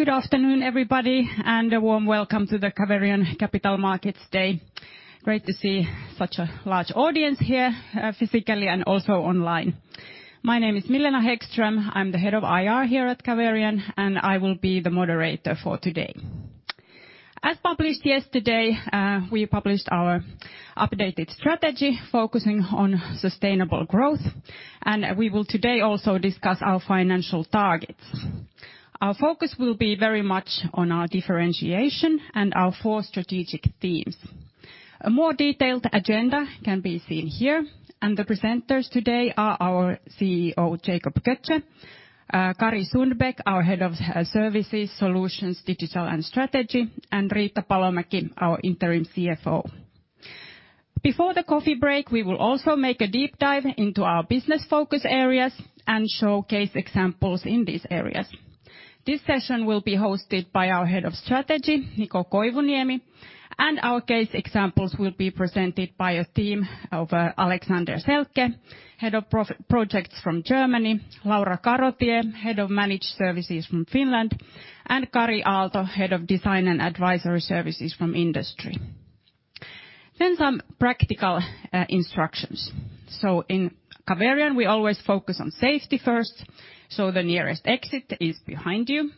Good afternoon, everybody, and a warm welcome to the Caverion Capital Markets Day. Great to see such a large audience here, physically and also online. My name is Milena Hæggström. I'm the head of IR here at Caverion, and I will be the moderator for today. As published yesterday, we published our updated strategy focusing on sustainable growth, and we will today also discuss our financial targets. Our focus will be very much on our differentiation and our four strategic themes. A more detailed agenda can be seen here, and the presenters today are our CEO, Jacob Götzsche, Kari Sundbäck, our head of services, solutions, digital, and strategy, and Riitta Palomäki, our interim CFO. Before the coffee break, we will also make a deep dive into our business focus areas and showcase examples in these areas. This session will be hosted by our Head of Strategy, Niko Koivuniemi, and our case examples will be presented by a team of Alexander Selke, head of projects from Germany, Laura Karotie, head of managed services from Finland, and Kari Aalto, head of design and advisory services from industry. Some practical instructions. In Caverion, we always focus on safety first, so the nearest exit is behind you.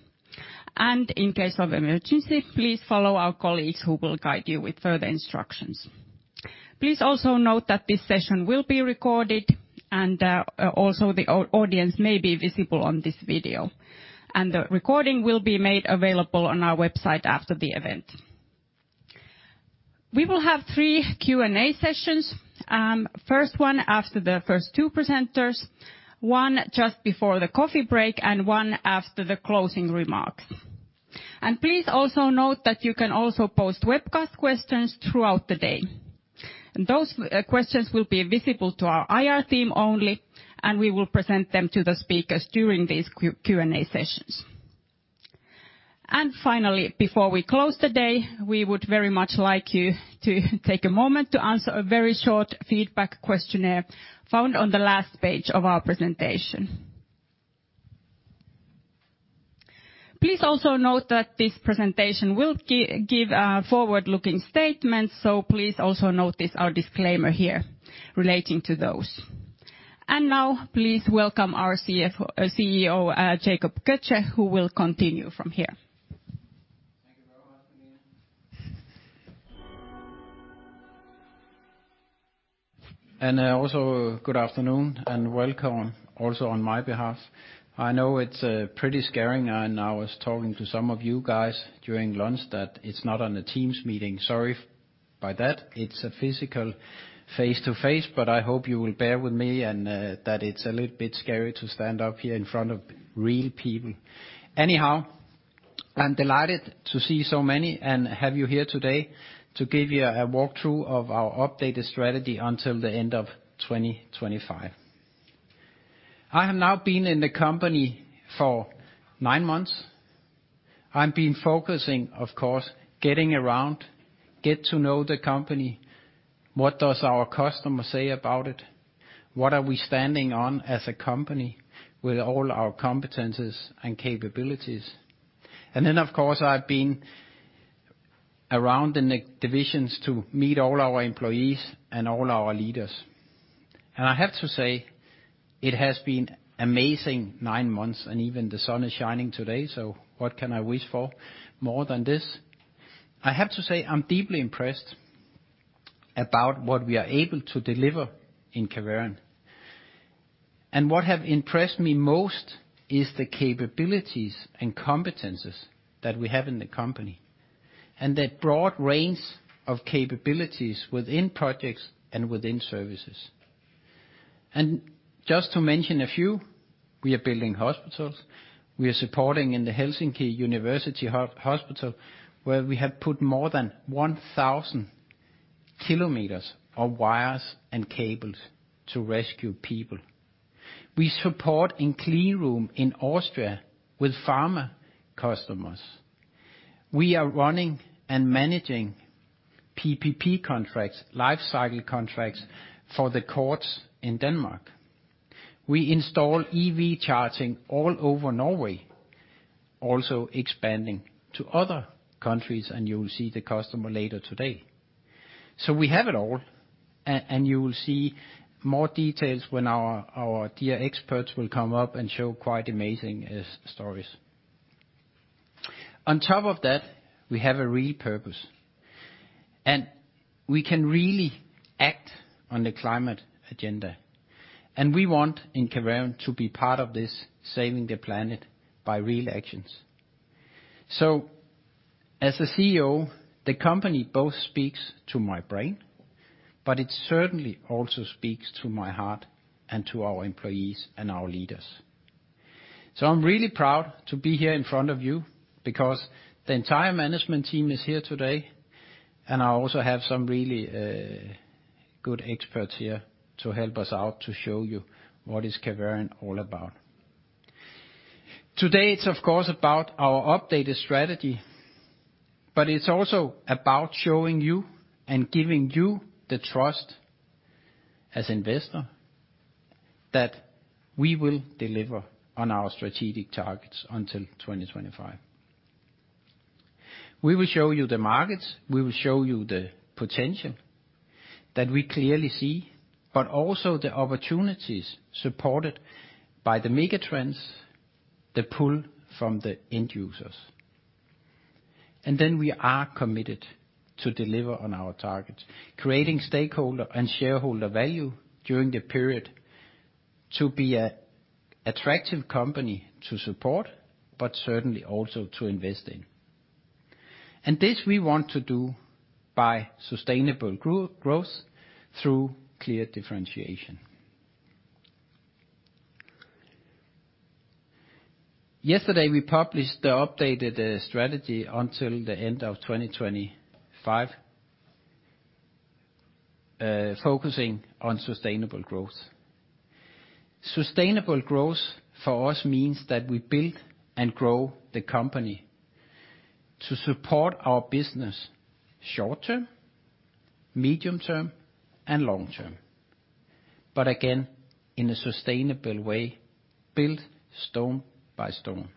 In case of emergency, please follow our colleagues, who will guide you with further instructions. Please also note that this session will be recorded and also the audience may be visible on this video. The recording will be made available on our website after the event. We will have three Q&A sessions, first one after the first two presenters, one just before the coffee break, and one after the closing remarks. Please also note that you can also post webcast questions throughout the day. Those questions will be visible to our IR team only, and we will present them to the speakers during these Q&A sessions. Finally, before we close the day, we would very much like you to take a moment to answer a very short feedback questionnaire found on the last page of our presentation. Please also note that this presentation will give forward-looking statements, so please also notice our disclaimer here relating to those. Now please welcome our CEO, Jacob Götzsche, who will continue from here. Thank you very much, Milena. Also good afternoon and welcome also on my behalf. I know it's pretty scary, and I was talking to some of you guys during lunch that it's not on a Teams meeting. Sorry for that. It's a physical face-to-face, but I hope you will bear with me and that it's a little bit scary to stand up here in front of real people. Anyhow, I'm delighted to see so many and have you here today to give you a walkthrough of our updated strategy until the end of 2025. I have now been in the company for nine months. I've been focusing, of course, getting around, get to know the company. What does our customer say about it? What are we standing on as a company with all our competencies and capabilities? Of course, I've been around in the divisions to meet all our employees and all our leaders. I have to say it has been amazing nine months, and even the sun is shining today, so what can I wish for more than this? I have to say, I'm deeply impressed about what we are able to deliver in Caverion. What have impressed me most is the capabilities and competencies that we have in the company, and that broad range of capabilities within projects and within services. Just to mention a few, we are building hospitals, we are supporting in the Helsinki University Hospital, where we have put more than 1,000 kilometers of wires and cables to rescue people. We support in clean room in Austria with pharma customers. We are running and managing PPP contracts, life cycle contracts for the courts in Denmark. We install EV charging all over Norway, also expanding to other countries, and you will see the customer later today. We have it all and you will see more details when our dear experts will come up and show quite amazing stories. On top of that, we have a real purpose, and we can really act on the climate agenda, and we want in Caverion to be part of this saving the planet by real actions. As a CEO, the company both speaks to my brain, but it certainly also speaks to my heart and to our employees and our leaders. I'm really proud to be here in front of you because the entire management team is here today, and I also have some really good experts here to help us out to show you what is Caverion all about. Today, it's of course about our updated strategy, but it's also about showing you and giving you the trust as investor, that we will deliver on our strategic targets until 2025. We will show you the markets, we will show you the potential that we clearly see, but also the opportunities supported by the mega trends, the pull from the end users. We are committed to deliver on our targets, creating stakeholder and shareholder value during the period to be an attractive company to support, but certainly also to invest in. This we want to do by sustainable growth through clear differentiation. Yesterday, we published the updated strategy until the end of 2025, focusing on sustainable growth. Sustainable growth for us means that we build and grow the company to support our business short term, medium term, and long term, but again, in a sustainable way, built stone by stone.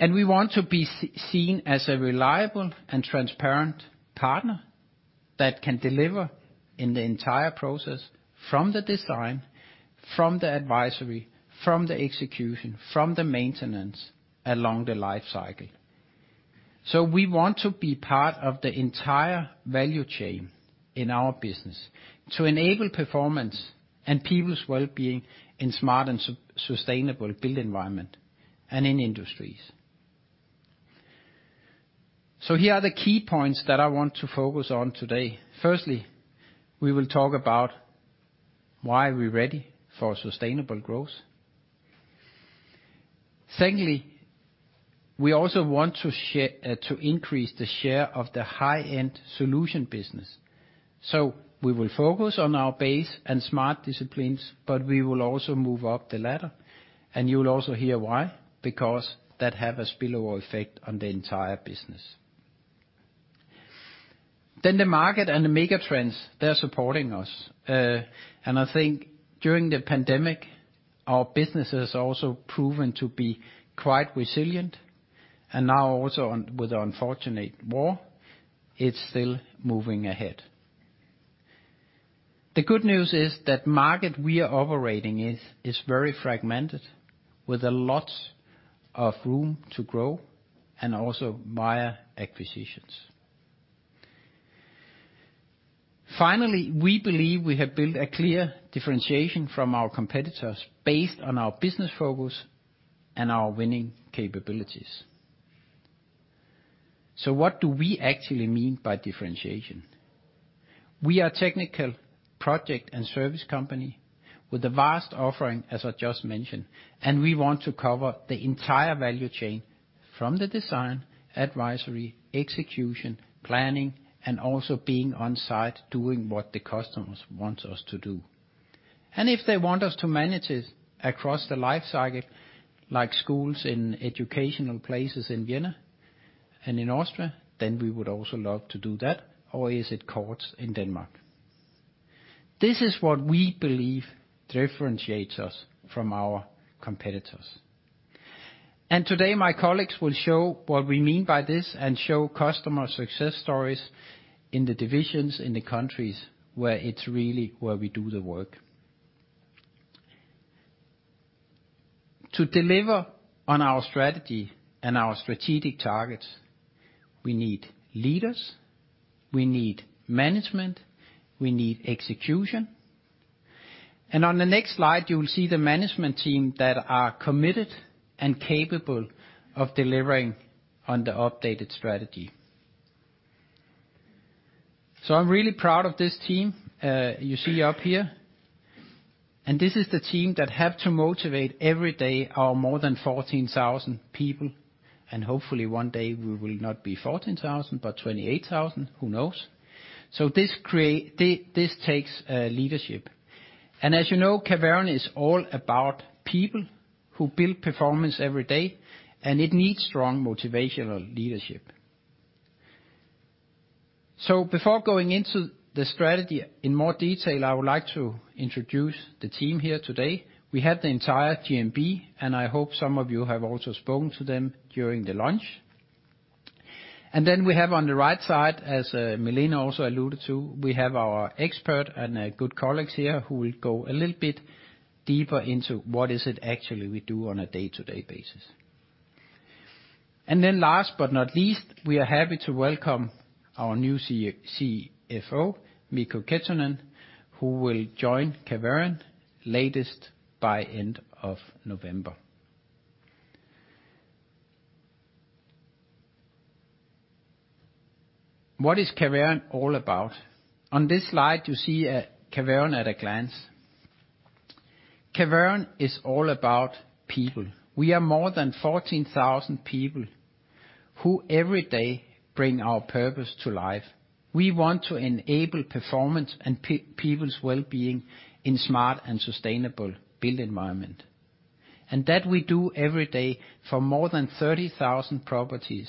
We want to be seen as a reliable and transparent partner that can deliver in the entire process from the design, from the advisory, from the execution, from the maintenance along the life cycle. We want to be part of the entire value chain in our business to enable performance and people's well-being in smart and sustainable build environment and in industries. Here are the key points that I want to focus on today. Firstly, we will talk about why are we ready for sustainable growth. Secondly, we also want to increase the share of the high-end solution business. We will focus on our base and smart disciplines, but we will also move up the ladder. You'll also hear why, because that have a spillover effect on the entire business. The market and the mega trends, they're supporting us. I think during the pandemic, our business has also proven to be quite resilient. Now also, with the unfortunate war, it's still moving ahead. The good news is that market we are operating is very fragmented with a lot of room to grow and also via acquisitions. Finally, we believe we have built a clear differentiation from our competitors based on our business focus and our winning capabilities. What do we actually mean by differentiation? We are technical project and service company with a vast offering, as I just mentioned, and we want to cover the entire value chain from the design, advisory, execution, planning, and also being on site doing what the customers want us to do. If they want us to manage it across the life cycle, like schools in educational places in Vienna and in Austria, then we would also love to do that. Is it courts in Denmark? This is what we believe differentiates us from our competitors. Today, my colleagues will show what we mean by this and show customer success stories in the divisions, in the countries where it's really where we do the work. To deliver on our strategy and our strategic targets, we need leaders, we need management, we need execution. On the next slide, you will see the management team that are committed and capable of delivering on the updated strategy. I'm really proud of this team, you see up here. This is the team that have to motivate every day our more than 14,000 people, and hopefully one day we will not be 14,000, but 28,000. Who knows? This takes leadership. As you know, Caverion is all about people who build performance every day, and it needs strong motivational leadership. Before going into the strategy in more detail, I would like to introduce the team here today. We have the entire GMB, and I hope some of you have also spoken to them during the launch. We have on the right side, as Milena also alluded to, we have our expert and good colleagues here who will go a little bit deeper into what is it actually we do on a day-to-day basis. Last but not least, we are happy to welcome our new CFO, Mikko Kettunen, who will join Caverion latest by end of November. What is Caverion all about? On this slide, you see, Caverion at a glance. Caverion is all about people. We are more than 14,000 people who every day bring our purpose to life. We want to enable performance and people's well-being in smart and sustainable built environment. That we do every day for more than 30,000 properties.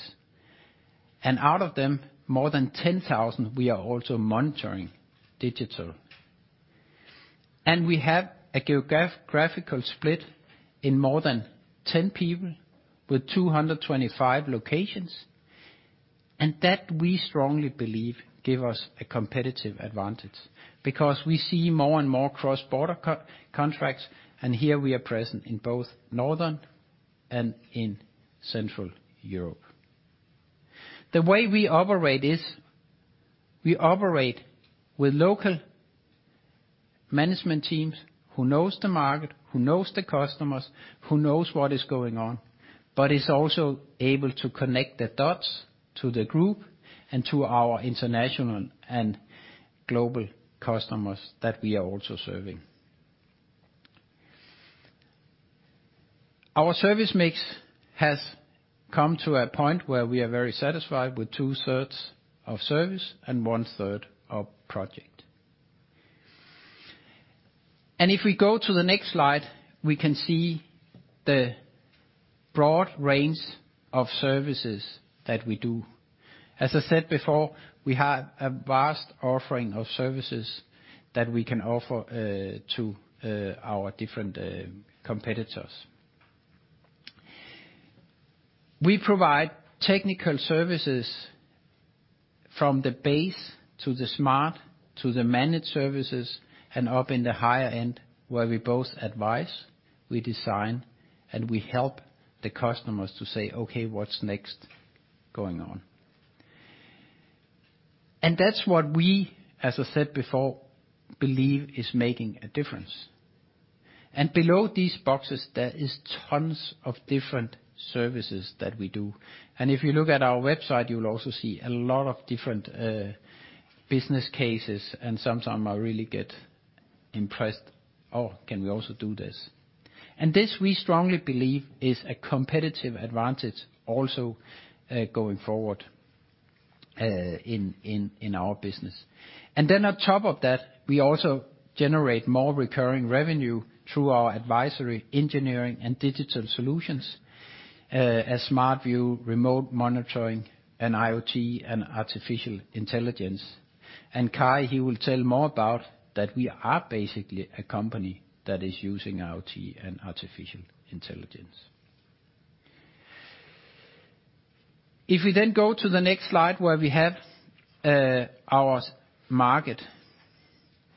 Out of them, more than 10,000 we are also monitoring digital. We have a geographical split in more than 10 people with 225 locations, and that we strongly believe give us a competitive advantage because we see more and more cross-border contracts, and here we are present in both Northern and in Central Europe. The way we operate is we operate with local management teams who knows the market, who knows the customers, who knows what is going on, but is also able to connect the dots to the group and to our international and global customers that we are also serving. Our service mix has come to a point where we are very satisfied with two-thirds of service and one-third of project. If we go to the next slide, we can see the broad range of services that we do. As I said before, we have a vast offering of services that we can offer to our different competitors. We provide technical services from the base to the smart to the managed services and up in the higher end, where we both advise, we design, and we help the customers to say, "Okay, what's next going on?" That's what we, as I said before, believe is making a difference. Below these boxes, there is tons of different services that we do. If you look at our website, you'll also see a lot of different business cases, and sometimes I really get impressed, oh, can we also do this? This we strongly believe is a competitive advantage also going forward in our business. Then on top of that, we also generate more recurring revenue through our advisory, engineering, and digital solutions, as SmartView, remote monitoring and IoT and artificial intelligence. Kari Sundbäck, he will tell more about that we are basically a company that is using IoT and artificial intelligence. If we then go to the next slide where we have, our market.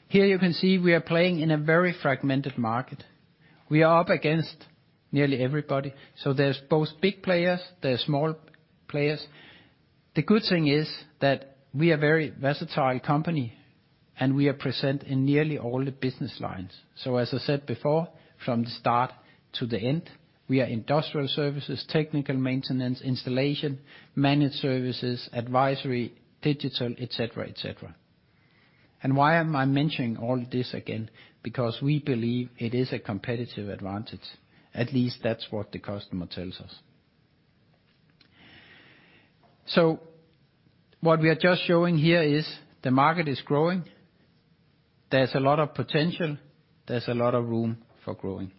Here you can see we are playing in a very fragmented market. We are up against nearly everybody, so there's both big players, there are small players. The good thing is that we are a very versatile company, and we are present in nearly all the business lines. As I said before, from the start to the end, we are industrial services, technical maintenance, installation, managed services, advisory, digital, et cetera, et cetera. Why am I mentioning all this again? Because we believe it is a competitive advantage. At least that's what the customer tells us. What we are just showing here is the market is growing. There's a lot of potential. There's a lot of room for growing.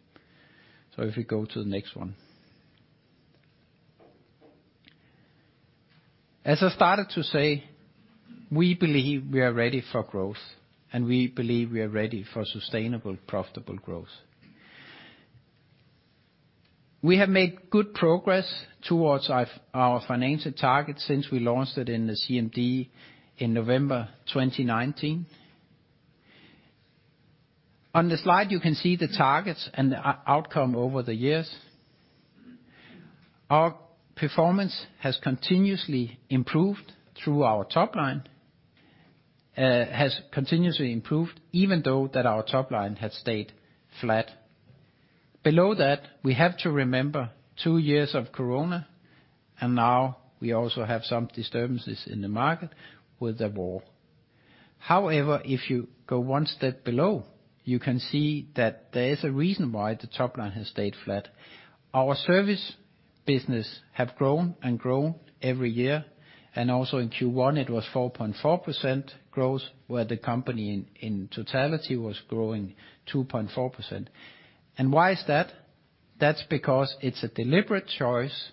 If we go to the next one. As I started to say, we believe we are ready for growth, and we believe we are ready for sustainable, profitable growth. We have made good progress towards our financial targets since we launched it in the CMD in November 2019. On the slide, you can see the targets and the outcome over the years. Our performance has continuously improved though our top line has stayed flat. Below that, we have to remember two years of Corona, and now we also have some disturbances in the market with the war. However, if you go one step below, you can see that there is a reason why the top line has stayed flat. Our service business have grown and grown every year, and also in Q1 it was 4.4% growth, where the company in totality was growing 2.4%. Why is that? That's because it's a deliberate choice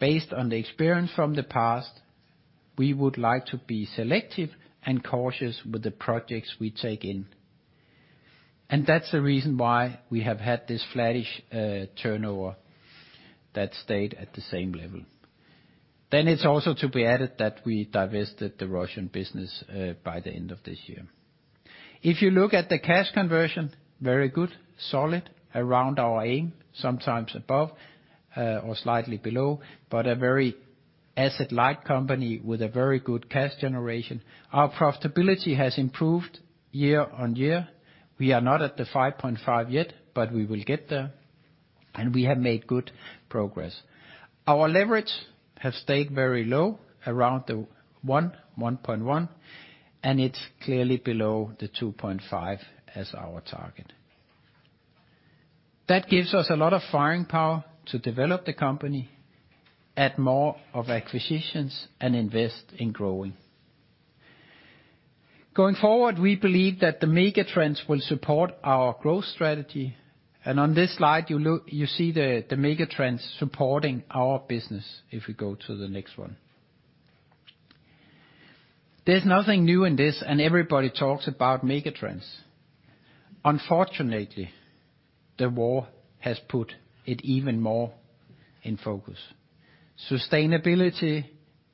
based on the experience from the past. We would like to be selective and cautious with the projects we take in. That's the reason why we have had this flattish turnover that stayed at the same level. It's also to be added that we divested the Russian business by the end of this year. If you look at the cash conversion, very good, solid, around our aim, sometimes above, or slightly below, but a very asset-light company with a very good cash generation. Our profitability has improved year-on-year. We are not at the 5.5% yet, but we will get there, and we have made good progress. Our leverage has stayed very low, around the 1.1, and it's clearly below the 2.5 as our target. That gives us a lot of firing power to develop the company, add more of acquisitions, and invest in growing. Going forward, we believe that the mega trends will support our growth strategy. On this slide, you look, you see the mega trends supporting our business. If we go to the next one. There's nothing new in this, and everybody talks about mega trends. Unfortunately, the war has put it even more in focus. Sustainability,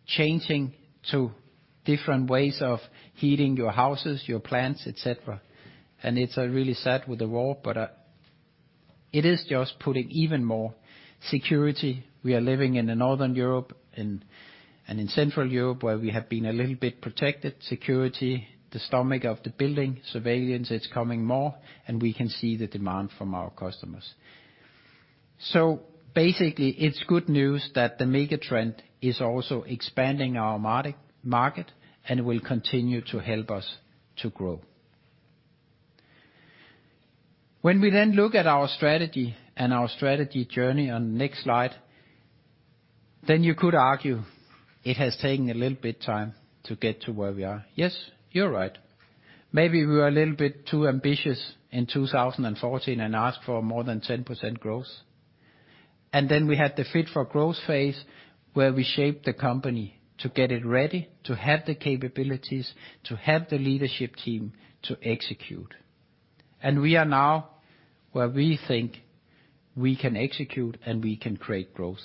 changing to different ways of heating your houses, your plants, et cetera. It's really sad with the war, but it is just putting even more security. We are living in northern Europe and in central Europe, where we have been a little bit protected. Security, the stomach of the building, surveillance, it's coming more, and we can see the demand from our customers. Basically, it's good news that the mega trend is also expanding our market and will continue to help us to grow. When we look at our strategy and our strategy journey on next slide, you could argue it has taken a little bit time to get to where we are. Yes, you're right. Maybe we were a little bit too ambitious in 2014 and asked for more than 10% growth. Then we had the Fit for Growth phase, where we shaped the company to get it ready to have the capabilities, to have the leadership team to execute. We are now where we think we can execute, and we can create growth.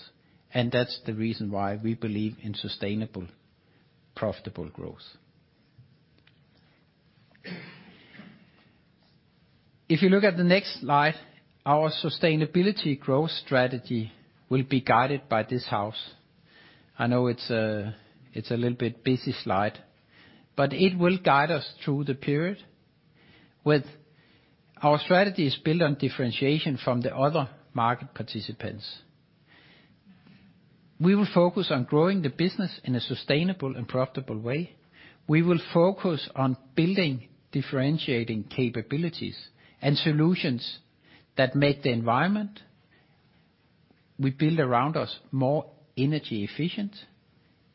That's the reason why we believe in sustainable, profitable growth. If you look at the next slide, our sustainable growth strategy will be guided by this house. I know it's a little bit busy slide, but it will guide us through the period. Our strategy is built on differentiation from the other market participants. We will focus on growing the business in a sustainable and profitable way. We will focus on building differentiating capabilities and solutions that make the environment we build around us more energy efficient.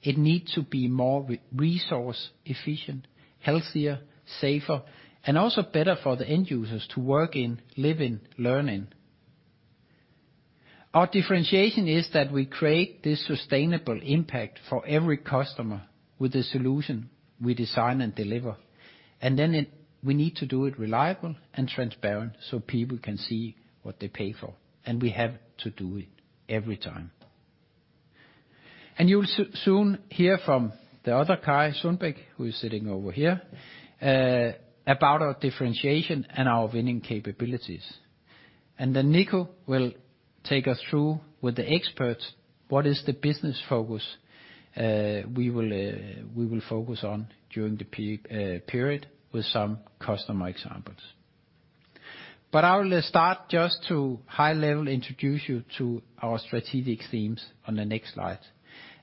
It need to be more resource efficient, healthier, safer, and also better for the end users to work in, live in, learn in. Our differentiation is that we create this sustainable impact for every customer with the solution we design and deliver. We need to do it reliable and transparent so people can see what they pay for, and we have to do it every time. You'll soon hear from the other Kari Sundbäck, who is sitting over here, about our differentiation and our winning capabilities. Niko will take us through with the experts what is the business focus we will focus on during the period with some customer examples. I will start just to high level introduce you to our strategic themes on the next slide.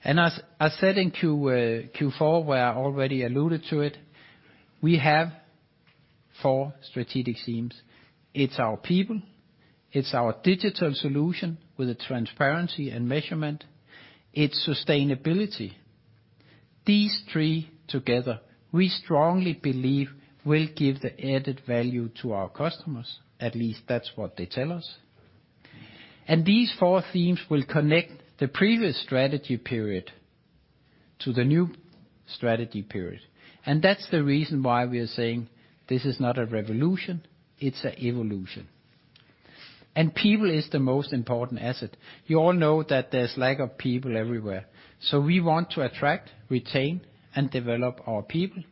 As said in Q4, where I already alluded to it, we have four strategic themes. It's our people, it's our digital solution with the transparency and measurement, it's sustainability. These three together, we strongly believe will give the added value to our customers. At least that's what they tell us. These four themes will connect the previous strategy period to the new strategy period. That's the reason why we are saying this is not a revolution, it's a evolution. People is the most important asset. You all know that there's lack of people everywhere. We want to attract, retain, and develop our people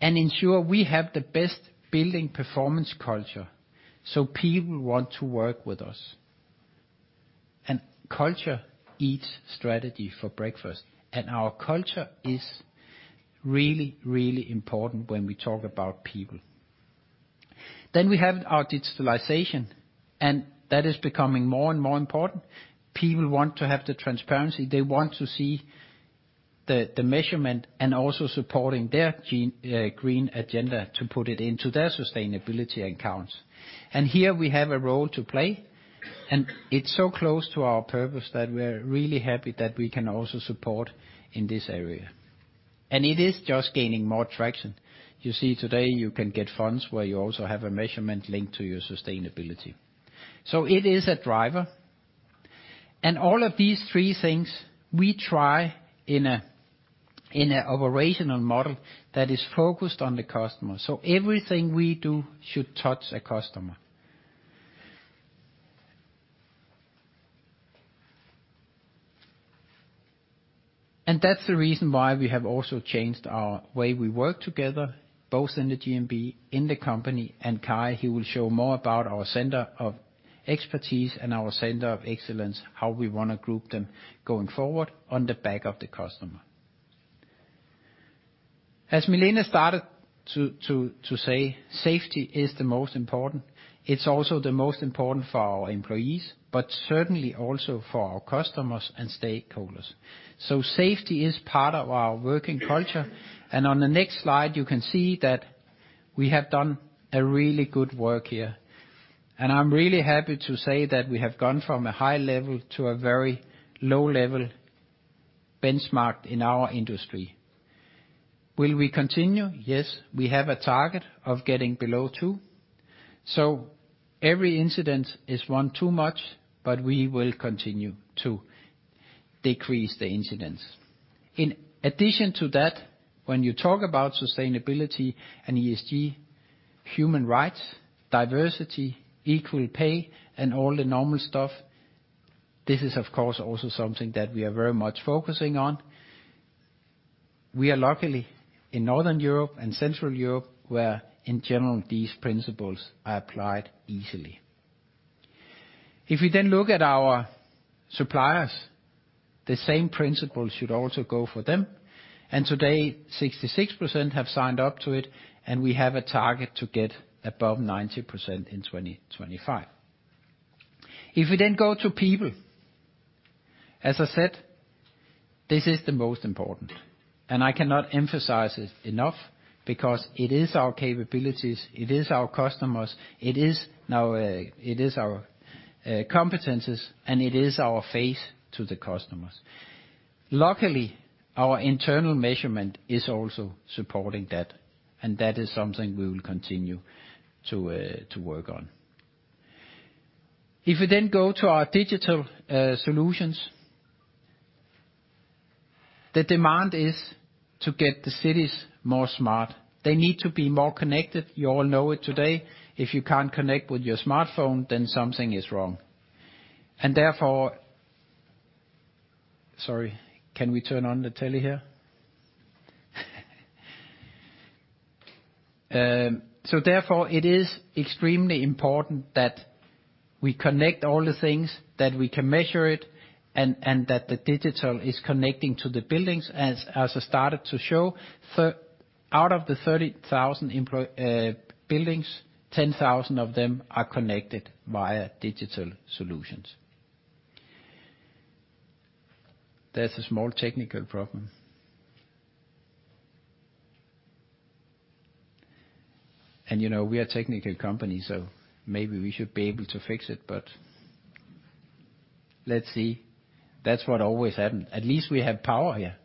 and ensure we have the best building performance culture, so people want to work with us. Culture eats strategy for breakfast, and our culture is really, really important when we talk about people. We have our digitalization, and that is becoming more and more important. People want to have the transparency. They want to see the measurement and also supporting their green agenda to put it into their sustainability accounts. Here we have a role to play, and it's so close to our purpose that we're really happy that we can also support in this area. It is just gaining more traction. You see today you can get funds where you also have a measurement linked to your sustainability. It is a driver. All of these three things we try in an operational model that is focused on the customer. Everything we do should touch a customer. That's the reason why we have also changed our way we work together, both in the GMB, in the company, and Kari, he will show more about our center of expertise and our center of excellence, how we wanna group them going forward on the back of the customer. As Milena started to say, safety is the most important. It's also the most important for our employees, but certainly also for our customers and stakeholders. Safety is part of our working culture. On the next slide, you can see that we have done a really good work here. I'm really happy to say that we have gone from a high level to a very low level, benchmarked in our industry. Will we continue? Yes. We have a target of getting below 2. Every incident is one too much, but we will continue to decrease the incidents. In addition to that, when you talk about sustainability and ESG, human rights, diversity, equal pay, and all the normal stuff, this is of course also something that we are very much focusing on. We are luckily in Northern Europe and Central Europe, where in general, these principles are applied easily. If we then look at our suppliers, the same principles should also go for them. Today, 66% have signed up to it, and we have a target to get above 90% in 2025. If we then go to people, as I said, this is the most important, and I cannot emphasize it enough because it is our capabilities, it is our customers, it is our competencies, and it is our face to the customers. Luckily, our internal measurement is also supporting that, and that is something we will continue to work on. If we then go to our digital solutions, the demand is to get the cities more smart. They need to be more connected. You all know it today. If you can't connect with your smartphone, then something is wrong. Sorry, can we turn on the tele here? Therefore, it is extremely important that we connect all the things, that we can measure it, and that the digital is connecting to the buildings. As I started to show, out of the 30,000 buildings, 10,000 of them are connected via digital solutions. There's a small technical problem. You know, we are a technical company, so maybe we should be able to fix it, but let's see. That's what always happen. At least we have power here.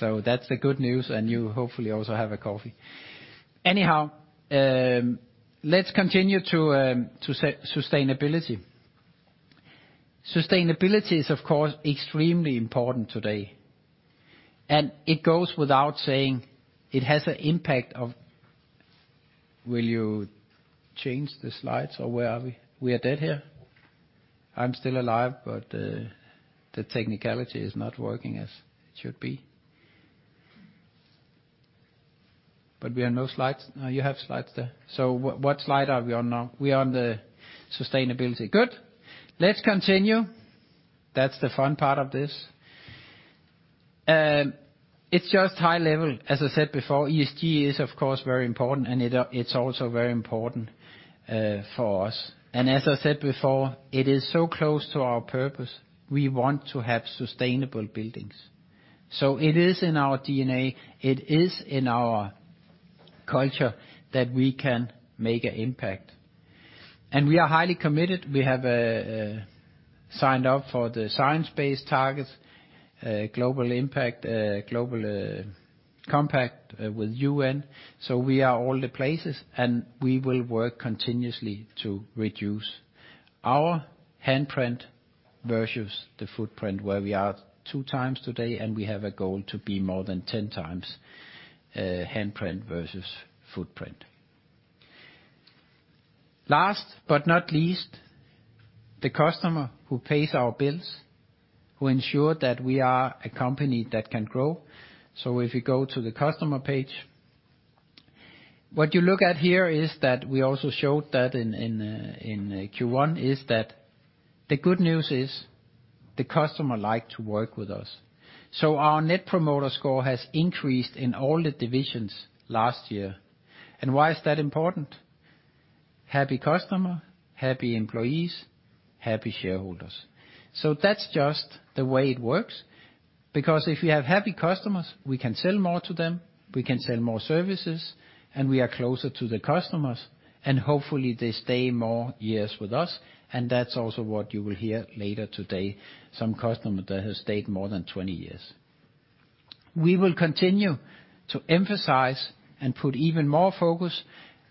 That's the good news, and you hopefully also have a coffee. Anyhow, let's continue to sustainability. Sustainability is, of course, extremely important today. It goes without saying it has an impact of. Will you change the slides or where are we? We are dead here? I'm still alive, but the technology is not working as it should be. We have no slides. No, you have slides there. What slide are we on now? We are on the sustainability. Good. Let's continue. That's the fun part of this. It's just high level. As I said before, ESG is of course very important and it's also very important for us. As I said before, it is so close to our purpose. We want to have sustainable buildings. It is in our DNA, it is in our culture that we can make an impact. We are highly committed. We have signed up for the science-based targets, UN Global Compact. We are all the places, and we will work continuously to reduce our handprint versus the footprint, where we are 2x today, and we have a goal to be more than 10 times handprint versus footprint. Last but not least, the customer who pays our bills, who ensure that we are a company that can grow. If you go to the customer page, what you look at here is that we also showed that in Q1, is that the good news is the customer like to work with us. Our net promoter score has increased in all the divisions last year. Why is that important? Happy customer, happy employees, happy shareholders. That's just the way it works, because if we have happy customers, we can sell more to them, we can sell more services, and we are closer to the customers, and hopefully they stay more years with us. That's also what you will hear later today, some customer that has stayed more than 20 years. We will continue to emphasize and put even more focus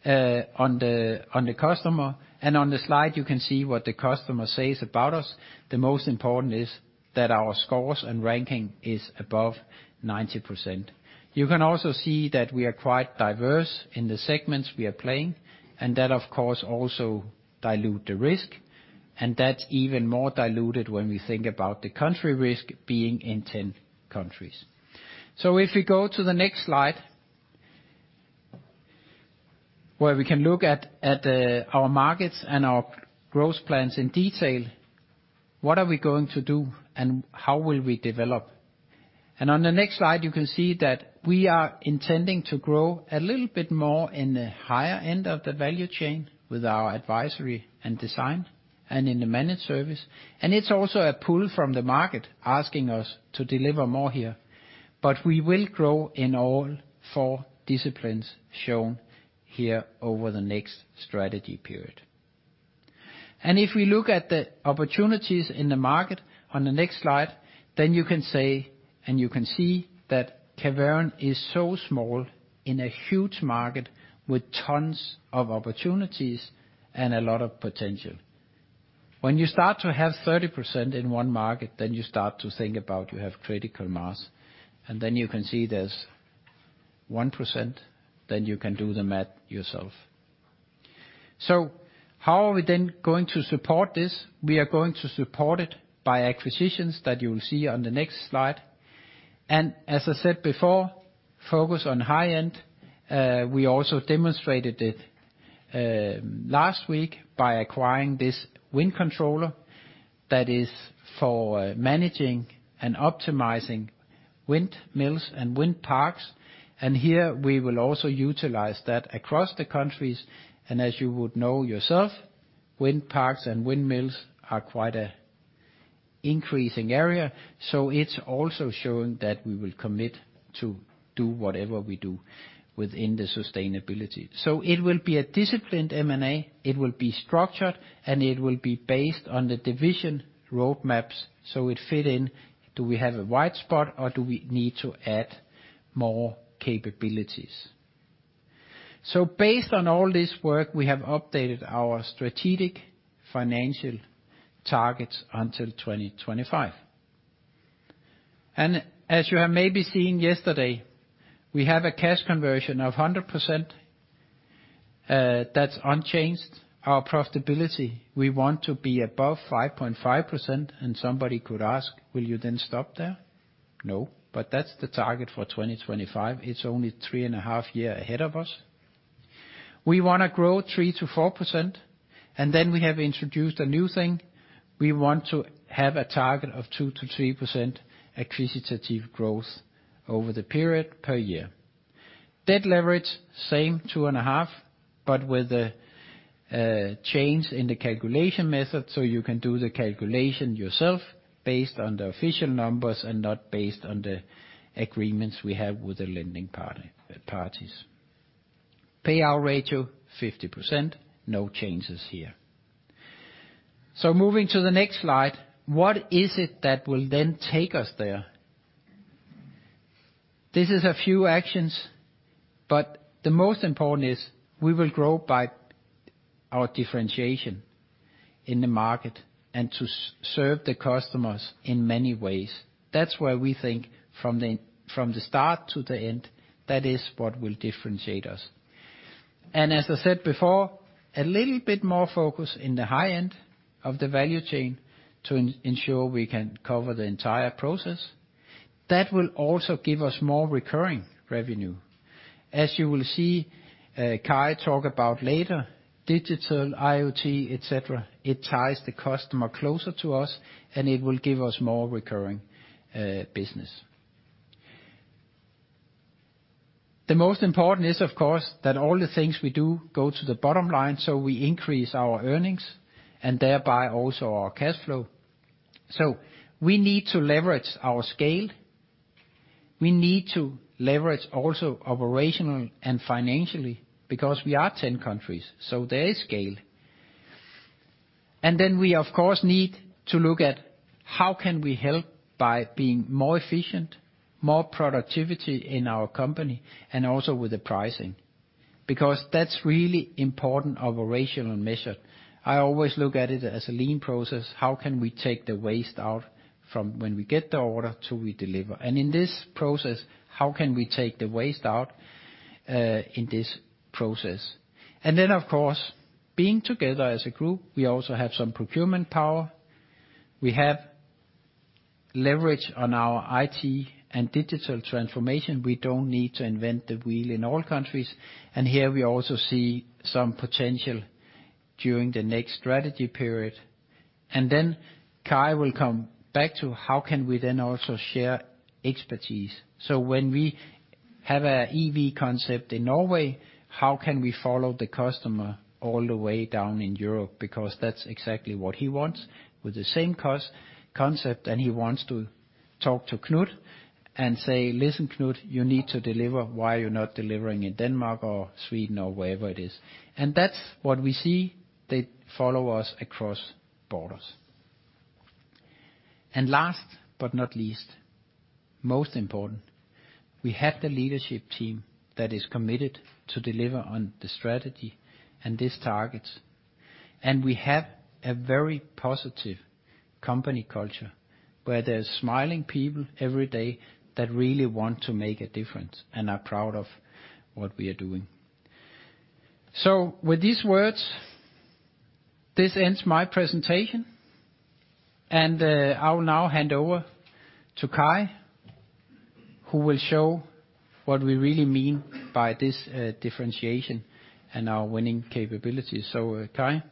on the customer. On the slide, you can see what the customer says about us. The most important is that our scores and ranking is above 90%. You can also see that we are quite diverse in the segments we are playing, and that of course, also dilute the risk. That's even more diluted when we think about the country risk being in 10 countries. If we go to the next slide, where we can look at our markets and our growth plans in detail, what are we going to do and how will we develop? On the next slide, you can see that we are intending to grow a little bit more in the higher end of the value chain with our advisory and design and in the managed service. It's also a pull from the market asking us to deliver more here. We will grow in all four disciplines shown here over the next strategy period. If we look at the opportunities in the market on the next slide, then you can see, and you can see that Caverion is so small in a huge market with tons of opportunities and a lot of potential. When you start to have 30% in one market, then you start to think about you have critical mass, and then you can see there's 1%, then you can do the math yourself. How are we then going to support this? We are going to support it by acquisitions that you will see on the next slide. As I said before, focus on high end. We also demonstrated it last week by acquiring this Wind Controller that is for managing and optimizing windmills and wind parks. Here we will also utilize that across the countries, and as you would know yourself, wind parks and windmills are quite a increasing area. It's also showing that we will commit to do whatever we do within the sustainability. It will be a disciplined M&A, it will be structured, and it will be based on the division roadmaps, so it fits in: do we have a white space or do we need to add more capabilities. Based on all this work, we have updated our strategic financial targets until 2025. As you have maybe seen yesterday, we have a cash conversion of 100%, that's unchanged. Our profitability, we want to be above 5.5%, and somebody could ask, "Will you then stop there?" No, but that's the target for 2025. It's only three and a half year ahead of us. We wanna grow 3%-4%, and then we have introduced a new thing. We want to have a target of 2%-3% acquisitive growth over the period per year. Debt leverage, same 2.5, but with a change in the calculation method, so you can do the calculation yourself based on the official numbers and not based on the agreements we have with the lending party, parties. Payout ratio, 50%, no changes here. Moving to the next slide, what is it that will then take us there? This is a few actions, but the most important is we will grow by our differentiation in the market and to serve the customers in many ways. That's where we think from the start to the end, that is what will differentiate us. As I said before, a little bit more focus in the high end of the value chain to ensure we can cover the entire process. That will also give us more recurring revenue. As you will see, Kari talk about later, digital, IoT, et cetera, it ties the customer closer to us, and it will give us more recurring business. The most important is, of course, that all the things we do go to the bottom line, so we increase our earnings and thereby also our cash flow. We need to leverage our scale. We need to leverage also operational and financially because we are ten countries, so there is scale. We, of course, need to look at how can we help by being more efficient, more productivity in our company, and also with the pricing. Because that's really important operational measure. I always look at it as a lean process, how can we take the waste out from when we get the order till we deliver? In this process, how can we take the waste out in this process? Of course, being together as a group, we also have some procurement power. We have leverage on our IT and digital transformation. We don't need to invent the wheel in all countries. Here we also see some potential during the next strategy period. Kari will come back to how can we then also share expertise. When we have an EV concept in Norway, how can we follow the customer all the way down in Europe? Because that's exactly what he wants with the same cross-concept, and he wants to talk to Knut and say, "Listen, Knut, you need to deliver. Why are you not delivering in Denmark or Sweden or wherever it is?" That's what we see that follow us across borders. Last but not least, most important, we have the leadership team that is committed to deliver on the strategy and these targets. We have a very positive company culture where there's smiling people every day that really want to make a difference and are proud of what we are doing. With these words, this ends my presentation, and I will now hand over to Kari Sundbäck, who will show what we really mean by this differentiation and our winning capabilities. Kari Sundbäck?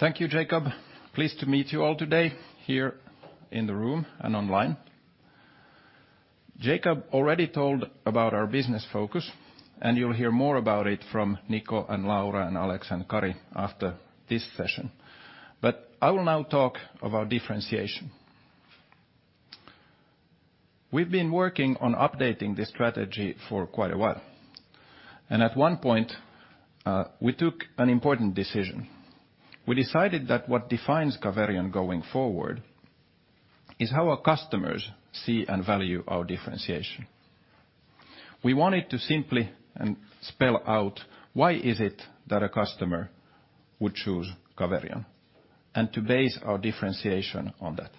Thank you, Jacob. Pleased to meet you all today here in the room and online. Jacob already told about our business focus, and you'll hear more about it from Nico, and Laura, and Alex, and Kari after this session. I will now talk of our differentiation. We've been working on updating this strategy for quite a while, and at one point, we took an important decision. We decided that what defines Caverion going forward is how our customers see and value our differentiation. We wanted to simply, spell out why is it that a customer would choose Caverion, and to base our differentiation on that.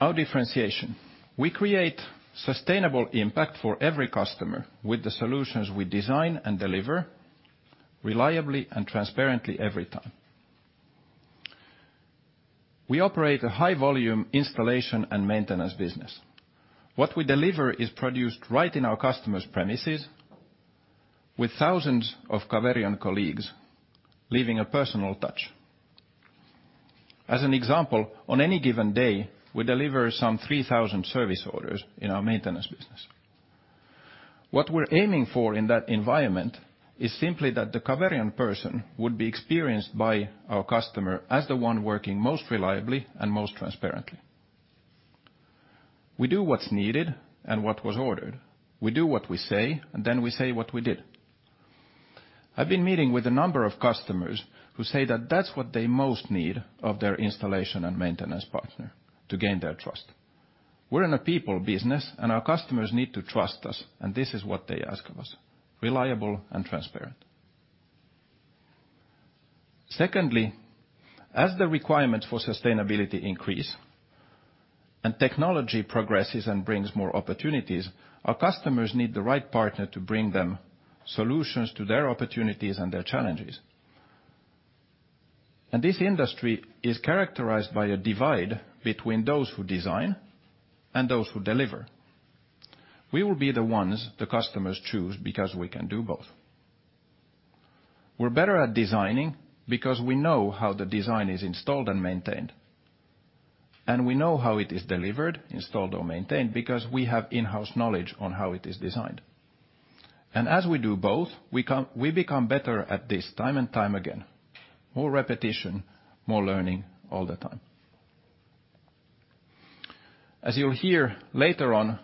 Our differentiation. We create sustainable impact for every customer with the solutions we design and deliver reliably and transparently every time. We operate a high volume installation and maintenance business. What we deliver is produced right in our customer's premises with thousands of Caverion colleagues leaving a personal touch. As an example, on any given day, we deliver some 3,000 service orders in our maintenance business. What we're aiming for in that environment is simply that the Caverion person would be experienced by our customer as the one working most reliably and most transparently. We do what's needed and what was ordered. We do what we say, and then we say what we did. I've been meeting with a number of customers who say that that's what they most need of their installation and maintenance partner to gain their trust. We're in a people business, and our customers need to trust us, and this is what they ask of us, reliable and transparent. Secondly, as the requirements for sustainability increase and technology progresses and brings more opportunities, our customers need the right partner to bring them solutions to their opportunities and their challenges. This industry is characterized by a divide between those who design and those who deliver. We will be the ones the customers choose because we can do both. We're better at designing because we know how the design is installed and maintained, and we know how it is delivered, installed or maintained because we have in-house knowledge on how it is designed. As we do both, we become better at this time and time again. More repetition, more learning all the time. As you'll hear later on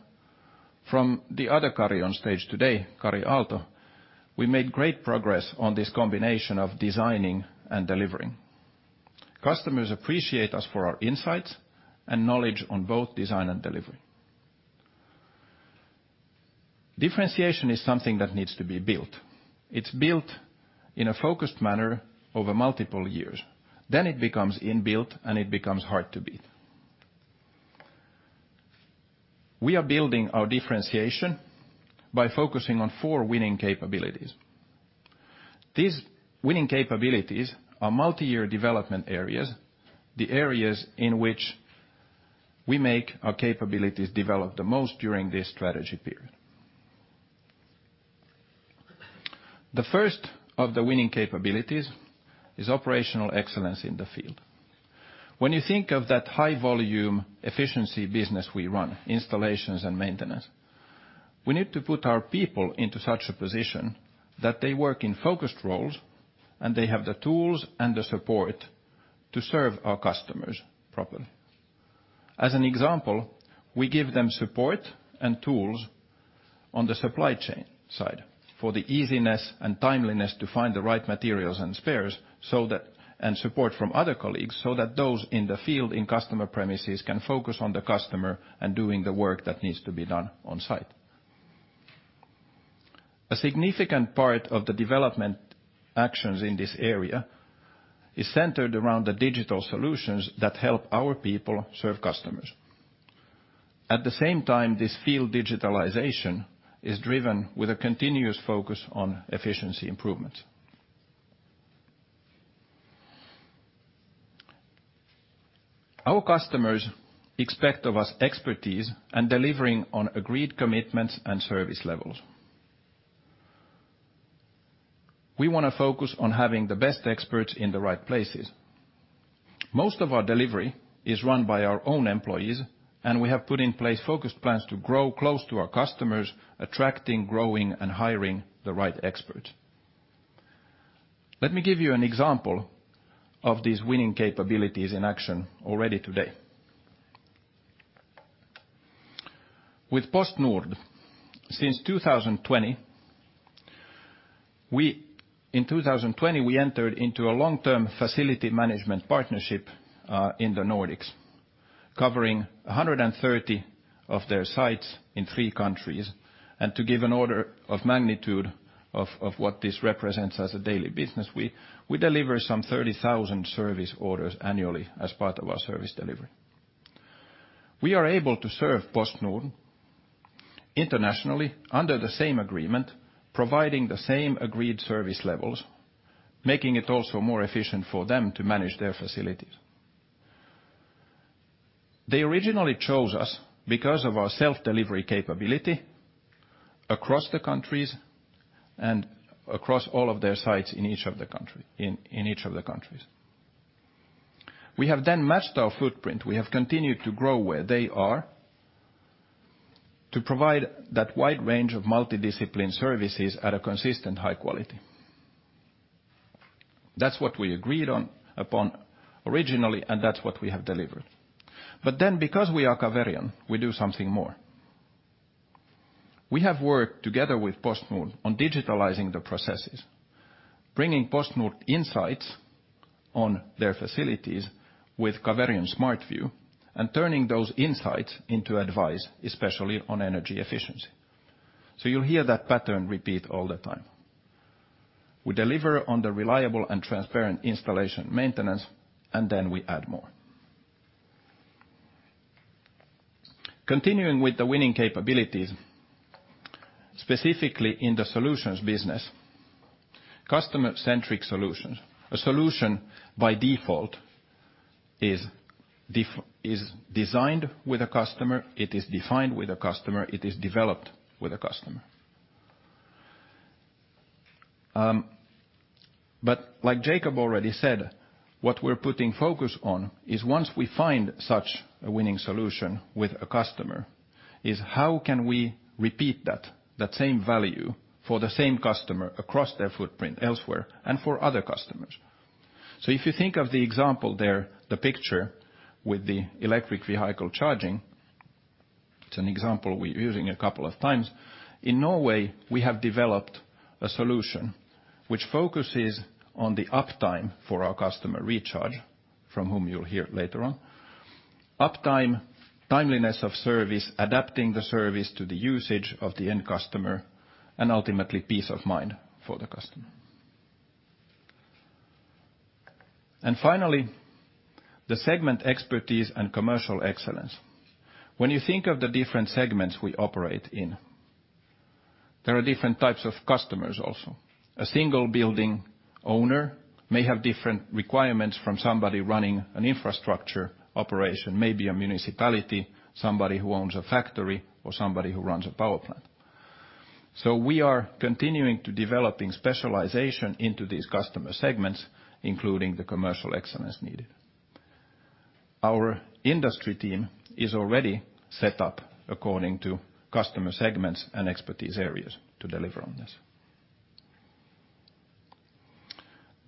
from the other Kari on stage today, Kari Aalto, we made great progress on this combination of designing and delivering. Customers appreciate us for our insights and knowledge on both design and delivery. Differentiation is something that needs to be built. It's built in a focused manner over multiple years. Then it becomes inbuilt, and it becomes hard to beat. We are building our differentiation by focusing on four winning capabilities. These winning capabilities are multi-year development areas, the areas in which we make our capabilities develop the most during this strategy period. The first of the winning capabilities is operational excellence in the field. When you think of that high volume efficiency business we run, installations and maintenance, we need to put our people into such a position that they work in focused roles and they have the tools and the support to serve our customers properly. As an example, we give them support and tools on the supply chain side for the easiness and timeliness to find the right materials and spares so that and support from other colleagues so that those in the field in customer premises can focus on the customer and doing the work that needs to be done on-site. A significant part of the development actions in this area is centered around the digital solutions that help our people serve customers. At the same time, this field digitalization is driven with a continuous focus on efficiency improvements. Our customers expect of us expertise and delivering on agreed commitments and service levels. We wanna focus on having the best experts in the right places. Most of our delivery is run by our own employees, and we have put in place focused plans to grow close to our customers, attracting, growing, and hiring the right expert. Let me give you an example of these winning capabilities in action already today. With PostNord, since 2020, we entered into a long-term facility management partnership in the Nordics, covering 130 of their sites in three countries. To give an order of magnitude of what this represents as a daily business, we deliver some 30,000 service orders annually as part of our service delivery. We are able to serve PostNord internationally under the same agreement, providing the same agreed service levels, making it also more efficient for them to manage their facilities. They originally chose us because of our self-delivery capability across the countries and across all of their sites in each of the countries. We have then matched our footprint. We have continued to grow where they are to provide that wide range of multidisciplined services at a consistent high quality. That's what we agreed upon originally, and that's what we have delivered. Because we are Caverion, we do something more. We have worked together with PostNord on digitalizing the processes, bringing PostNord insights on their facilities with Caverion SmartView and turning those insights into advice, especially on energy efficiency. You'll hear that pattern repeat all the time. We deliver on the reliable and transparent installation maintenance, and then we add more. Continuing with the winning capabilities, specifically in the solutions business, customer-centric solutions. A solution by default is designed with a customer, it is defined with a customer, it is developed with a customer. But like Jacob already said, what we're putting focus on is once we find such a winning solution with a customer, is how can we repeat that same value for the same customer across their footprint elsewhere and for other customers. If you think of the example there, the picture with the electric vehicle charging, it's an example we're using a couple of times. In Norway, we have developed a solution which focuses on the uptime for our customer Recharge, from whom you'll hear later on. Uptime, timeliness of service, adapting the service to the usage of the end customer, and ultimately peace of mind for the customer. Finally, the segment expertise and commercial excellence. When you think of the different segments we operate in, there are different types of customers also. A single building owner may have different requirements from somebody running an infrastructure operation, maybe a municipality, somebody who owns a factory, or somebody who runs a power plant. We are continuing to developing specialization into these customer segments, including the commercial excellence needed. Our industry team is already set up according to customer segments and expertise areas to deliver on this.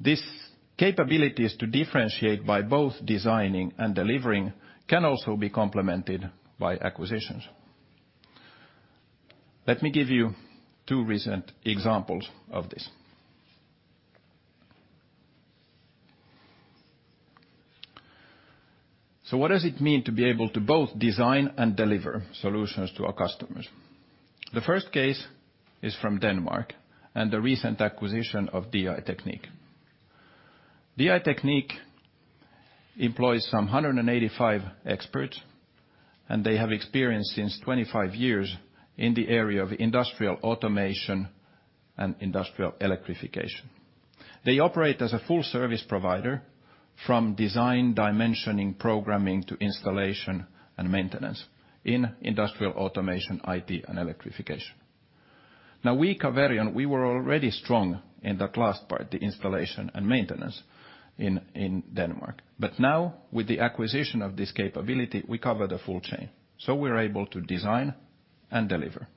These capabilities to differentiate by both designing and delivering can also be complemented by acquisitions. Let me give you two recent examples of this. What does it mean to be able to both design and deliver solutions to our customers? The first case is from Denmark and the recent acquisition of DI-Teknik. DI-Teknik employs some 185 experts, and they have experience since 25 years in the area of industrial automation and industrial electrification. They operate as a full service provider from design, dimensioning, programming, to installation and maintenance in industrial automation, IT, and electrification. Now we, Caverion, we were already strong in that last part, the installation and maintenance in Denmark. Now with the acquisition of this capability, we cover the full chain, so we're able to design and deliver.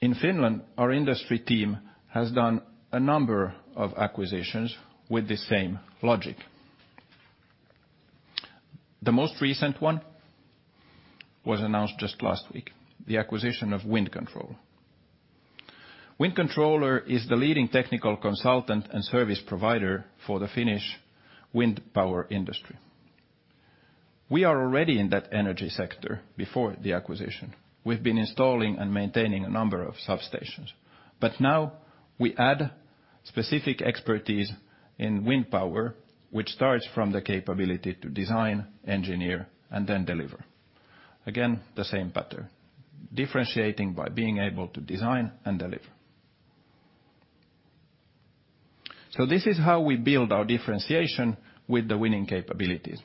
In Finland, our industry team has done a number of acquisitions with the same logic. The most recent one was announced just last week, the acquisition of Wind Controller. Wind Controller is the leading technical consultant and service provider for the Finnish wind power industry. We are already in that energy sector before the acquisition. We've been installing and maintaining a number of substations. Now we add specific expertise in wind power, which starts from the capability to design, engineer, and then deliver. Again, the same pattern, differentiating by being able to design and deliver. This is how we build our differentiation with the winning capabilities.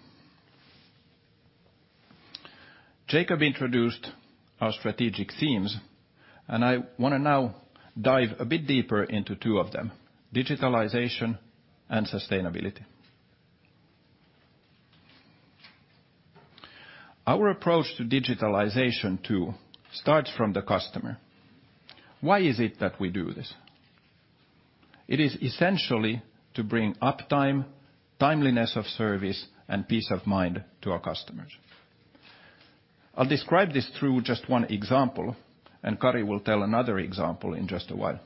Jacob introduced our strategic themes, and I wanna now dive a bit deeper into two of them, digitalization and sustainability. Our approach to digitalization too starts from the customer. Why is it that we do this? It is essentially to bring uptime, timeliness of service, and peace of mind to our customers. I'll describe this through just one example, and Kari will tell another example in just a while.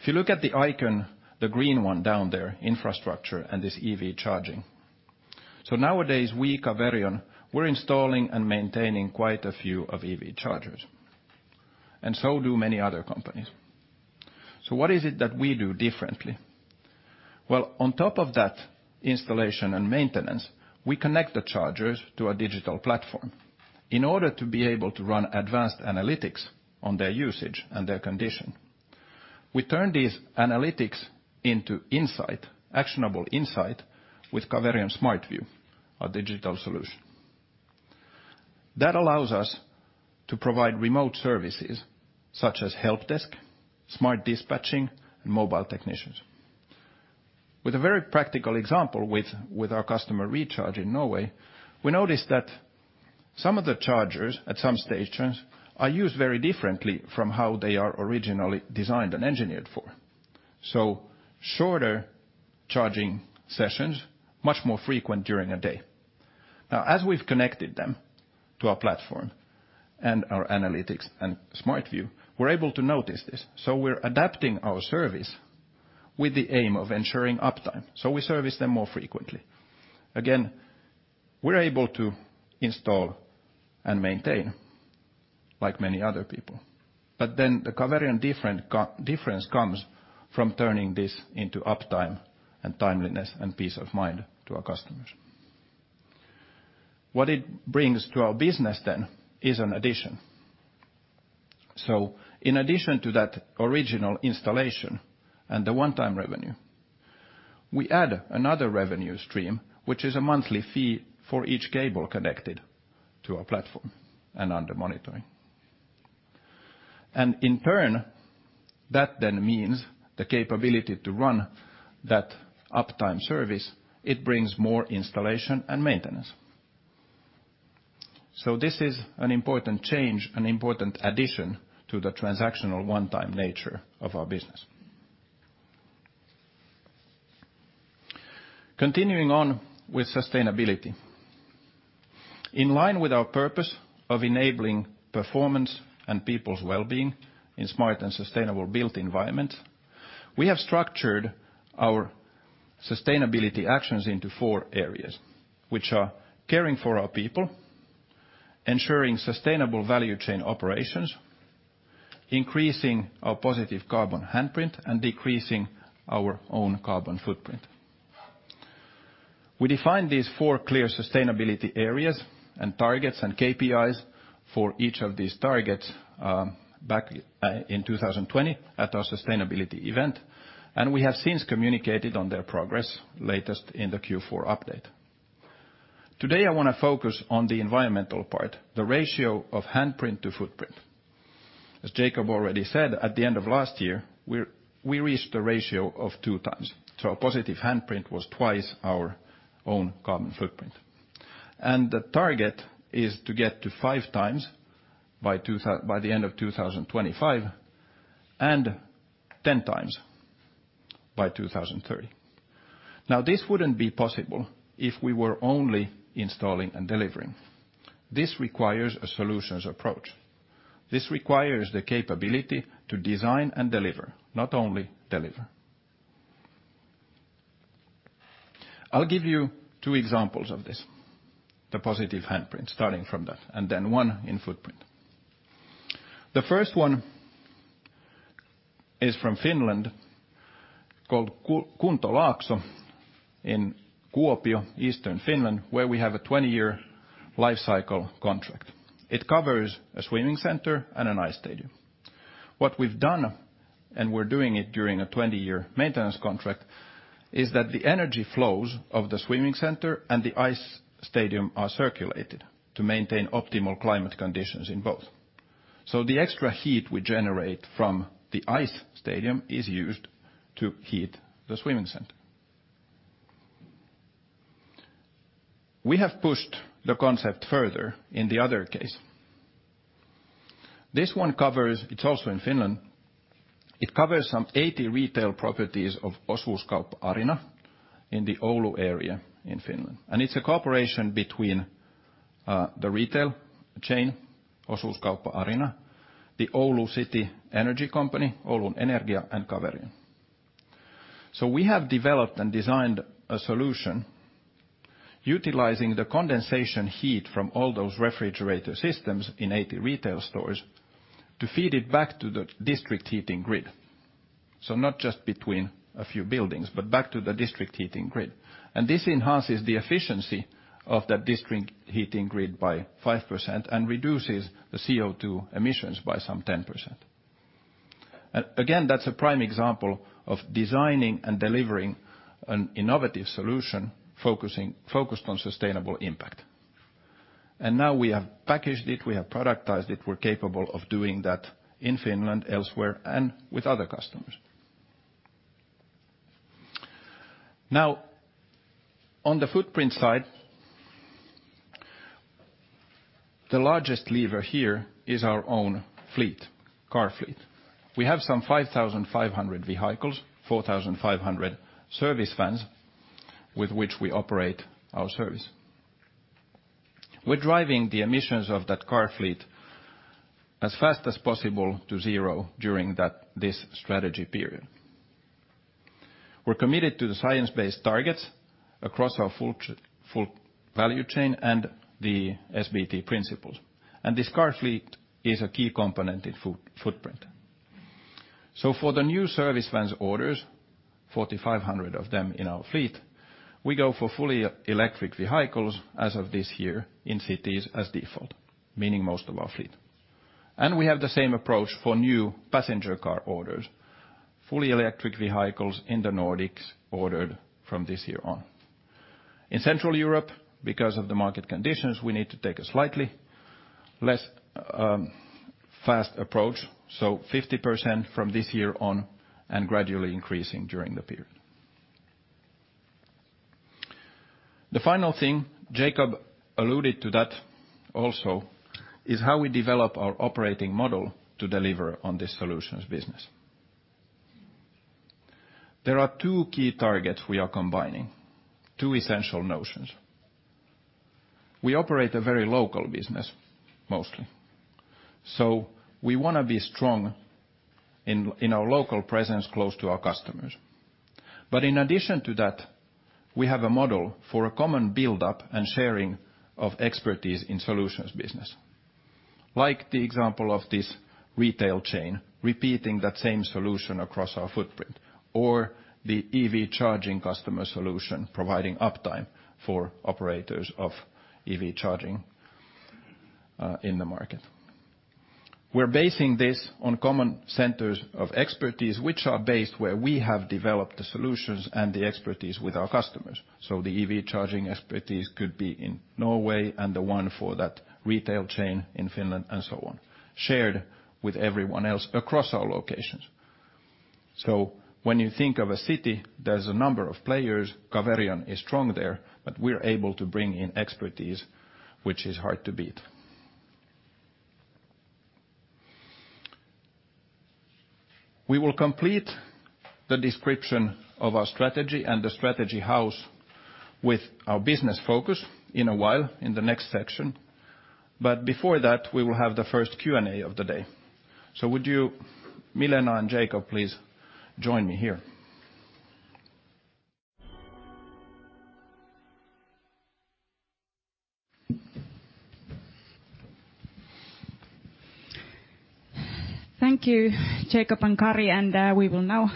If you look at the icon, the green one down there, infrastructure and this EV charging. Nowadays, we, Caverion, we're installing and maintaining quite a few of EV chargers, and so do many other companies. What is it that we do differently? Well, on top of that installation and maintenance, we connect the chargers to a digital platform in order to be able to run advanced analytics on their usage and their condition. We turn these analytics into insight, actionable insight, with Caverion SmartView, our digital solution. That allows us to provide remote services such as Help Desk, smart dispatching, and mobile technicians. With a very practical example with our customer Recharge in Norway, we noticed that some of the chargers at some stations are used very differently from how they are originally designed and engineered for. Shorter charging sessions, much more frequent during a day. Now, as we've connected them to our platform and our analytics and SmartView, we're able to notice this, so we're adapting our service with the aim of ensuring uptime, so we service them more frequently. Again, we're able to install and maintain like many other people, but then the Caverion differentiator comes from turning this into uptime, and timeliness, and peace of mind to our customers. What it brings to our business then is an addition. In addition to that original installation and the one-time revenue, we add another revenue stream, which is a monthly fee for each cable connected to our platform and under monitoring. In turn, that then means the capability to run that uptime service. It brings more installation and maintenance. This is an important change, an important addition to the transactional one-time nature of our business. Continuing on with sustainability. In line with our purpose of enabling performance and people's well-being in smart and sustainable built environment, we have structured our sustainability actions into four areas, which are caring for our people, ensuring sustainable value chain operations, increasing our positive carbon handprint, and decreasing our own carbon footprint. We defined these four clear sustainability areas, and targets, and KPIs for each of these targets, back in 2020 at our sustainability event, and we have since communicated on their progress latest in the Q4 update. Today, I wanna focus on the environmental part, the ratio of handprint to footprint. As Jacob already said, at the end of last year, we reached a ratio of two times, so our positive handprint was twice our own carbon footprint. The target is to get to five times by the end of 2025, and ten times by 2030. Now, this wouldn't be possible if we were only installing and delivering. This requires a solutions approach. This requires the capability to design and deliver, not only deliver. I'll give you two examples of this, the positive handprint, starting from that, and then one in footprint. The first one is from Finland, called Kuopion Kuntolaakso in Kuopio, Eastern Finland, where we have a 20-year life cycle contract. It covers a swimming center and an ice stadium. What we've done, and we're doing it during a 20-year maintenance contract, is that the energy flows of the swimming center and the ice stadium are circulated to maintain optimal climate conditions in both. The extra heat we generate from the ice stadium is used to heat the swimming center. We have pushed the concept further in the other case. This one covers. It's also in Finland. It covers some 80 retail properties of Osuuskauppa Arina in the Oulu area in Finland. It's a cooperation between the retail chain, Osuuskauppa Arina, the Oulu City energy company, Oulun Energia, and Caverion. We have developed and designed a solution utilizing the condensation heat from all those refrigerator systems in 80 retail stores to feed it back to the district heating grid. Not just between a few buildings, but back to the district heating grid. This enhances the efficiency of the district heating grid by 5% and reduces the CO2 emissions by some 10%. Again, that's a prime example of designing and delivering an innovative solution focused on sustainable impact. Now we have packaged it, we have productized it, we're capable of doing that in Finland, elsewhere, and with other customers. Now, on the footprint side, the largest lever here is our own fleet, car fleet. We have some 5,500 vehicles, 4,500 service vans with which we operate our service. We're driving the emissions of that car fleet as fast as possible to zero during that, this strategy period. We're committed to the science-based targets across our full value chain and the SBT principles. This car fleet is a key component in footprint. For the new service vans orders. 4,500 of them in our fleet. We go for fully electric vehicles as of this year in cities as default, meaning most of our fleet. We have the same approach for new passenger car orders. Fully electric vehicles in the Nordics ordered from this year on. In Central Europe, because of the market conditions, we need to take a slightly less fast approach, so 50% from this year on and gradually increasing during the period. The final thing, Jacob alluded to that also, is how we develop our operating model to deliver on this solutions business. There are two key targets we are combining, two essential notions. We operate a very local business, mostly. We wanna be strong in our local presence close to our customers. In addition to that, we have a model for a common build-up and sharing of expertise in solutions business. Like the example of this retail chain repeating that same solution across our footprint, or the EV charging customer solution providing uptime for operators of EV charging in the market. We're basing this on common centers of expertise, which are based where we have developed the solutions and the expertise with our customers. The EV charging expertise could be in Norway, and the one for that retail chain in Finland, and so on, shared with everyone else across our locations. When you think of a city, there's a number of players. Caverion is strong there, but we're able to bring in expertise which is hard to beat. We will complete the description of our strategy and the strategy house with our business focus in a while, in the next section. Before that, we will have the first Q&A of the day. Would you, Milena and Jacob, please join me here? Thank you, Jacob and Kari. We will now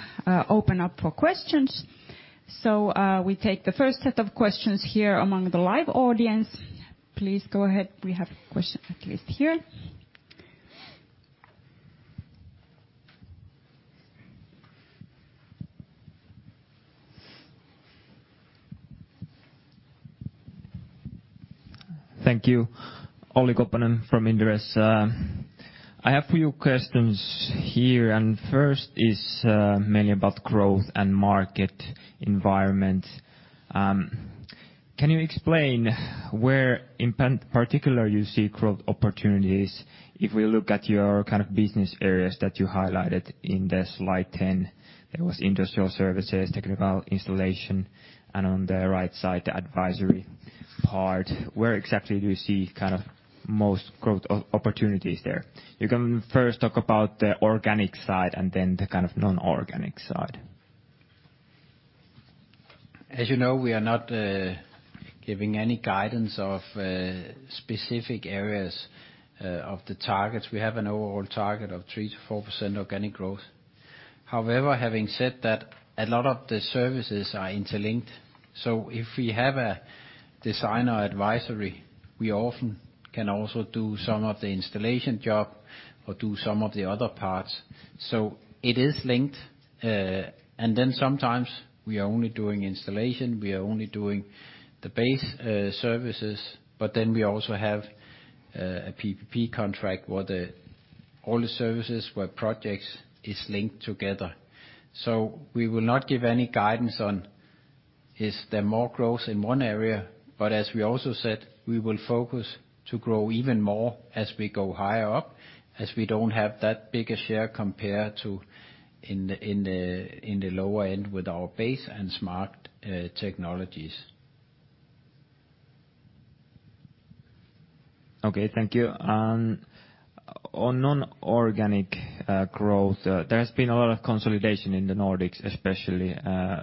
open up for questions. We take the first set of questions here among the live audience. Please go ahead. We have a question at least here. Thank you. Olli Koponen from Inderes. I have a few questions here, and first is mainly about growth and market environment. Can you explain where in particular you see growth opportunities if we look at your kind of business areas that you highlighted in the slide 10? There was industrial services, technical installation, and on the right side, the advisory part. Where exactly do you see kind of most growth opportunities there? You can first talk about the organic side and then the kind of non-organic side. As you know, we are not giving any guidance of specific areas of the targets. We have an overall target of 3%-4% organic growth. However, having said that, a lot of the services are interlinked. If we have a designer advisory, we often can also do some of the installation job or do some of the other parts. It is linked. Sometimes we are only doing installation, we are only doing the base services, but then we also have a PPP contract where all the services where projects is linked together. We will not give any guidance on is there more growth in one area, but as we also said, we will focus to grow even more as we go higher up, as we don't have that big a share compared to in the lower end with our base and smart technologies. Okay. Thank you. On non-organic growth, there has been a lot of consolidation in the Nordics, especially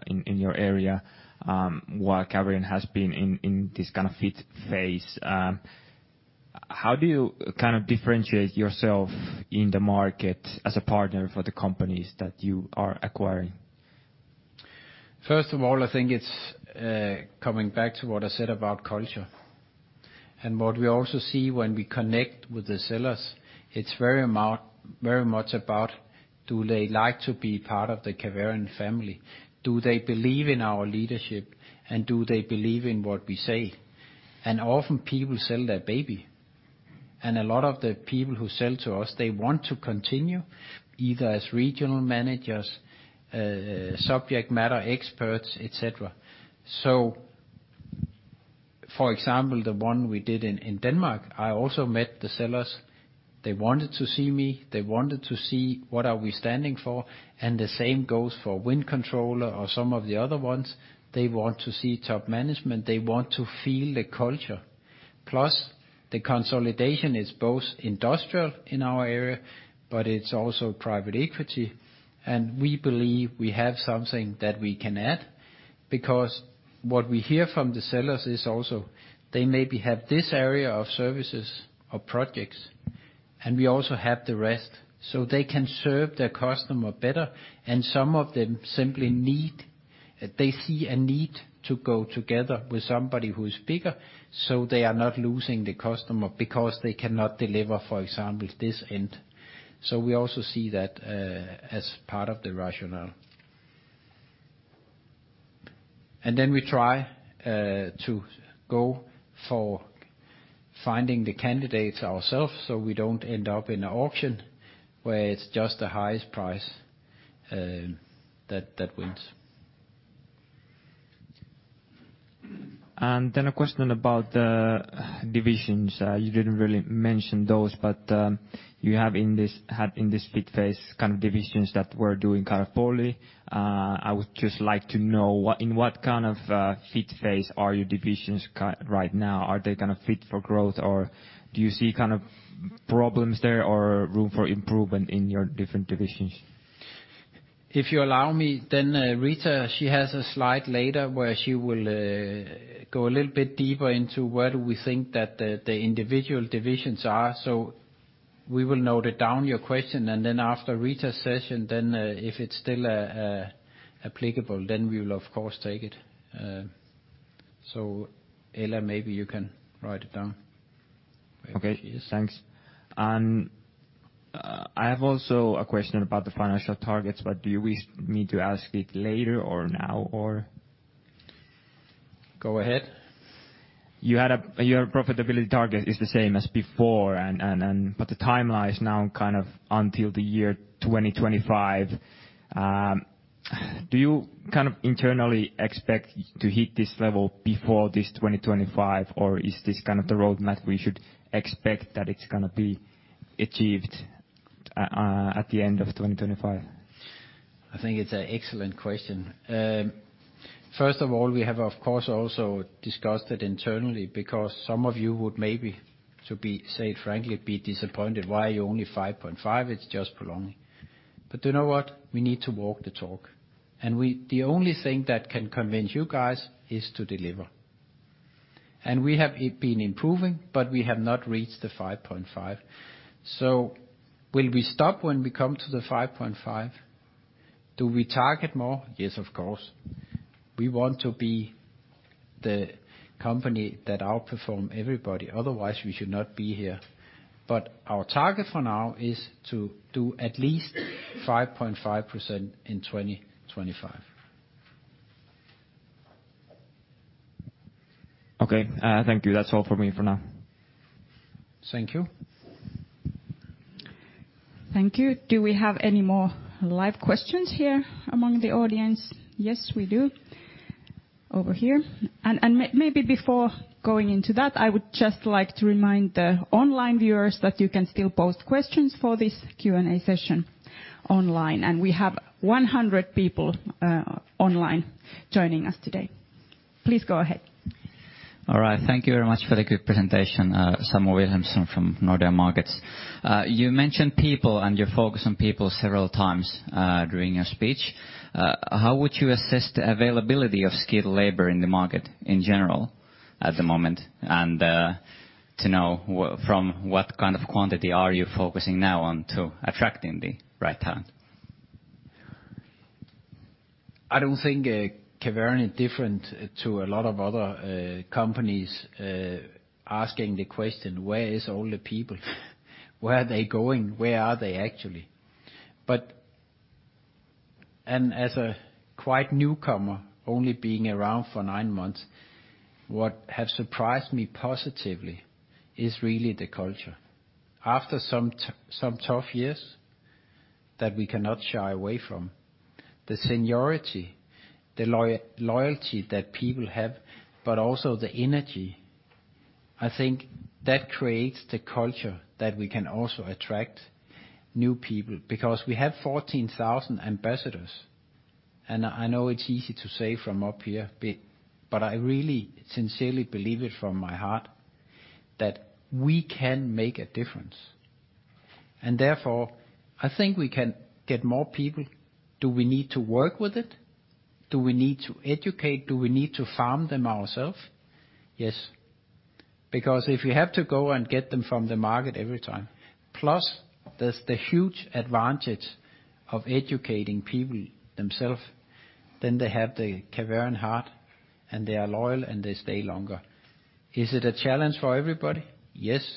in your area, while Caverion has been in this kind of fit phase. How do you kind of differentiate yourself in the market as a partner for the companies that you are acquiring? First of all, I think it's coming back to what I said about culture. What we also see when we connect with the sellers, it's very much about do they like to be part of the Caverion family? Do they believe in our leadership, and do they believe in what we say? Often people sell their baby. A lot of the people who sell to us, they want to continue, either as regional managers, subject matter experts, et cetera. For example, the one we did in Denmark, I also met the sellers. They wanted to see me. They wanted to see what are we standing for. The same goes for Wind Controller or some of the other ones. They want to see top management. They want to feel the culture. Plus, the consolidation is both industrial in our area, but it's also private equity. We believe we have something that we can add because what we hear from the sellers is also they maybe have this area of services or projects. We also have the rest, so they can serve their customer better, and some of them simply need. They see a need to go together with somebody who is bigger, so they are not losing the customer because they cannot deliver, for example, this end. We also see that as part of the rationale. We try to go for finding the candidates ourselves so we don't end up in an auction where it's just the highest price that wins. a question about divisions. You didn't really mention those, but you had in this fit phase kind of divisions that were doing kind of poorly. I would just like to know what kind of fit phase are your divisions right now? Are they kind of fit for growth, or do you see kind of problems there or room for improvement in your different divisions? If you allow me, then, Riitta, she has a slide later where she will go a little bit deeper into where do we think that the individual divisions are. We will note it down, your question, and then after Riitta's session, then, if it's still applicable, then we will of course take it. Ella, maybe you can write it down. Okay. Thanks. I have also a question about the financial targets, but do we need to ask it later or now or? Go ahead. Your profitability target is the same as before, but the timeline is now kind of until the year 2025. Do you kind of internally expect to hit this level before this 2025, or is this kind of the roadmap we should expect that it's gonna be achieved at the end of 2025? I think it's an excellent question. First of all, we have of course also discussed it internally because some of you would maybe to be frank say it frankly be disappointed. Why are you only 5.5? It's just prolonging. You know what? We need to walk the talk. The only thing that can convince you guys is to deliver. We have it's been improving, but we have not reached the 5.5. Will we stop when we come to the 5.5? Do we target more? Yes, of course. We want to be the company that outperform everybody, otherwise we should not be here. Our target for now is to do at least 5.5% in 2025. Okay. Thank you. That's all for me for now. Thank you. Thank you. Do we have any more live questions here among the audience? Yes, we do. Over here. Maybe before going into that, I would just like to remind the online viewers that you can still post questions for this Q&A session online. We have 100 people online joining us today. Please go ahead. All right. Thank you very much for the good presentation. Samuel Wilhelmsson from Nordea Markets. You mentioned people and your focus on people several times during your speech. How would you assess the availability of skilled labor in the market in general at the moment? From what kind of quantity are you focusing now on to attracting the right talent? I don't think Caverion different to a lot of other companies asking the question, where is all the people? Where are they going? Where are they actually? As a quite newcomer, only being around for nine months, what have surprised me positively is really the culture. After some tough years that we cannot shy away from, the seniority, the loyalty that people have, but also the energy, I think that creates the culture that we can also attract new people. Because we have 14,000 ambassadors, and I know it's easy to say from up here, but I really sincerely believe it from my heart that we can make a difference. Therefore, I think we can get more people. Do we need to work with it? Do we need to educate? Do we need to farm them ourself? Yes. Because if you have to go and get them from the market every time, plus there's the huge advantage of educating people themselves, then they have the Caverion heart, and they are loyal, and they stay longer. Is it a challenge for everybody? Yes.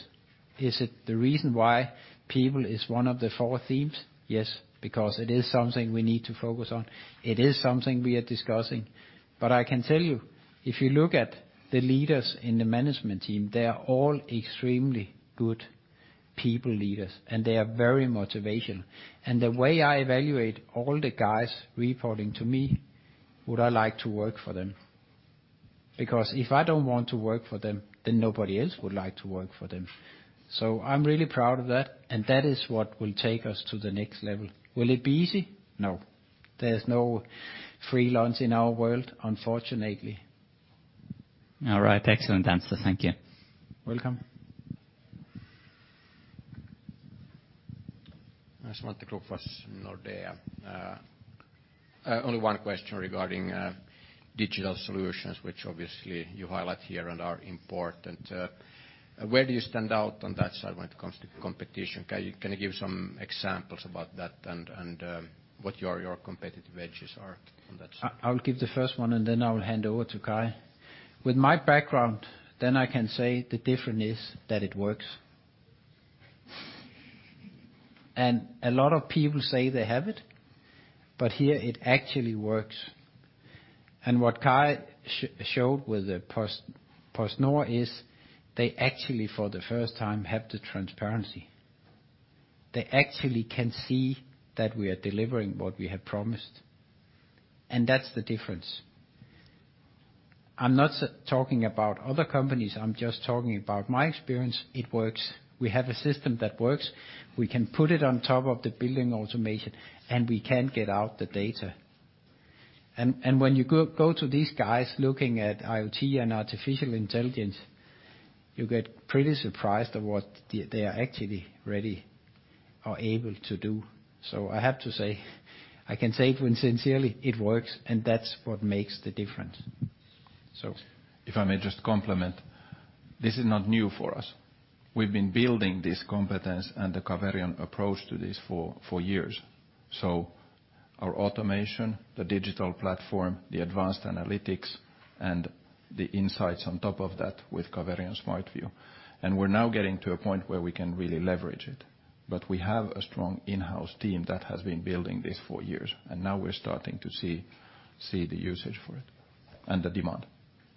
Is it the reason why people is one of the four themes? Yes, because it is something we need to focus on. It is something we are discussing. But I can tell you, if you look at the leaders in the management team, they are all extremely good people leaders, and they are very motivational. And the way I evaluate all the guys reporting to me, would I like to work for them? Because if I don't want to work for them, then nobody else would like to work for them. I'm really proud of that, and that is what will take us to the next level. Will it be easy? No. There's no free lunch in our world, unfortunately. All right. Excellent answer. Thank you. Welcome. I just wanted to talk first of all, I have one question regarding digital solutions, which obviously you highlight here and are important. Where do you stand out on that side when it comes to competition? Can you give some examples about that and what your competitive edges are? I'll give the first one and then I'll hand over to Kari. With my background then I can say the difference is that it works. And a lot of people say they have it but here it actually works. And what Kari showed with the Pasnoa is they actually for the first time have the transparency. They actually can see that we are delivering what we have promised. And that's the difference. I'm not talking about other companies I'm just talking about my experience, it works. We can put it ontop of the building automation and we can get out of data. And when you go to these guys looking at IoT and artificial intelligence you get pretty surprised at what they are actually ready or able to do. So I have to say I can thank you and sincerely it works. And that's what makes the difference. So if I may just compliment this is not new for us. We have been building this competence and the Caverion approach to this for years. So our automation, the digital platform, the advanced analytics, and the insight on top of that with the Caverion Smart view. And we are now getting to a point where we can really leverage it but we have a strong in-house team that has been building this for years. And now we are starting to see the usage for it and demand.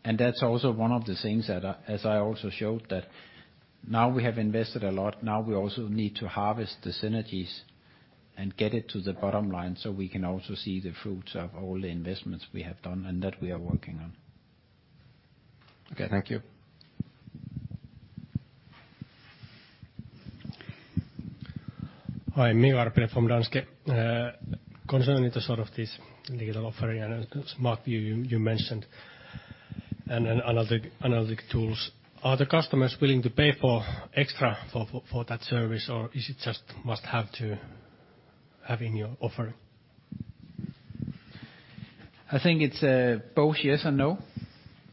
And that's also one of the things that, as I also showed, that now we also need to harvest the synergies and get it to the bottom line so we can also see the fruits of all the investments we have done and that we are working on. Okay thank you Hi, Miikka Karppi from Danske. A concern in the sort of this digital offer you mentioned, and an analytic tools. Are the customers willing to pay for extra for that service, or is it just a must-have to have in your offer? I think it's both yes and no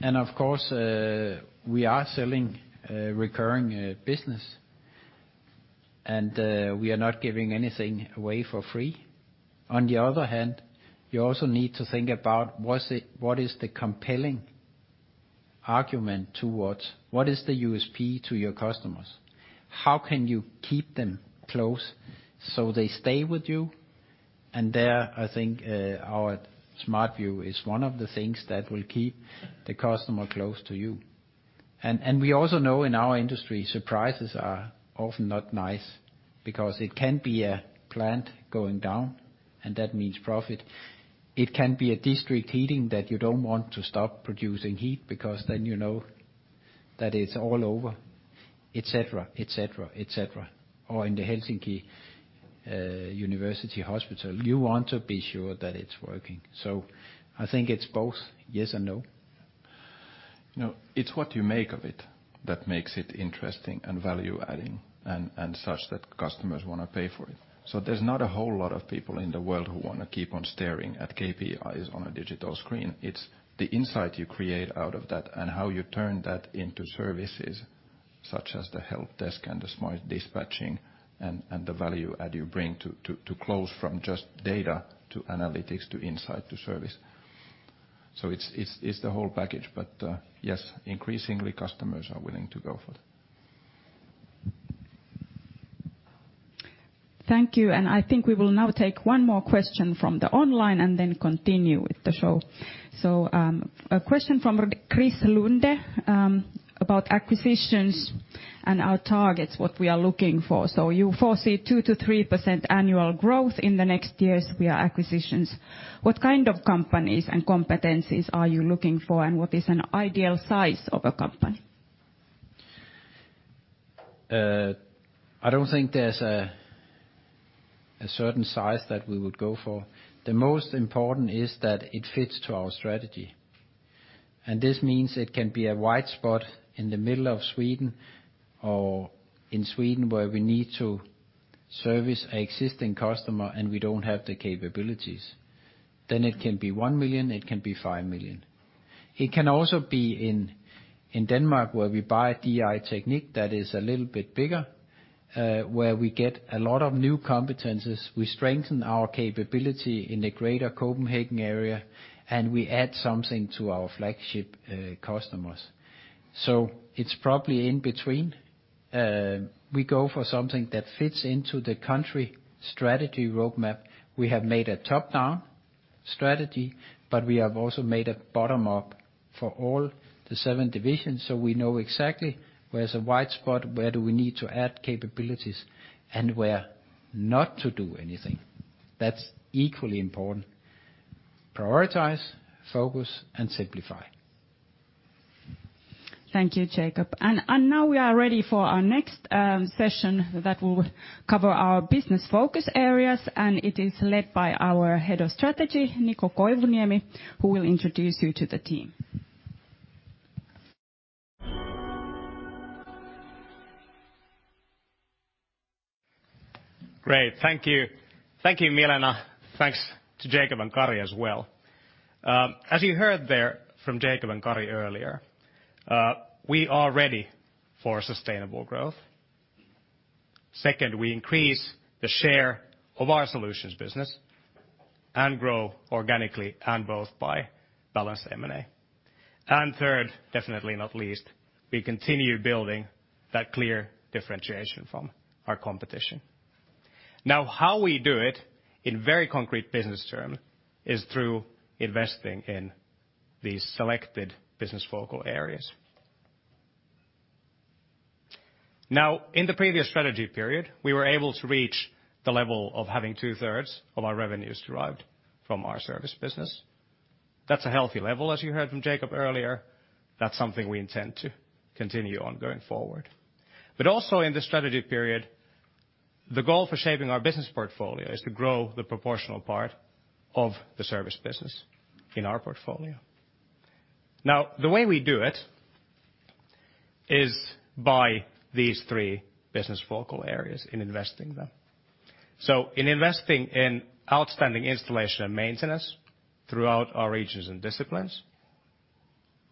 and of course we are selling recurring business, and we are not giving anything away for free. On the other hand, you also need to think about what is compelling argument towards customers? How can you keep them close so they stay with you? And there I think our smart view is one of the things that will keep the cutomer close to you. And we also know in our industry, surprises are often not nice because it can be a plant going down, and that means profit. It can be district heating that you don't want to stop producing heat because then you know that it's all over etcetera, etcetera, etcetera. Or in Helsinki University Hospital, you want to be sure that it is working so it is what you make of it that makes it interesting and value adding such that customers want o pay for it. So there's not a whole lot of people in the world who want to keep on staring at KPIs on a digital screen It is the insight you create out of that and how you turn that into services such as the help desk and the smart dispatching and the value add you bring to close from just data to analytics to insight to service. So it's a whole package,, increasingly customers are willing to go for it. Thank you and I think we will now take one more question from the audience. Thank you. I think we will now take one more question from the online and then continue with the show. A question from Chris Lunde about acquisitions and our targets, what we are looking for. You foresee 2%-3% annual growth in the next years via acquisitions. What kind of companies and competencies are you looking for, and what is an ideal size of a company? I don't think there's a certain size that we would go for. The most important is that it fits to our strategy. This means it can be a white spot in the middle of Sweden or in Sweden where we need to service an existing customer, and we don't have the capabilities. It can be 1 million, it can be 5 million. It can also be in Denmark, where we buy a DI-Teknik that is a little bit bigger, where we get a lot of new competencies. We strengthen our capability in the greater Copenhagen area, and we add something to our flagship customers. It's probably in between. We go for something that fits into the country strategy roadmap. We have made a top-down strategy, but we have also made a bottom-up for all the seven divisions, so we know exactly where is a white spot, where do we need to add capabilities, and where not to do anything. That's equally important. Prioritize, focus, and simplify. Thank you, Jacob. Now we are ready for our next session that will cover our business focus areas, and it is led by our Head of Strategy, Niko Koivuniemi, who will introduce you to the team. Great. Thank you. Thank you, Milena. Thanks to Jacob and Kari as well. As you heard there from Jacob and Kari earlier, we are ready for sustainable growth. Second, we increase the share of our solutions business and grow organically and both by balanced M&A. Third, definitely not least, we continue building that clear differentiation from our competition. Now, how we do it in very concrete business term is through investing in these selected business focal areas. Now, in the previous strategy period, we were able to reach the level of having two-thirds of our revenues derived from our service business. That's a healthy level, as you heard from Jacob earlier. That's something we intend to continue on going forward. Also in the strategy period, the goal for shaping our business portfolio is to grow the proportional part of the service business in our portfolio. Now, the way we do it is by these three business focal areas in investing them. In investing in outstanding installation and maintenance throughout our regions and disciplines,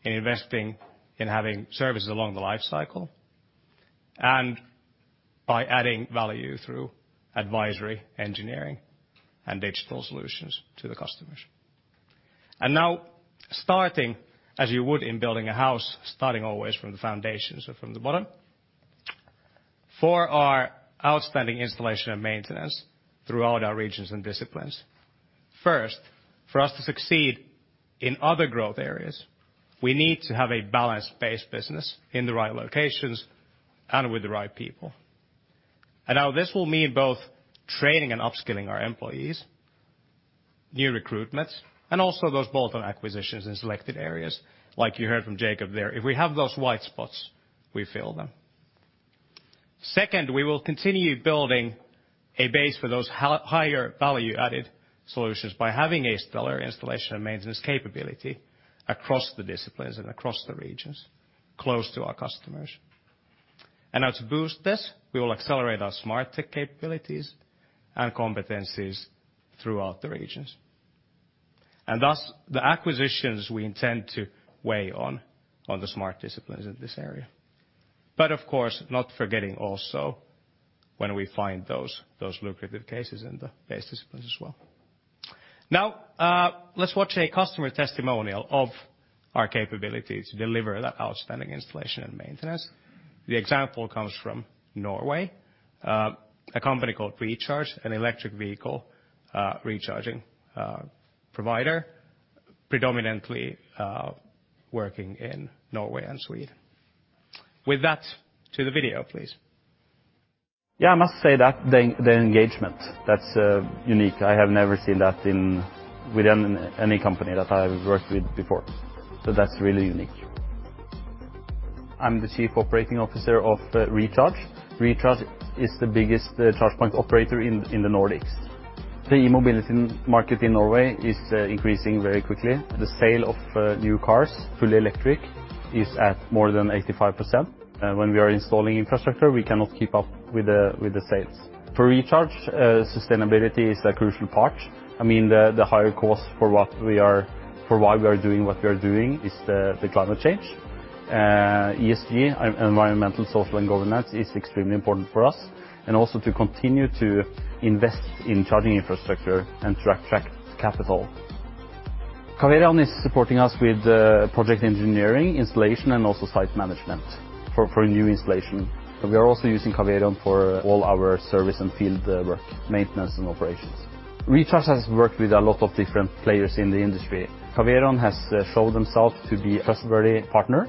in investing in having services along the life cycle, and by adding value through advisory, engineering, and digital solutions to the customers. Now starting as you would in building a house, starting always from the foundations or from the bottom, for our outstanding installation and maintenance throughout our regions and disciplines. First, for us to succeed in other growth areas, we need to have a balanced base business in the right locations and with the right people. Now this will mean both training and upskilling our employees, new recruitments, and also those bolt-on acquisitions in selected areas, like you heard from Jacob there. If we have those white spots, we fill them. Second, we will continue building a base for those higher value-added solutions by having a stellar installation and maintenance capability across the disciplines and across the regions, close to our customers. Now to boost this, we will accelerate our smart tech capabilities and competencies throughout the regions. Thus, the acquisitions we intend to weigh on the smart disciplines in this area. Of course, not forgetting also when we find those lucrative cases in the base disciplines as well. Now, let's watch a customer testimonial of our capability to deliver that outstanding installation and maintenance. The example comes from Norway, a company called Recharge, an electric vehicle recharging provider, predominantly working in Norway and Sweden. With that, to the video, please. Yeah, I must say that the engagement, that's unique. I have never seen that within any company that I've worked with before. That's really unique. I'm the Chief Operating Officer of Recharge. Recharge is the biggest charge point operator in the Nordics. The e-mobility market in Norway is increasing very quickly. The sale of new cars, fully electric, is at more than 85%. When we are installing infrastructure, we cannot keep up with the sales. For Recharge, sustainability is a crucial part. I mean, the higher cause for why we are doing what we are doing is the climate change. ESG, environmental, social, and governance, is extremely important for us. Also to continue to invest in charging infrastructure and to attract capital. Caverion is supporting us with project engineering, installation, and also site management for a new installation. We are also using Caverion for all our service and field work, maintenance and operations. Recharge has worked with a lot of different players in the industry. Caverion has showed themselves to be trustworthy partner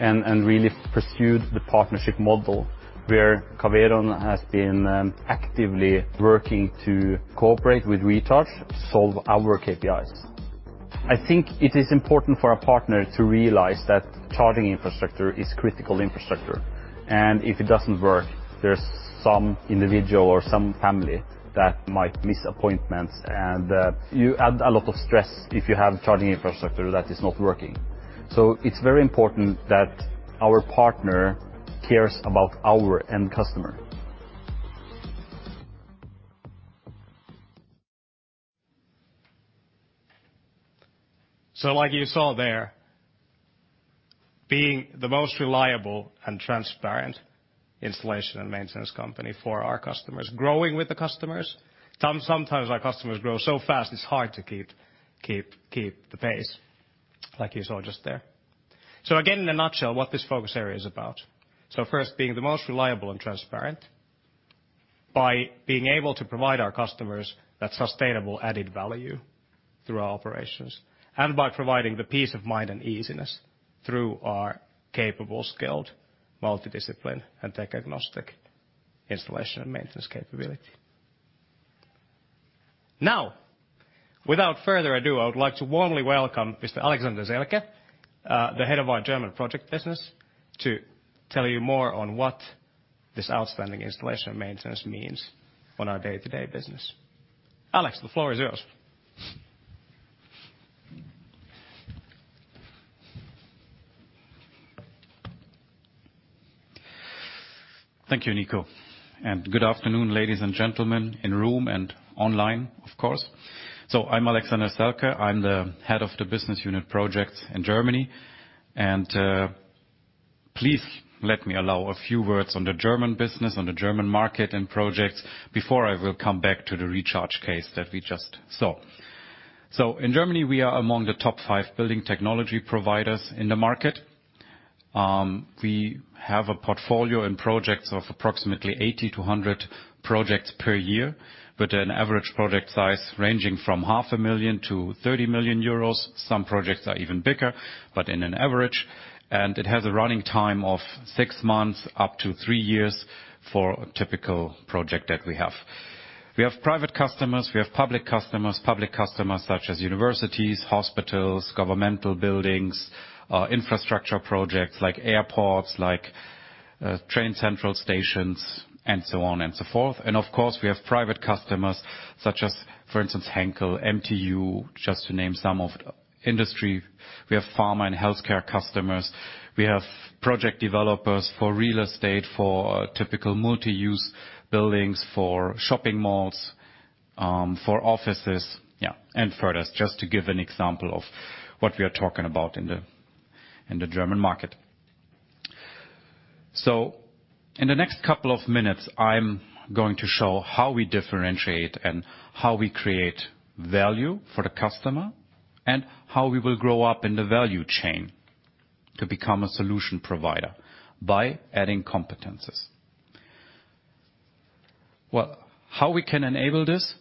and really pursued the partnership model where Caverion has been actively working to cooperate with Recharge to solve our KPIs. I think it is important for a partner to realize that charging infrastructure is critical infrastructure. If it doesn't work, there's some individual or some family that might miss appointments, and you add a lot of stress if you have charging infrastructure that is not working. It's very important that our partner cares about our end customer. Like you saw there, being the most reliable and transparent installation and maintenance company for our customers, growing with the customers. Sometimes our customers grow so fast it's hard to keep the pace, like you saw just there. Again, in a nutshell, what this focus area is about. First being the most reliable and transparent by being able to provide our customers that sustainable added value through our operations and by providing the peace of mind and easiness through our capable, skilled, multidisciplinary, and tech-agnostic installation and maintenance capability. Now, without further ado, I would like to warmly welcome Mr. Alexander Selke, the head of our German project business, to tell you more on what this outstanding installation and maintenance means on our day-to-day business. Alex, the floor is yours. Thank you, Niko. Good afternoon, ladies and gentlemen, in room and online, of course. I'm Alexander Selke. I'm the Head of Business Unit Projects in Germany. Please allow me a few words on the German business, on the German market and projects before I will come back to the Recharge case that we just saw. In Germany, we are among the top five building technology providers in the market. We have a portfolio in projects of approximately 80-100 projects per year, with an average project size ranging from 500,000 to 30 million euros. Some projects are even bigger, but on average. It has a running time of six months up to three years for a typical project that we have. We have private customers, we have public customers. Public customers such as universities, hospitals, governmental buildings, infrastructure projects like airports, train central stations and so on and so forth. Of course we have private customers such as, for instance, Henkel, MTU, just to name some of the industry. We have pharma and healthcare customers. We have project developers for real estate, for typical multi-use buildings, for shopping malls, for offices. Yeah, and further. Just to give an example of what we are talking about in the German market. In the next couple of minutes, I'm going to show how we differentiate and how we create value for the customer, and how we will grow up in the value chain to become a solution provider by adding competencies. Well, how we can enable this?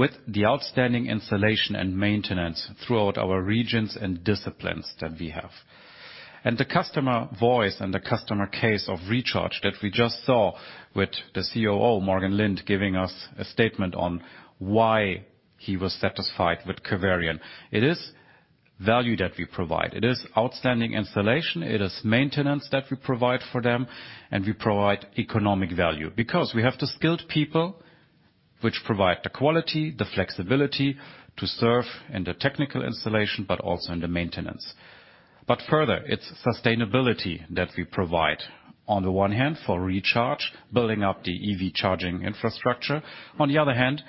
With the outstanding installation and maintenance throughout our regions and disciplines that we have. The customer voice and the customer case of Recharge that we just saw with the COO, Morgan Lind, giving us a statement on why he was satisfied with Caverion. It is value that we provide. It is outstanding installation, it is maintenance that we provide for them, and we provide economic value. Because we have the skilled people which provide the quality, the flexibility to serve in the technical installation, but also in the maintenance. Further, it's sustainability that we provide. On the one hand, for Recharge, building up the EV charging infrastructure. On the other hand,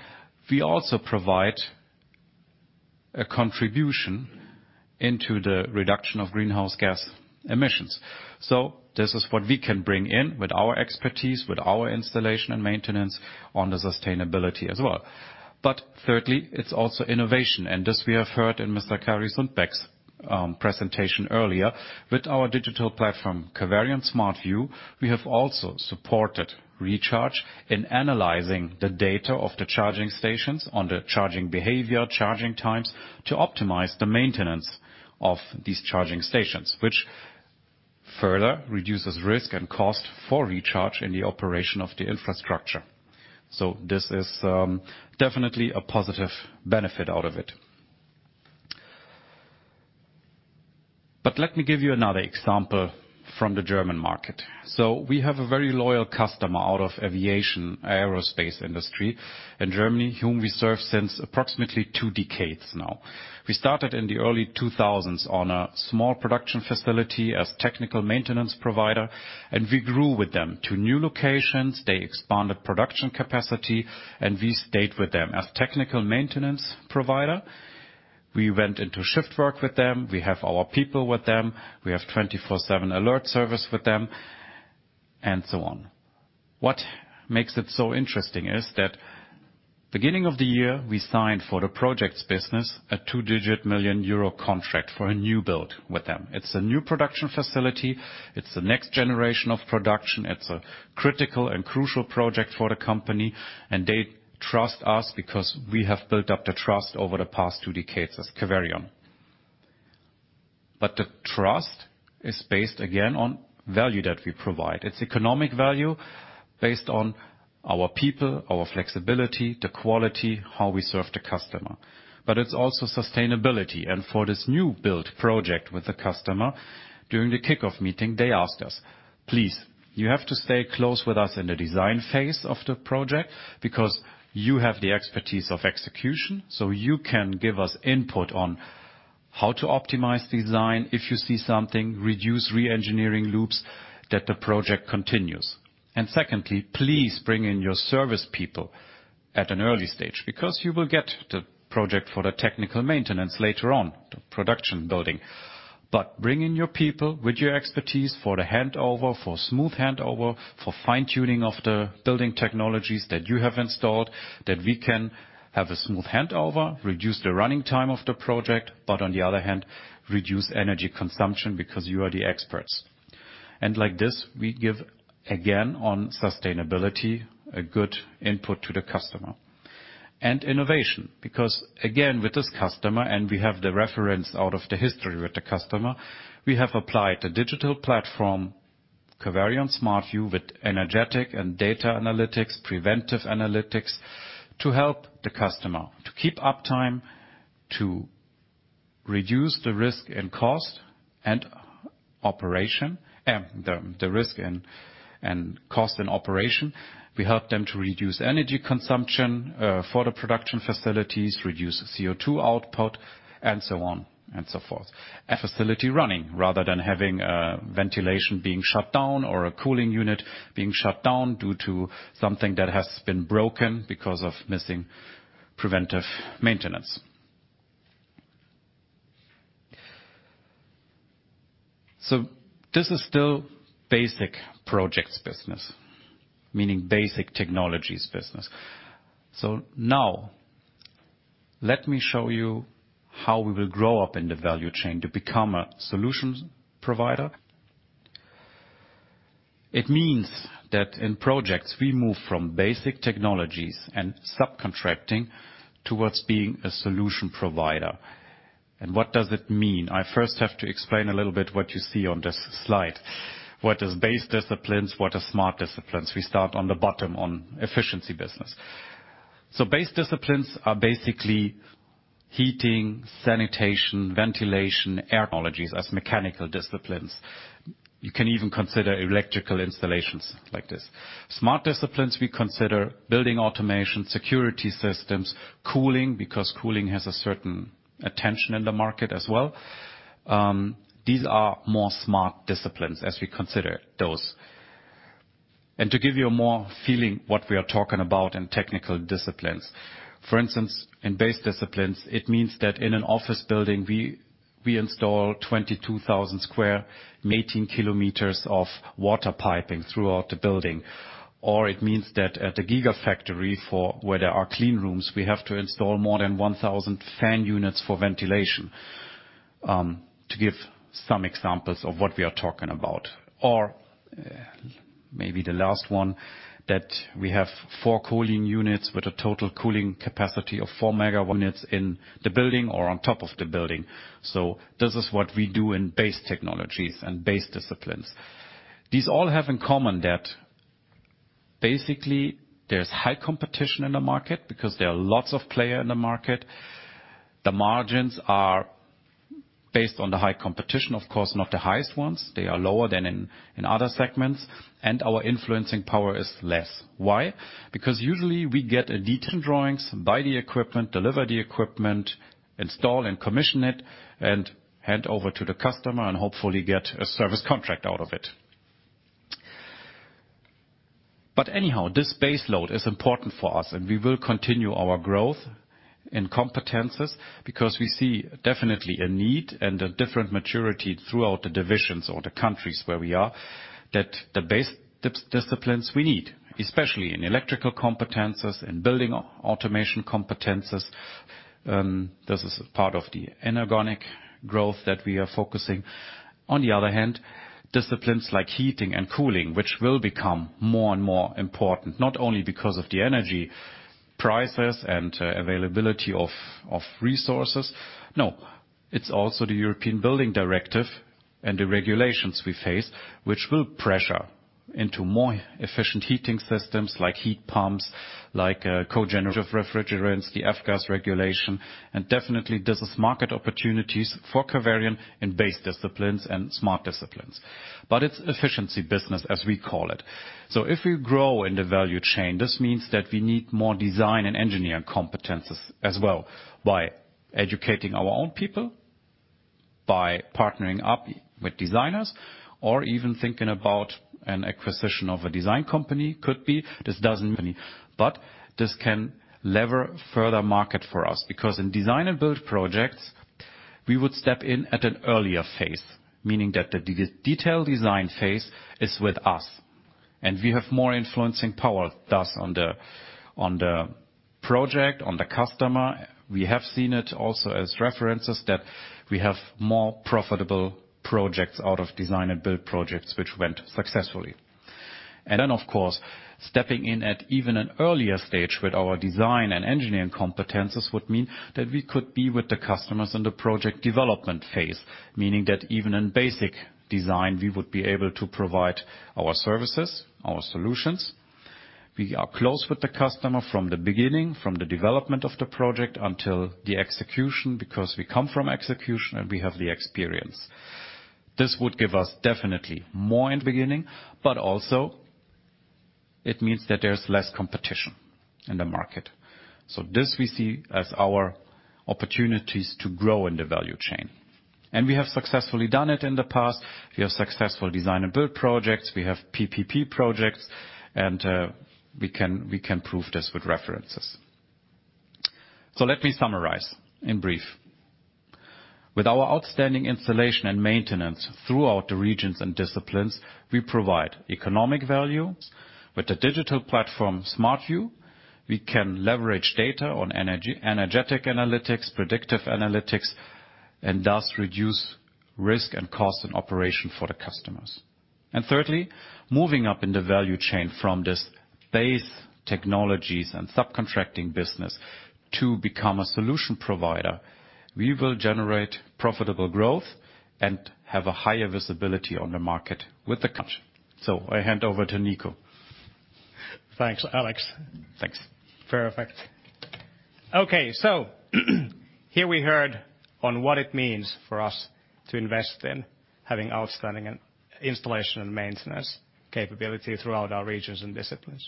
we also provide a contribution into the reduction of greenhouse gas emissions. So this is what we can bring in with our expertise, with our installation and maintenance on the sustainability as well. Thirdly, it's also innovation. This we have heard in Mr. Kari Sundbäck's presentation earlier. With our digital platform, Caverion SmartView, we have also supported Recharge in analyzing the data of the charging stations on the charging behavior, charging times, to optimize the maintenance of these charging stations, which further reduces risk and cost for Recharge in the operation of the infrastructure. This is definitely a positive benefit out of it. Let me give you another example from the German market. We have a very loyal customer out of aviation aerospace industry in Germany, whom we serve since approximately two decades now. We started in the early 2000s on a small production facility as technical maintenance provider, and we grew with them to new locations. They expanded production capacity, and we stayed with them as technical maintenance provider. We went into shift work with them. We have our people with them. We have 24/7 alert service with them and so on. What makes it so interesting is that beginning of the year, we signed for the projects business a two-digit million EUR contract for a new build with them. It's a new production facility. It's the next generation of production. It's a critical and crucial project for the company, and they trust us because we have built up the trust over the past two decades as Caverion. The trust is based, again, on value that we provide. It's economic value based on our people, our flexibility, the quality, how we serve the customer. It's also sustainability. For this new build project with the customer, during the kickoff meeting, they asked us, "Please, you have to stay close with us in the design phase of the project because you have the expertise of execution, so you can give us input on how to optimize design, if you see something, reduce re-engineering loops, that the project continues. And secondly, please bring in your service people at an early stage because you will get the project for the technical maintenance later on, the production building. Bring in your people with your expertise for the handover, for smooth handover, for fine-tuning of the building technologies that you have installed, that we can have a smooth handover, reduce the running time of the project, but on the other hand, reduce energy consumption because you are the experts. Like this, we give, again, on sustainability, a good input to the customer. Innovation, because again, with this customer, and we have the reference out of the history with the customer, we have applied the digital platform, Caverion SmartView, with energy and data analytics, predictive analytics, to help the customer to keep uptime, to reduce the risk and cost and operation. We help them to reduce energy consumption for the production facilities, reduce CO2 output, and so on and so forth. A facility running rather than having a ventilation being shut down or a cooling unit being shut down due to something that has been broken because of missing preventive maintenance. This is still basic projects business, meaning basic technologies business. Now let me show you how we will grow up in the value chain to become a solutions provider. It means that in projects we move from basic technologies and subcontracting towards being a solution provider. What does it mean? I first have to explain a little bit what you see on this slide. What is base disciplines? What are smart disciplines? We start on the bottom on efficiency business. Base disciplines are basically heating, sanitation, ventilation, air technologies as mechanical disciplines. You can even consider electrical installations like this. Smart disciplines, we consider building automation, security systems, cooling, because cooling has a certain traction in the market as well. These are more smart disciplines as we consider those. To give you more feeling what we are talking about in technical disciplines. For instance, in base disciplines, it means that in an office building we install 22,000 square, 18 kilometers of water piping throughout the building. It means that at the gigafactory for where there are clean rooms, we have to install more than 1,000 fan units for ventilation, to give some examples of what we are talking about. Maybe the last one, that we have four cooling units with a total cooling capacity of four megawatts in the building or on top of the building. This is what we do in base technologies and base disciplines. These all have in common that basically there's high competition in the market because there are lots of players in the market. The margins are based on the high competition, of course, not the highest ones. They are lower than in other segments, and our influencing power is less. Why? Because usually we get detailed drawings, buy the equipment, deliver the equipment, install and commission it, and hand over to the customer and hopefully get a service contract out of it. Anyhow, this base load is important for us and we will continue our growth in competencies because we see definitely a need and a different maturity throughout the divisions or the countries where we are, that the base disciplines we need, especially in electrical competencies, in building automation competencies, this is part of the organic growth that we are focusing. On the other hand, disciplines like heating and cooling, which will become more and more important, not only because of the energy prices and availability of resources. It's also the Energy Performance of Buildings Directive and the regulations we face, which will pressure into more efficient heating systems like heat pumps, like cogeneration refrigerants, the F-gas Regulation. Definitely this is market opportunities for Caverion in base disciplines and smart disciplines. It's efficiency business as we call it. If we grow in the value chain, this means that we need more design and engineering competencies as well by educating our own people, by partnering up with designers or even thinking about an acquisition of a design company could be. This doesn't mean, but this can leverage further market for us. Because in design and build projects, we would step in at an earlier phase, meaning that the detailed design phase is with us and we have more influencing power, thus on the project, on the customer. We have seen it also as references that we have more profitable projects out of design and build projects which went successfully. Of course, stepping in at even an earlier stage with our design and engineering competences would mean that we could be with the customers in the project development phase. Meaning that even in basic design, we would be able to provide our services, our solutions. We are close with the customer from the beginning, from the development of the project until the execution, because we come from execution and we have the experience. This would give us definitely more in the beginning, but also it means that there's less competition in the market. This we see as our opportunities to grow in the value chain. We have successfully done it in the past. We have successful design and build projects. We have PPP projects, and we can prove this with references. Let me summarize in brief. With our outstanding installation and maintenance throughout the regions and disciplines, we provide economic value. With the digital platform, SmartView, we can leverage data on energy energetic analytics, predictive analytics, and thus reduce risk and cost and operation for the customers. Thirdly, moving up in the value chain from this base technologies and subcontracting business to become a solution provider, we will generate profitable growth and have a higher visibility on the market with the. I hand over to Niko. Thanks, Alex. Thanks. Perfect. Okay, here we heard on what it means for us to invest in having outstanding installation and maintenance capability throughout our regions and disciplines.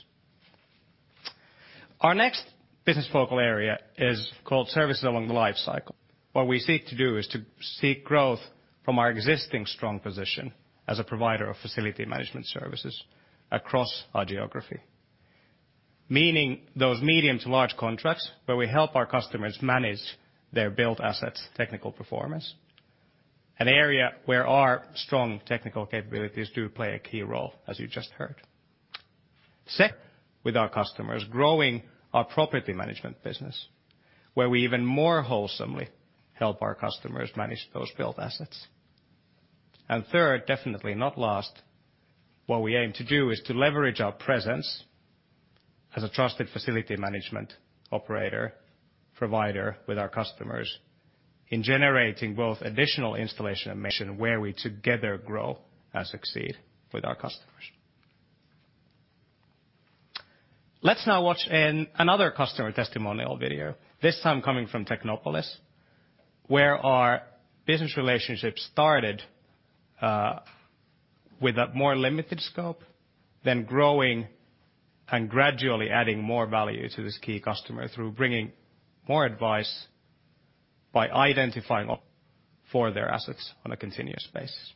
Our next business focal area is called services along the life cycle. What we seek to do is to seek growth from our existing strong position as a provider of facility management services across our geography. Meaning those medium to large contracts where we help our customers manage their built assets technical performance, an area where our strong technical capabilities do play a key role, as you just heard. Second, with our customers growing our property management business, where we even more holistically help our customers manage those built assets. Third, definitely not last, what we aim to do is to leverage our presence as a trusted facility management operator provider with our customers in generating both additional installation and maintenance where we together grow and succeed with our customers. Let's now watch another customer testimonial video, this time coming from Technopolis, where our business relationship started with a more limited scope, then growing and gradually adding more value to this key customer through bringing more advice by identifying opportunities for their assets on a continuous basis.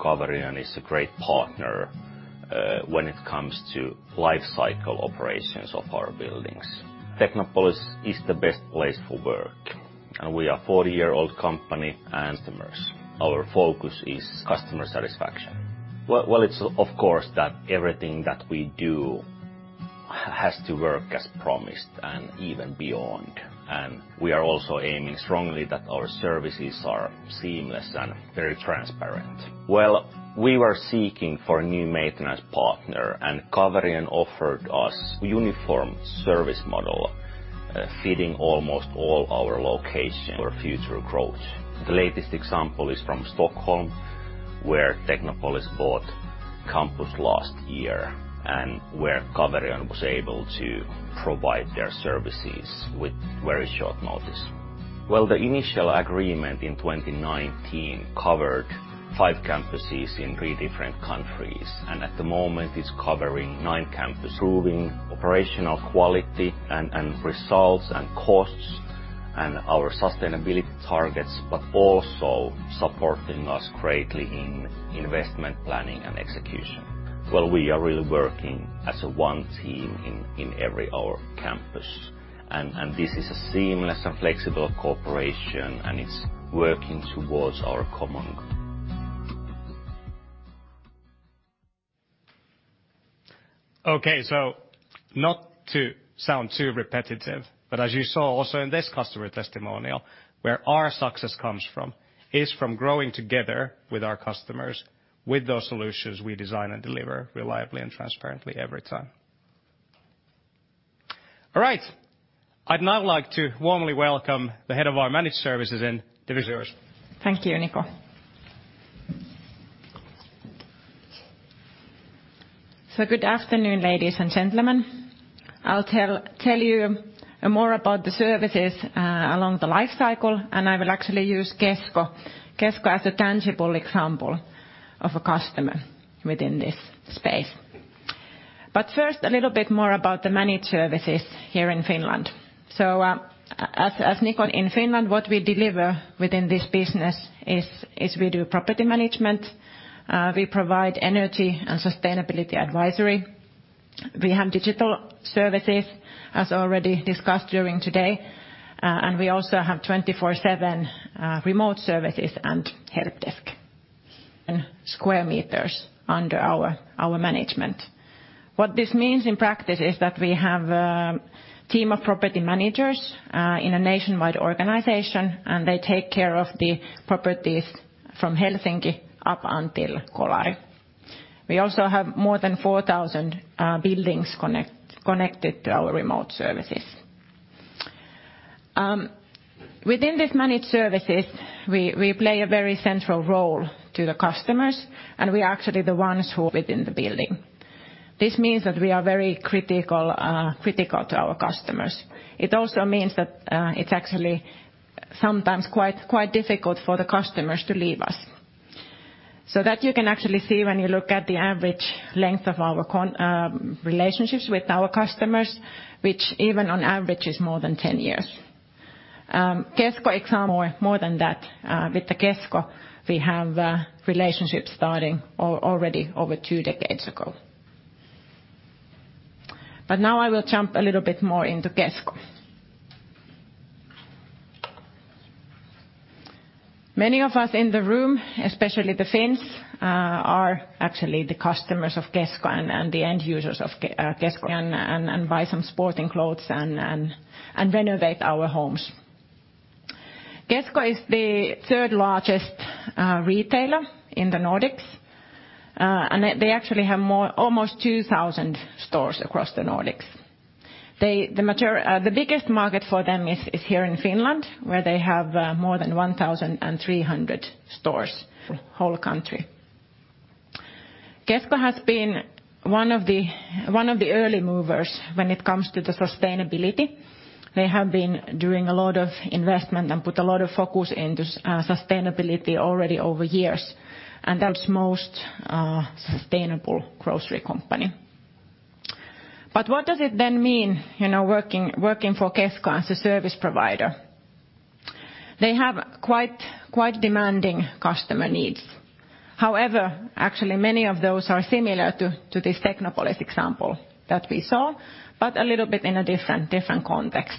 Caverion is a great partner when it comes to life cycle operations of our buildings. Technopolis is the best place for work, and we are 40-year-old company and customers. Our focus is customer satisfaction. Well, it's of course that everything that we do has to work as promised and even beyond. We are also aiming strongly that our services are seamless and very transparent. Well, we were seeking for a new maintenance partner, and Caverion offered us uniform service model fitting almost all our location for future growth. The latest example is from Stockholm, where Technopolis bought campus last year and where Caverion was able to provide their services with very short notice. Well, the initial agreement in 2019 covered 5 campuses in three different countries, and at the moment it's covering 9 campus. Improving operational quality and results and costs and our sustainability targets, but also supporting us greatly in investment planning and execution. Well, we are really working as a one team in every our campus and this is a seamless and flexible cooperation, and it's working towards our common goal. Okay. Not to sound too repetitive, but as you saw also in this customer testimonial, where our success comes from is from growing together with our customers with those solutions we design and deliver reliably and transparently every time. All right. I'd now like to warmly welcome the head of our managed services and divisions. Thank you, Niko. Good afternoon, ladies and gentlemen. I'll tell you more about the services along the life cycle, and I will actually use Kesko as a tangible example of a customer within this space. First, a little bit more about the managed services here in Finland. As Niko in Finland, what we deliver within this business is we do property management, we provide energy and sustainability advisory, we have digital services, as already discussed during today, and we also have 24/7 remote services and help desk. Square meters under our management. What this means in practice is that we have a team of property managers in a nationwide organization, and they take care of the properties from Helsinki up until Kolari. We also have more than 4,000 buildings connected to our remote services. Within these managed services, we play a very central role to the customers, and we are actually the ones who within the building. This means that we are very critical to our customers. It also means that it's actually sometimes quite difficult for the customers to leave us. That you can actually see when you look at the average length of our relationships with our customers, which even on average is more than 10 years. Kesko example more than that, with the Kesko, we have a relationship starting already over two decades ago. Now I will jump a little bit more into Kesko. Many of us in the room, especially the Finns, are actually the customers of Kesko and the end users of Kesko and buy some sporting clothes and renovate our homes. Kesko is the third-largest retailer in the Nordics, and they actually have almost 2,000 stores across the Nordics. The biggest market for them is here in Finland, where they have more than 1,300 stores whole country. Kesko has been one of the early movers when it comes to sustainability. They have been doing a lot of investment and put a lot of focus into sustainability already over years, and that's the most sustainable grocery company. What does it then mean, you know, working for Kesko as a service provider? They have quite demanding customer needs. However, actually many of those are similar to this Technopolis example that we saw, but a little bit in a different context.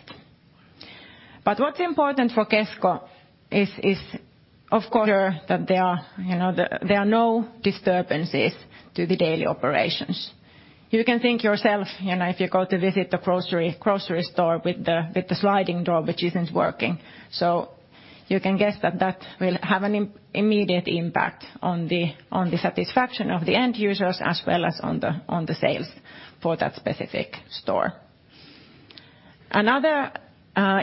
What's important for Kesko is, of course, that there are, you know, no disturbances to the daily operations. You can think yourself, you know, if you go to visit the grocery store with the sliding door which isn't working. You can guess that that will have an immediate impact on the satisfaction of the end users as well as on the sales for that specific store. Another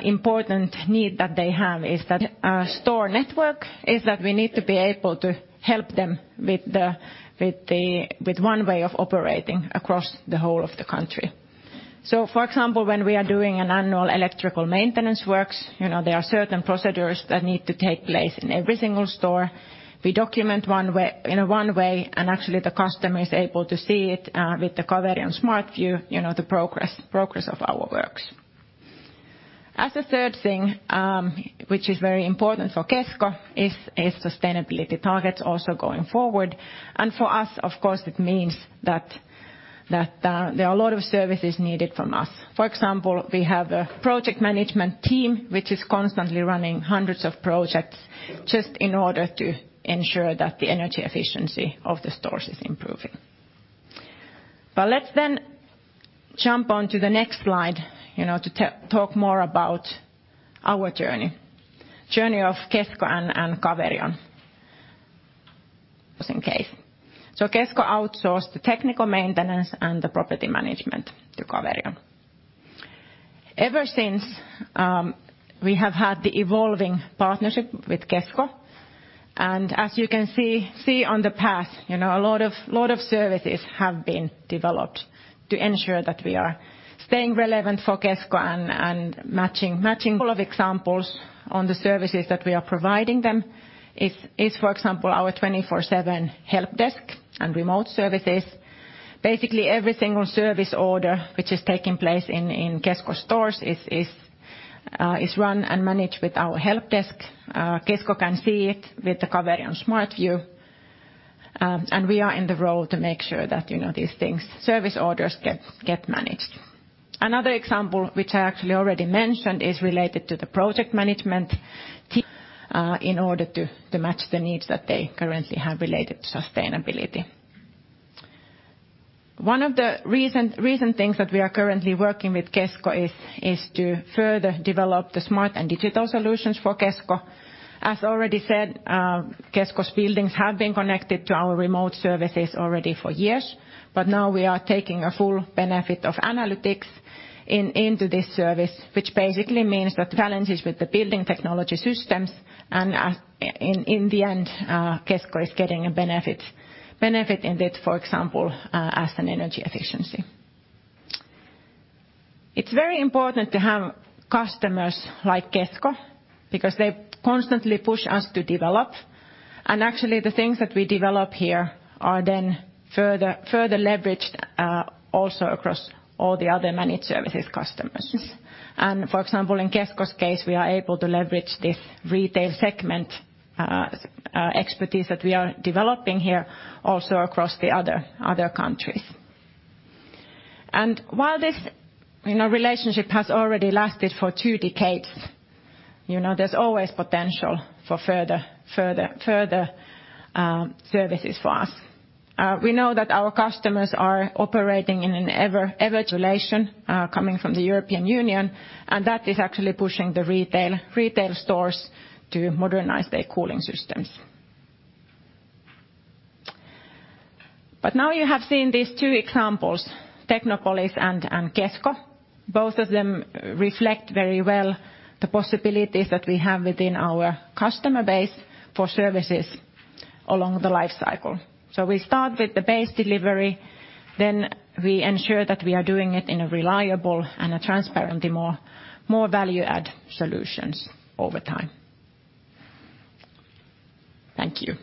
important need that they have is that their store network is that we need to be able to help them with one way of operating across the whole of the country. For example, when we are doing an annual electrical maintenance works, you know, there are certain procedures that need to take place in every single store. We document one way, and actually the customer is able to see it with the Caverion SmartView, you know, the progress of our works. As a third thing, which is very important for Kesko is sustainability targets also going forward. For us, of course, it means that there are a lot of services needed from us. For example, we have a project management team which is constantly running hundreds of projects just in order to ensure that the energy efficiency of the stores is improving. Let's then jump on to the next slide, you know, to talk more about our journey of Kesko and Caverion. In case. Kesko outsourced the technical maintenance and the property management to Caverion. Ever since, we have had the evolving partnership with Kesko, and as you can see on the path, you know, a lot of services have been developed to ensure that we are staying relevant for Kesko and matching. Full of examples on the services that we are providing them is for example our 24/7 help desk and remote services. Basically every single service order which is taking place in Kesko stores is run and managed with our help desk. Kesko can see it with the Caverion SmartView, and we are in the role to make sure that, you know, these things, service orders get managed. Another example, which I actually already mentioned, is related to the project management team in order to match the needs that they currently have related to sustainability. One of the recent things that we are currently working with Kesko is to further develop the smart and digital solutions for Kesko. As already said, Kesko's buildings have been connected to our remote services already for years, but now we are taking a full benefit of analytics into this service, which basically means that challenges with the building technology systems and in the end Kesko is getting a benefit in it, for example, as an energy efficiency. It's very important to have customers like Kesko because they constantly push us to develop, and actually the things that we develop here are then further leveraged also across all the other managed services customers. For example, in Kesko's case, we are able to leverage this retail segment expertise that we are developing here also across the other countries. While this, you know, relationship has already lasted for two decades, you know, there's always potential for further services for us. We know that our customers are operating in an ever regulation coming from the European Union, and that is actually pushing the retail stores to modernize their cooling systems. Now you have seen these two examples, Technopolis and Kesko. Both of them reflect very well the possibilities that we have within our customer base for services along the life cycle. We start with the base delivery, then we ensure that we are doing it in a reliable and transparent, the more value add solutions over time. Thank you.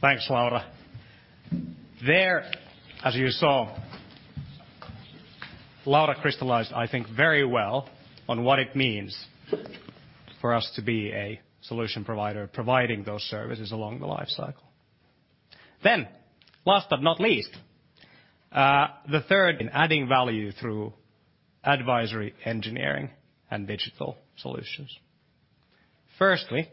Thanks, Laura. There, as you saw, Laura crystallized, I think, very well on what it means for us to be a solution provider providing those services along the life cycle. Last but not least, the third in adding value through advisory engineering and digital solutions. Firstly,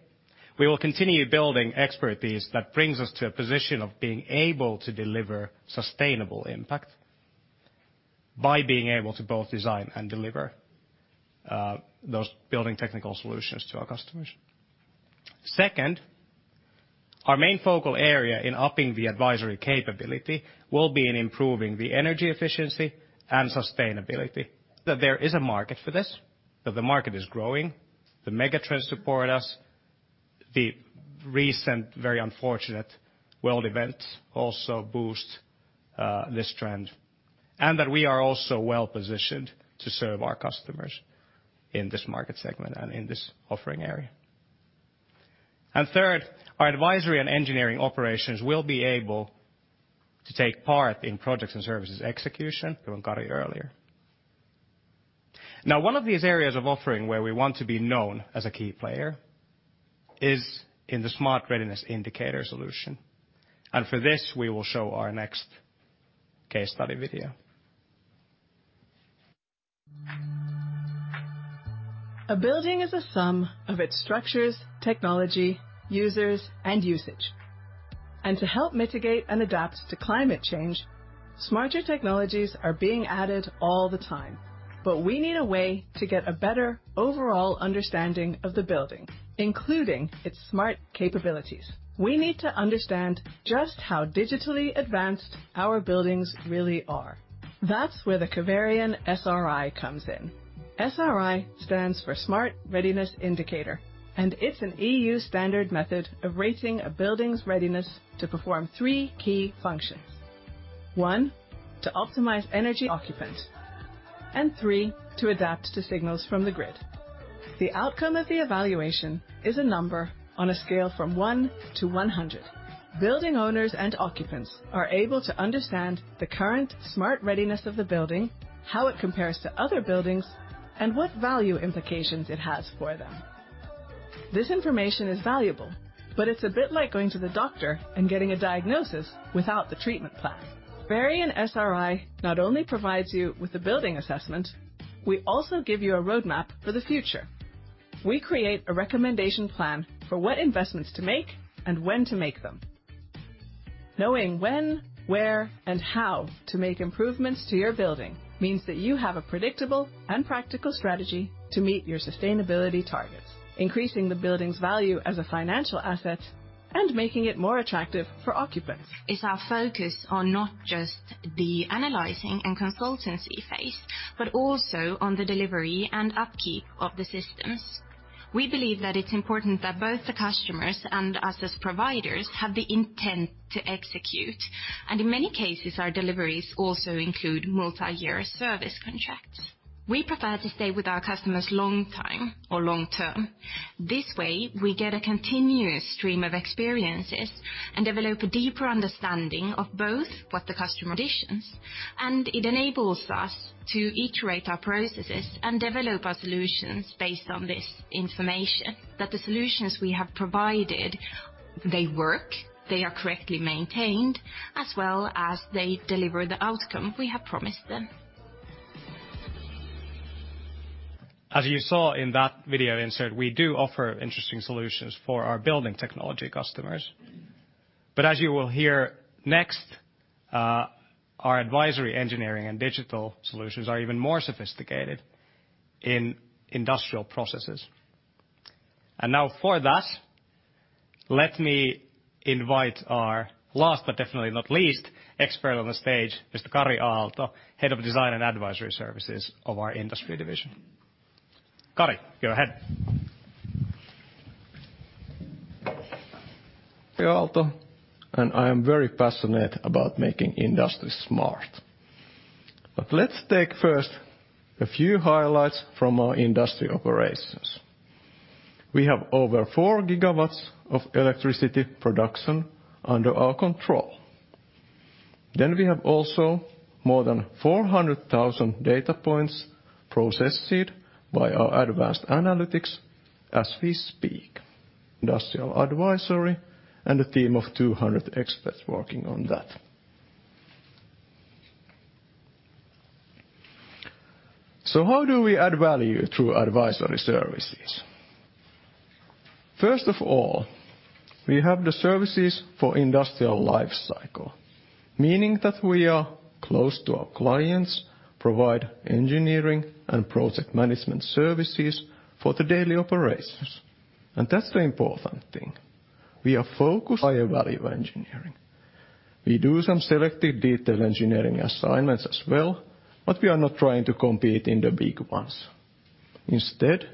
we will continue building expertise that brings us to a position of being able to deliver sustainable impact by being able to both design and deliver those building technical solutions to our customers. Second, our main focal area in upping the advisory capability will be in improving the energy efficiency and sustainability. That there is a market for this, that the market is growing, the mega trends support us, the recent very unfortunate world events also boost this trend, and that we are also well-positioned to serve our customers in this market segment and in this offering area. Third, our advisory and engineering operations will be able to take part in projects and services execution from Kari earlier. Now, one of these areas of offering where we want to be known as a key player is in the Smart Readiness Indicator solution. For this, we will show our next case study video. A building is a sum of its structures, technology, users, and usage. To help mitigate and adapt to climate change, smarter technologies are being added all the time. We need a way to get a better overall understanding of the building, including its smart capabilities. We need to understand just how digitally advanced our buildings really are. That's where the Caverion SRI comes in. SRI stands for Smart Readiness Indicator, and it's an EU standard method of rating a building's readiness to perform three key functions. 1, to optimize energy occupant, and 3, to adapt to signals from the grid. The outcome of the evaluation is a number on a scale from 1 to 100. Building owners and occupants are able to understand the current smart readiness of the building, how it compares to other buildings, and what value implications it has for them. This information is valuable, but it's a bit like going to the doctor and getting a diagnosis without the treatment plan. Caverion SRI not only provides you with the building assessment, we also give you a roadmap for the future. We create a recommendation plan for what investments to make and when to make them. Knowing when, where, and how to make improvements to your building means that you have a predictable and practical strategy to meet your sustainability targets, increasing the building's value as a financial asset, and making it more attractive for occupants. It's our focus on not just the analyzing and consultancy phase, but also on the delivery and upkeep of the systems. We believe that it's important that both the customers and us as providers have the intent to execute. In many cases, our deliveries also include multi-year service contracts. We prefer to stay with our customers long time or long-term. This way, we get a continuous stream of experiences and develop a deeper understanding of both what the customer additions. It enables us to iterate our processes and develop our solutions based on this information that the solutions we have provided, they work, they are correctly maintained, as well as they deliver the outcome we have promised them. As you saw in that video insert, we do offer interesting solutions for our building technology customers. As you will hear next, our advisory engineering and digital solutions are even more sophisticated in industrial processes. Now for that, let me invite our last, but definitely not least, expert on the stage, Mr. Kari Aalto, Head of Design and Advisory Services of our industry division. Kari, go ahead. Kari Aalto. I am very passionate about making industry smart. Let's take first a few highlights from our industry operations. We have over 4 GW of electricity production under our control. We have also more than 400,000 data points processed by our advanced analytics as we speak. Industrial advisory and a team of 200 experts working on that. How do we add value through advisory services? First of all, we have the services for industrial life cycle, meaning that we are close to our clients, provide engineering and project management services for the daily operations. That's the important thing. We are focused on value engineering. We do some selective detail engineering assignments as well, but we are not trying to compete in the big ones. Instead,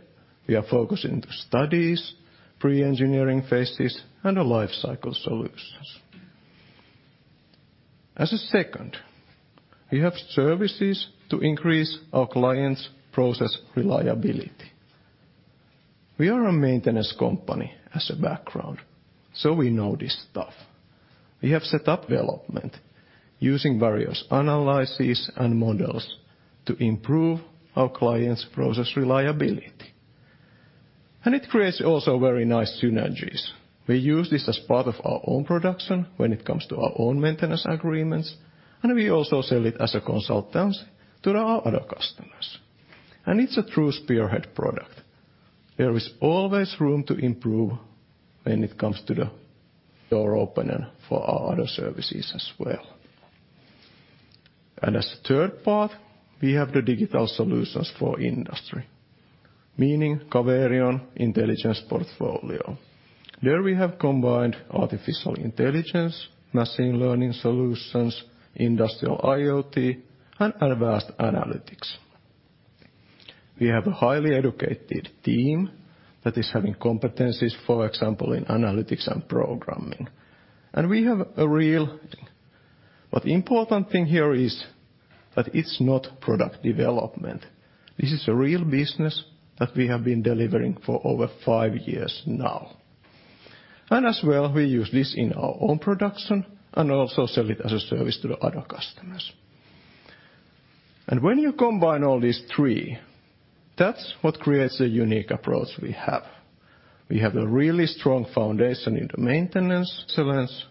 we are focusing on the studies, pre-engineering phases, and life cycle solutions. As a second, we have services to increase our clients' process reliability. We are a maintenance company as a background, so we know this stuff. We have set up development using various analysis and models to improve our clients' process reliability. It creates also very nice synergies. We use this as part of our own production when it comes to our own maintenance agreements, and we also sell it as consultants to our other customers. It's a true spearhead product. There is always room to improve when it comes to the door opener for our other services as well. As third part, we have the digital solutions for industry, meaning Caverion Intelligence portfolio. There we have combined artificial intelligence, machine learning solutions, industrial IoT, and advanced analytics. We have a highly educated team that is having competencies, for example, in analytics and programming. Important thing here is that it's not product development. This is a real business that we have been delivering for over five years now. As well, we use this in our own production, and also sell it as a service to the other customers. When you combine all these three, that's what creates a unique approach we have. We have a really strong foundation in the maintenance excellence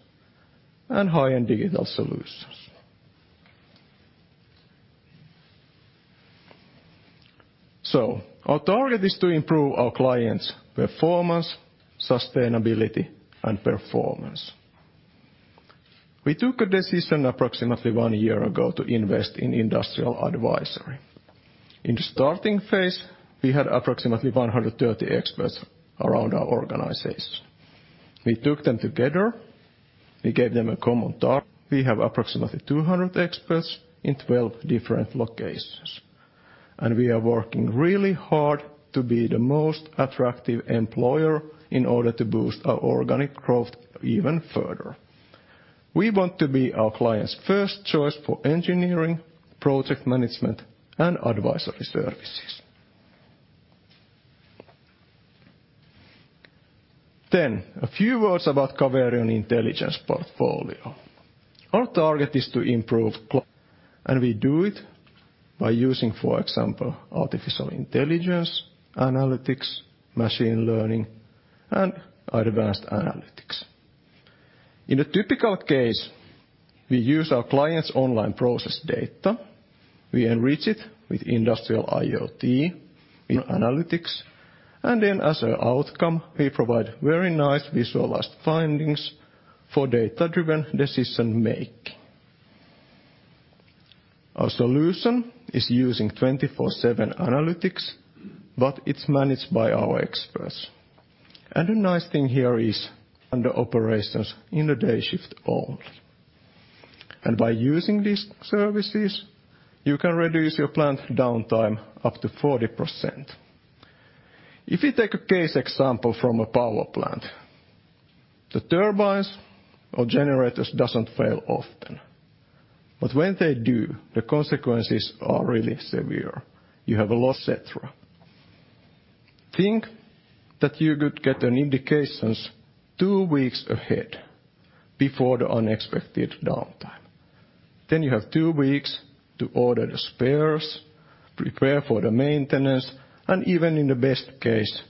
and high-end digital solutions. Our target is to improve our clients' performance, sustainability and performance. We took a decision approximately one year ago to invest in industrial advisory. In the starting phase, we had approximately 130 experts around our organization. We took them together, we gave them a common target. We have approximately 200 experts in 12 different locations, and we are working really hard to be the most attractive employer in order to boost our organic growth even further. We want to be our clients' first choice for engineering, project management, and advisory services. A few words about Caverion Intelligence portfolio. Our target is to improve and we do it by using, for example, artificial intelligence, analytics, machine learning, and advanced analytics. In a typical case, we use our clients' online process data, we enrich it with industrial IoT, with analytics, and then as an outcome, we provide very nice visualized findings for data-driven decision making. Our solution is using 24/7 analytics, but it's managed by our experts. The nice thing here is under operations in the day shift only. By using these services, you can reduce your plant downtime up to 40%. If you take a case example from a power plant, the turbines or generators doesn't fail often. When they do, the consequences are really severe. You have a loss et cetera. Think that you could get an indications two weeks ahead before the unexpected downtime. You have two weeks to order the spares, prepare for the maintenance, and even in the best case,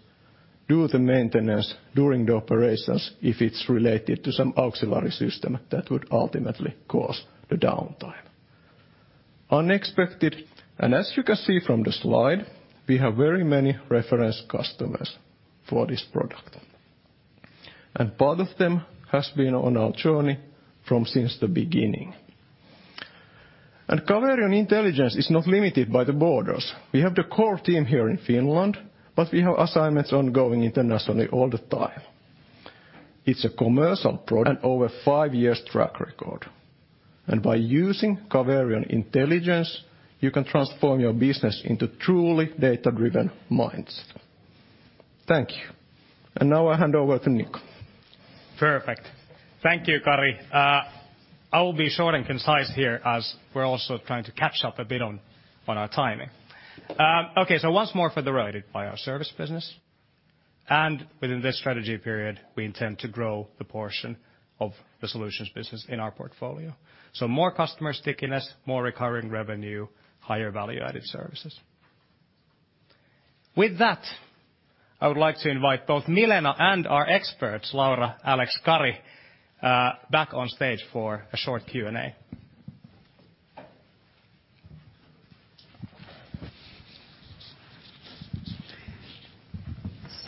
do the maintenance during the operations if it's related to some auxiliary system that would ultimately cause the downtime. As you can see from the slide, we have very many reference customers for this product. Part of them has been on our journey from since the beginning. Caverion Intelligence is not limited by the borders. We have the core team here in Finland, but we have assignments ongoing internationally all the time. It's a commercial product and over five years track record. By using Caverion Intelligence, you can transform your business into truly data-driven minds. Thank you. Now I hand over to Niko. Perfect. Thank you, Kari. I will be short and concise here as we're also trying to catch up a bit on our timing. Okay, once more fed by our service business. Within this strategy period, we intend to grow the portion of the solutions business in our portfolio. More customer stickiness, more recurring revenue, higher value-added services. With that, I would like to invite both Milena and our experts, Laura, Alex, Kari, back on stage for a short Q&A.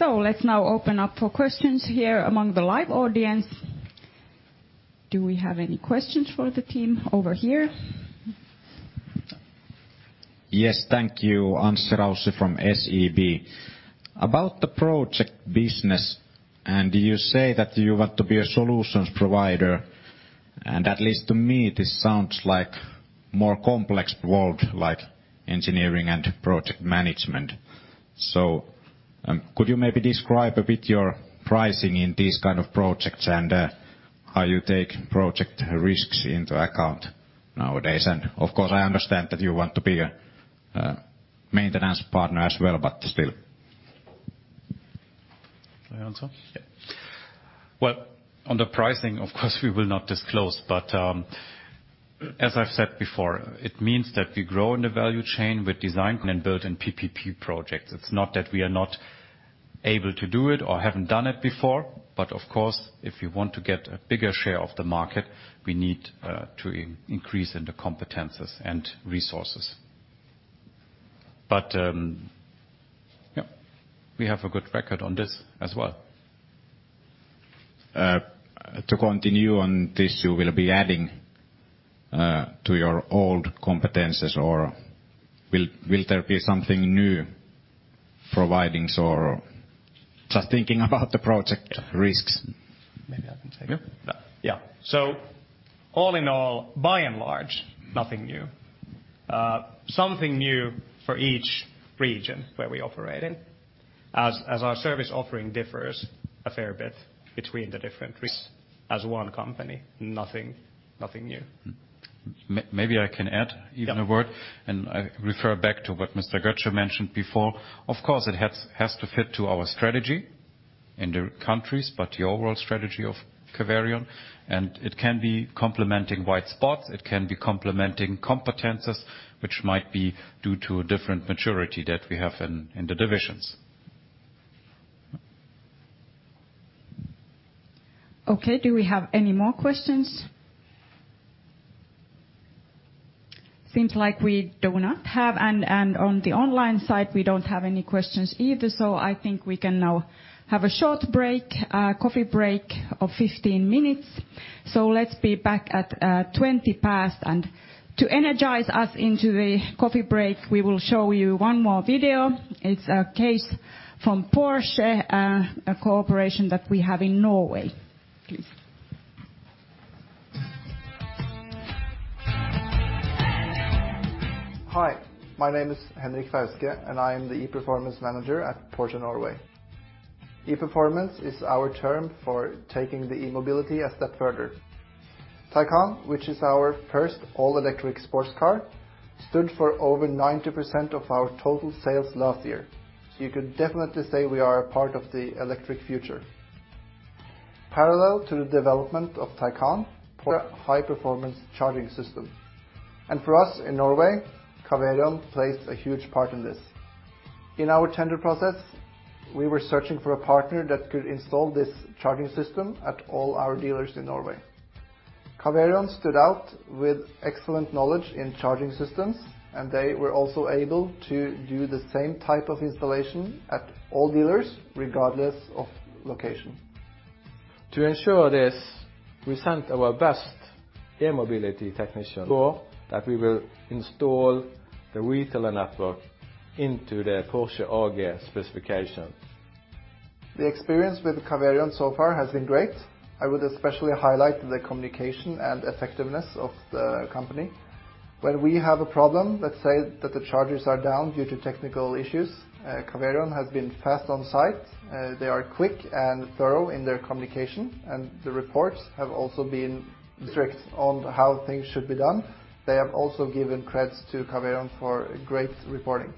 Let's now open up for questions here among the live audience. Do we have any questions for the team over here? Yes. Thank you. Anssi Raussi from SEB. About the project business, you say that you want to be a solutions provider, and at least to me this sounds like more complex world like engineering and project management. Could you maybe describe a bit your pricing in these kind of projects and how you take project risks into account nowadays? Of course, I understand that you want to be a maintenance partner as well, but still. Can I answer? Yeah. Well, on the pricing, of course, we will not disclose, but, as I've said before, it means that we grow in the value chain with design and build and PPP projects. It's not that we are not able to do it or haven't done it before, but of course, if you want to get a bigger share of the market, we need to increase in the competences and resources. Yeah, we have a good record on this as well. To continue on this, you will be adding to your old competencies or will there be something new provisions or just thinking about the project risks? Maybe I can take it. Yeah. Yeah. All in all, by and large, nothing new. Something new for each region where we operate in as our service offering differs a fair bit between the different regions. As one company, nothing new. Maybe I can add even a word, and I refer back to what Mr. Götzsche mentioned before. Of course, it has to fit to our strategy in the countries, but the overall strategy of Caverion, and it can be complementing white spots, it can be complementing competencies, which might be due to a different maturity that we have in the divisions. Okay. Do we have any more questions? Seems like we do not have, and on the online side, we don't have any questions either. I think we can now have a short break, coffee break of 15 minutes. Let's be back at 20 past. To energize us into the coffee break, we will show you one more video. It's a case from Porsche, a cooperation that we have in Norway. Please. Hi, my name is Henrik Fauske, and I am the ePerformance Manager at Porsche Norway. ePerformance is our term for taking the e-mobility a step further. Taycan, which is our first all-electric sports car, stood for over 90% of our total sales last year. You could definitely say we are a part of the electric future. Parallel to the development of Taycan, high-performance charging system. For us in Norway, Caverion plays a huge part in this. In our tender process, we were searching for a partner that could install this charging system at all our dealers in Norway. Caverion stood out with excellent knowledge in charging systems, and they were also able to do the same type of installation at all dealers, regardless of location. To ensure this, we sent our best e-mobility technician so that we will install the Recharge network into the Porsche AG specifications. The experience with Caverion so far has been great. I would especially highlight the communication and effectiveness of the company. When we have a problem, let's say that the charges are down due to technical issues, Caverion has been fast on site. They are quick and thorough in their communication, and the reports have also been strict on how things should be done. They have also given credits to Caverion for great reporting.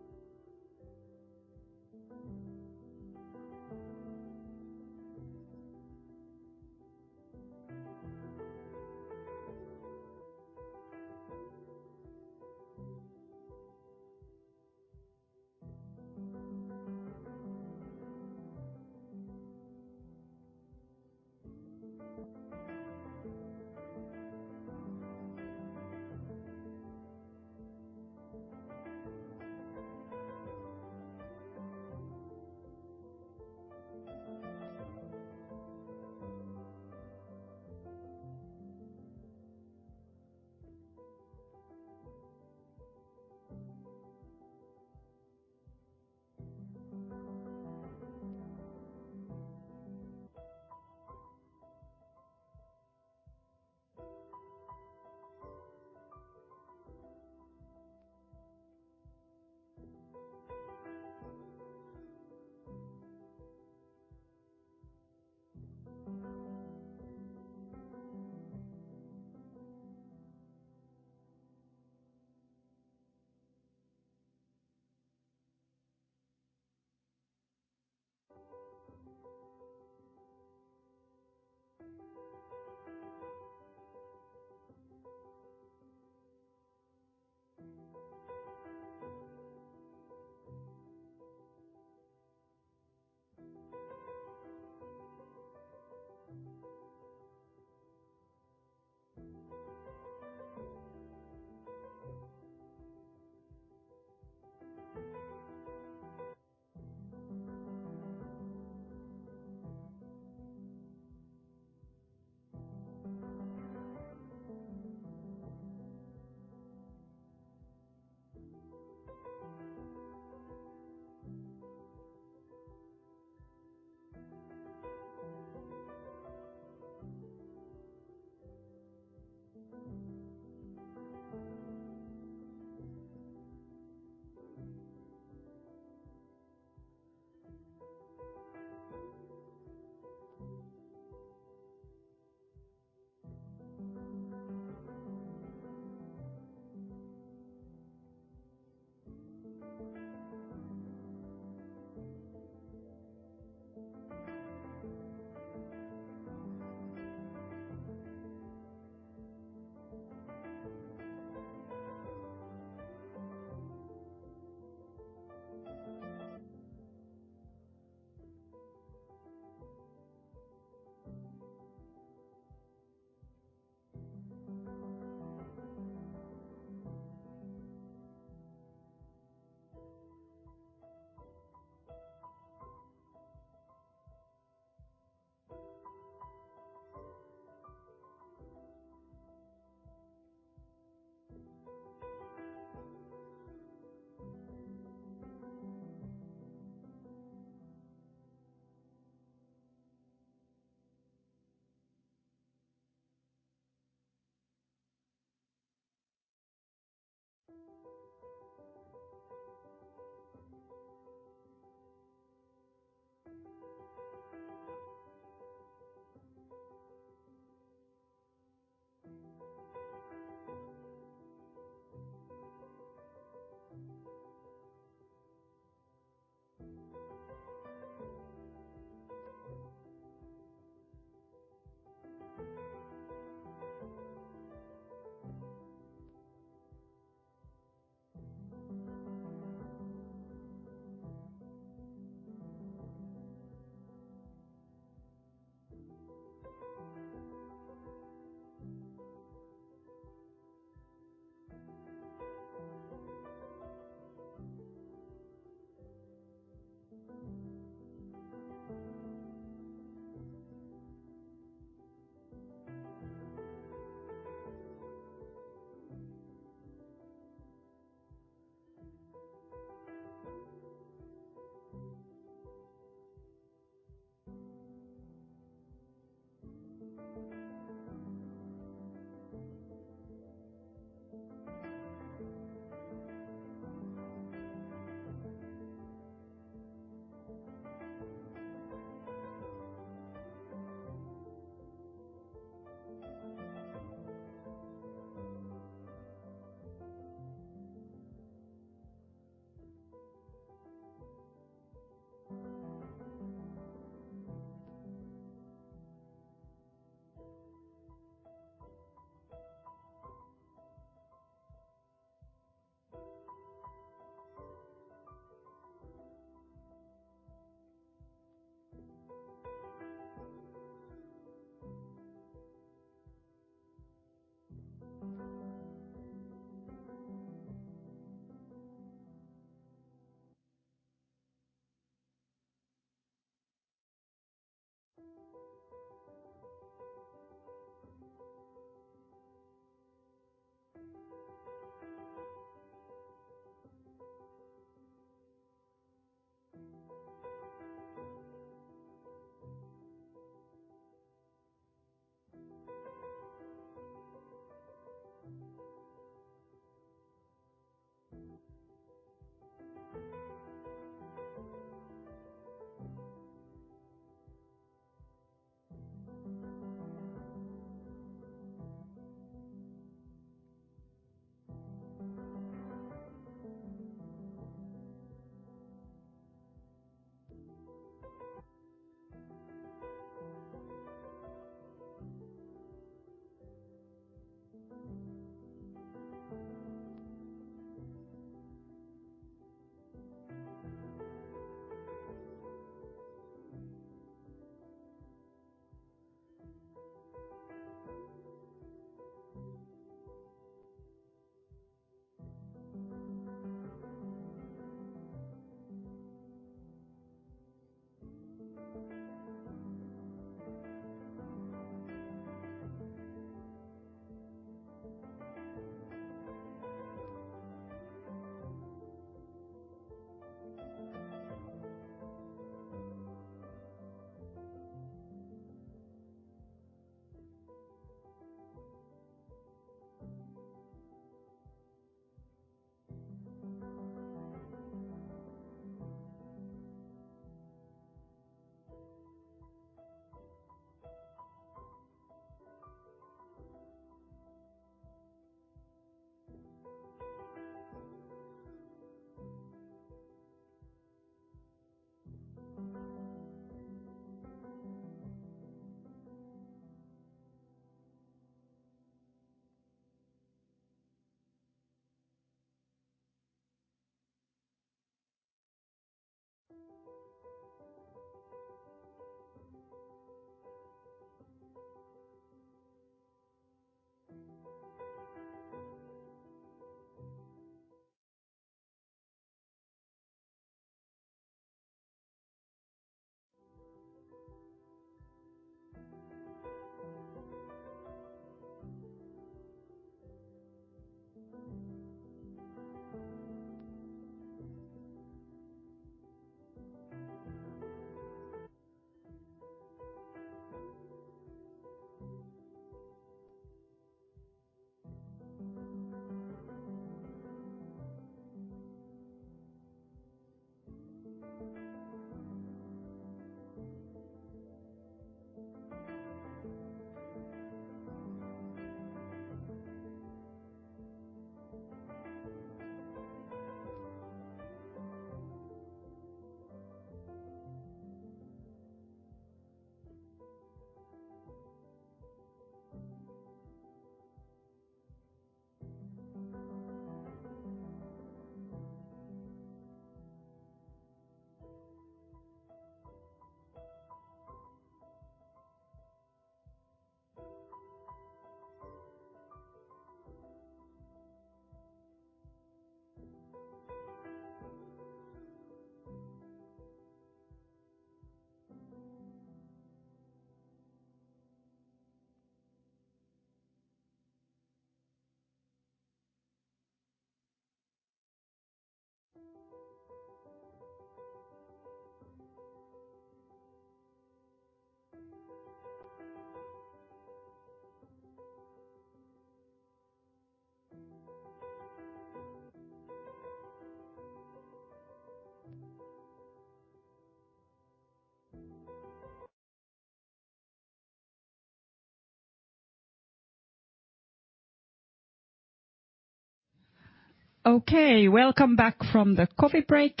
Okay, welcome back from the coffee break.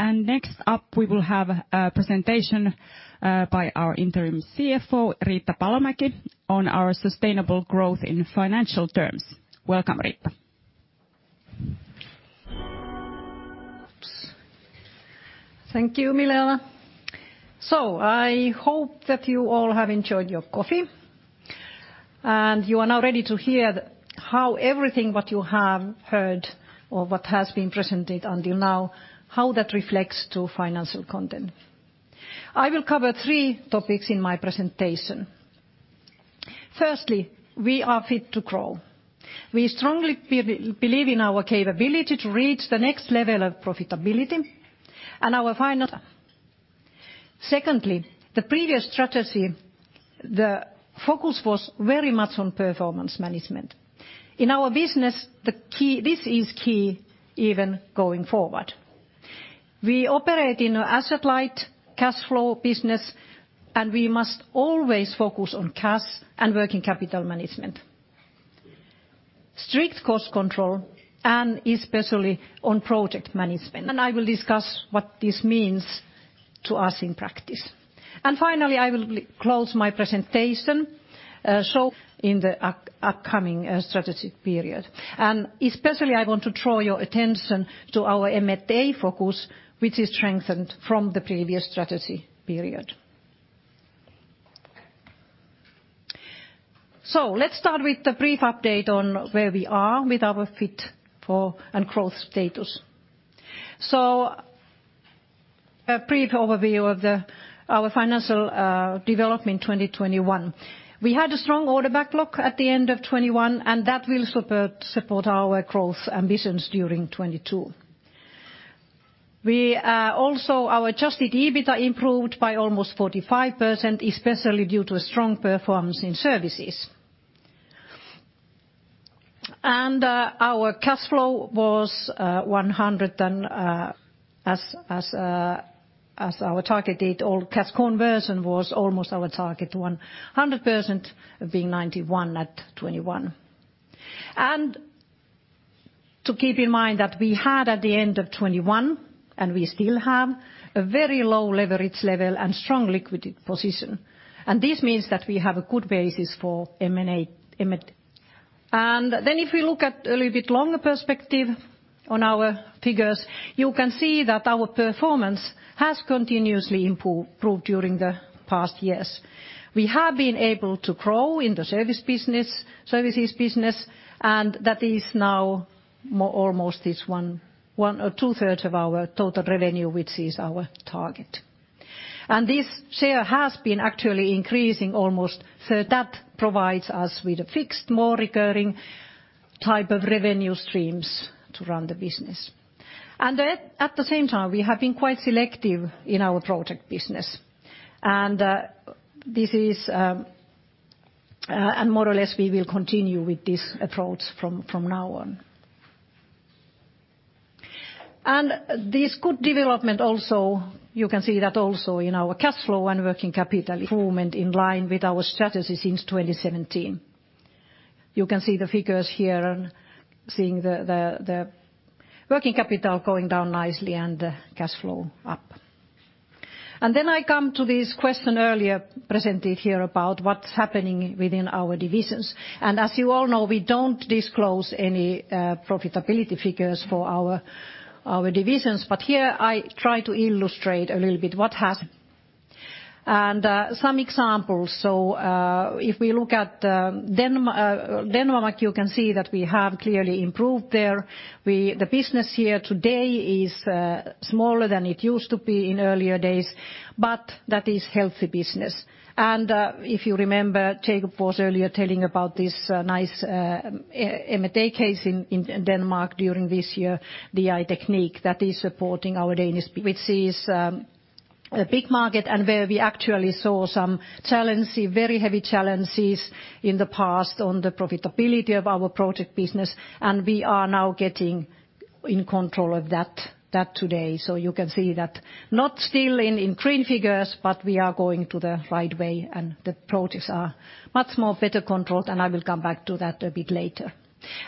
Next up, we will have a presentation by our interim CFO, Riitta Palomäki, on our sustainable growth in financial terms. Welcome, Riitta. Thank you, Milena. I hope that you all have enjoyed your coffee, and you are now ready to hear how everything what you have heard or what has been presented until now, how that reflects to financial content. I will cover three topics in my presentation. Firstly, we are fit to grow. We strongly believe in our capability to reach the next level of profitability and our final. Secondly, the previous strategy, the focus was very much on performance management. In our business, this is key even going forward. We operate in a asset-light cash flow business, and we must always focus on cash and working capital management. Strict cost control and especially on project management. I will discuss what this means to us in practice. Finally, I will close my presentation, so in the upcoming strategic period. Especially, I want to draw your attention to our M&A focus, which is strengthened from the previous strategy period. Let's start with the brief update on where we are with our fit for growth status. A brief overview of our financial development 2021. We had a strong order backlog at the end of 2021, and that will support our growth ambitions during 2022. We also, our adjusted EBITDA improved by almost 45%, especially due to strong performance in services. Our targeted cash conversion was almost our target 100%, being 91 at 2021. To keep in mind that we had at the end of 2021, and we still have, a very low leverage level and strong liquidity position. This means that we have a good basis for M&A. If we look at a little bit longer perspective on our figures, you can see that our performance has continuously improved during the past years. We have been able to grow in the services business, and that is now almost one or two-thirds of our total revenue, which is our target. This share has been actually increasing almost, so that provides us with a fixed, more recurring type of revenue streams to run the business. At the same time, we have been quite selective in our project business. This is, and more or less we will continue with this approach from now on. This good development also, you can see that also in our cash flow and working capital improvement in line with our strategies since 2017. You can see the figures here, seeing the working capital going down nicely and the cash flow up. Then I come to this question earlier presented here about what's happening within our divisions. As you all know, we don't disclose any profitability figures for our divisions. But here I try to illustrate a little bit some examples. If we look at Denmark, you can see that we have clearly improved there. The business here today is smaller than it used to be in earlier days, but that is healthy business. If you remember, Jacob was earlier telling about this nice M&A case in Denmark during this year, DI-Teknik, that is supporting our Danish which is a big market and where we actually saw some challenges, very heavy challenges in the past on the profitability of our project business. We are now getting in control of that today. You can see that not still in green figures, but we are going to the right way and the projects are much more better controlled, and I will come back to that a bit later.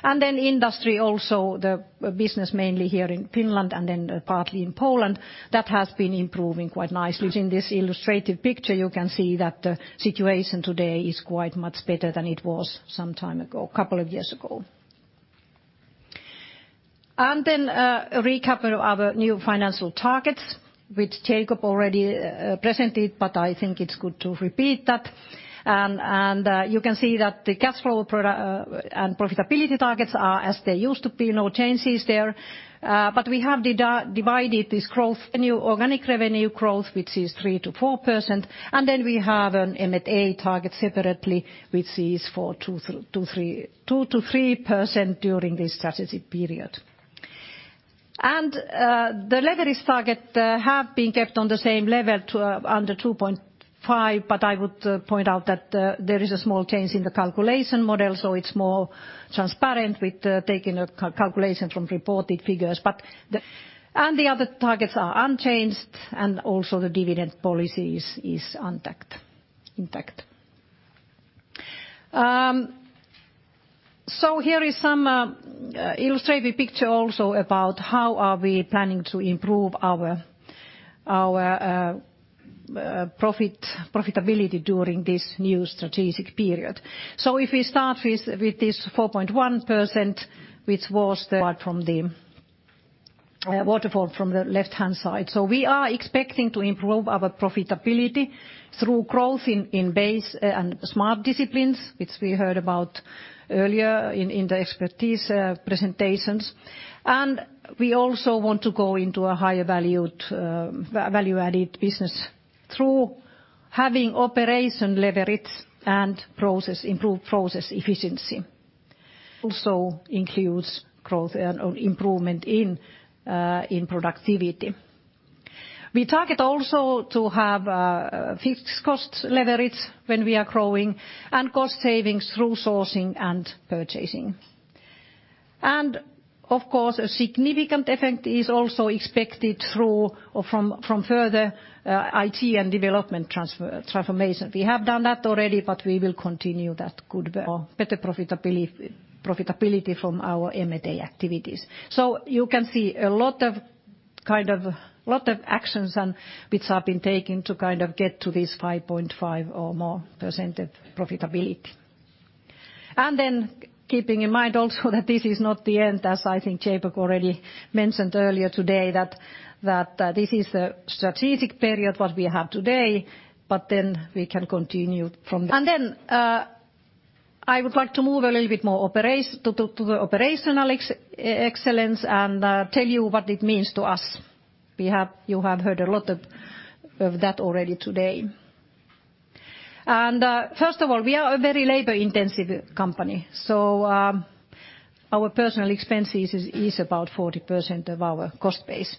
Industry also, the business mainly here in Finland and then partly in Poland, that has been improving quite nicely. Within this illustrative picture, you can see that the situation today is quite much better than it was some time ago, couple of years ago. A recap of our new financial targets, which Jacob already presented, but I think it's good to repeat that. You can see that the cash flow and profitability targets are as they used to be, no changes there. But we have divided this growth, new organic revenue growth, which is 3%-4%. Then we have an M&A target separately, which is 2%-3% during this strategic period. The leverage target have been kept on the same level to under 2.5, but I would point out that there is a small change in the calculation model, so it's more transparent with taking a calculation from reported figures. The other targets are unchanged, and also the dividend policy is intact. Here is some illustrative picture also about how we are planning to improve our profitability during this new strategic period. If we start with this 4.1%, which was the part from the waterfall from the left-hand side. We are expecting to improve our profitability through growth in base and smart disciplines, which we heard about earlier in the expert presentations. We also want to go into a higher valued value-added business through having operational leverage and improved process efficiency. Also includes growth and improvement in productivity. We target also to have fixed costs leverage when we are growing and cost savings through sourcing and purchasing. Of course, a significant effect is also expected through or from further IT and digital transformation. We have done that already, but we will continue that better profitability from our M&A activities. You can see a lot of, kind of, lot of actions and which have been taken to kind of get to this 5.5% or more profitability. Keeping in mind also that this is not the end, as I think Jacob already mentioned earlier today, this is the strategic period that we have today, but then we can continue from there. I would like to move a little bit more to the operational excellence and tell you what it means to us. You have heard a lot of that already today. First of all, we are a very labor-intensive company, so our personnel expense is about 40% of our cost base.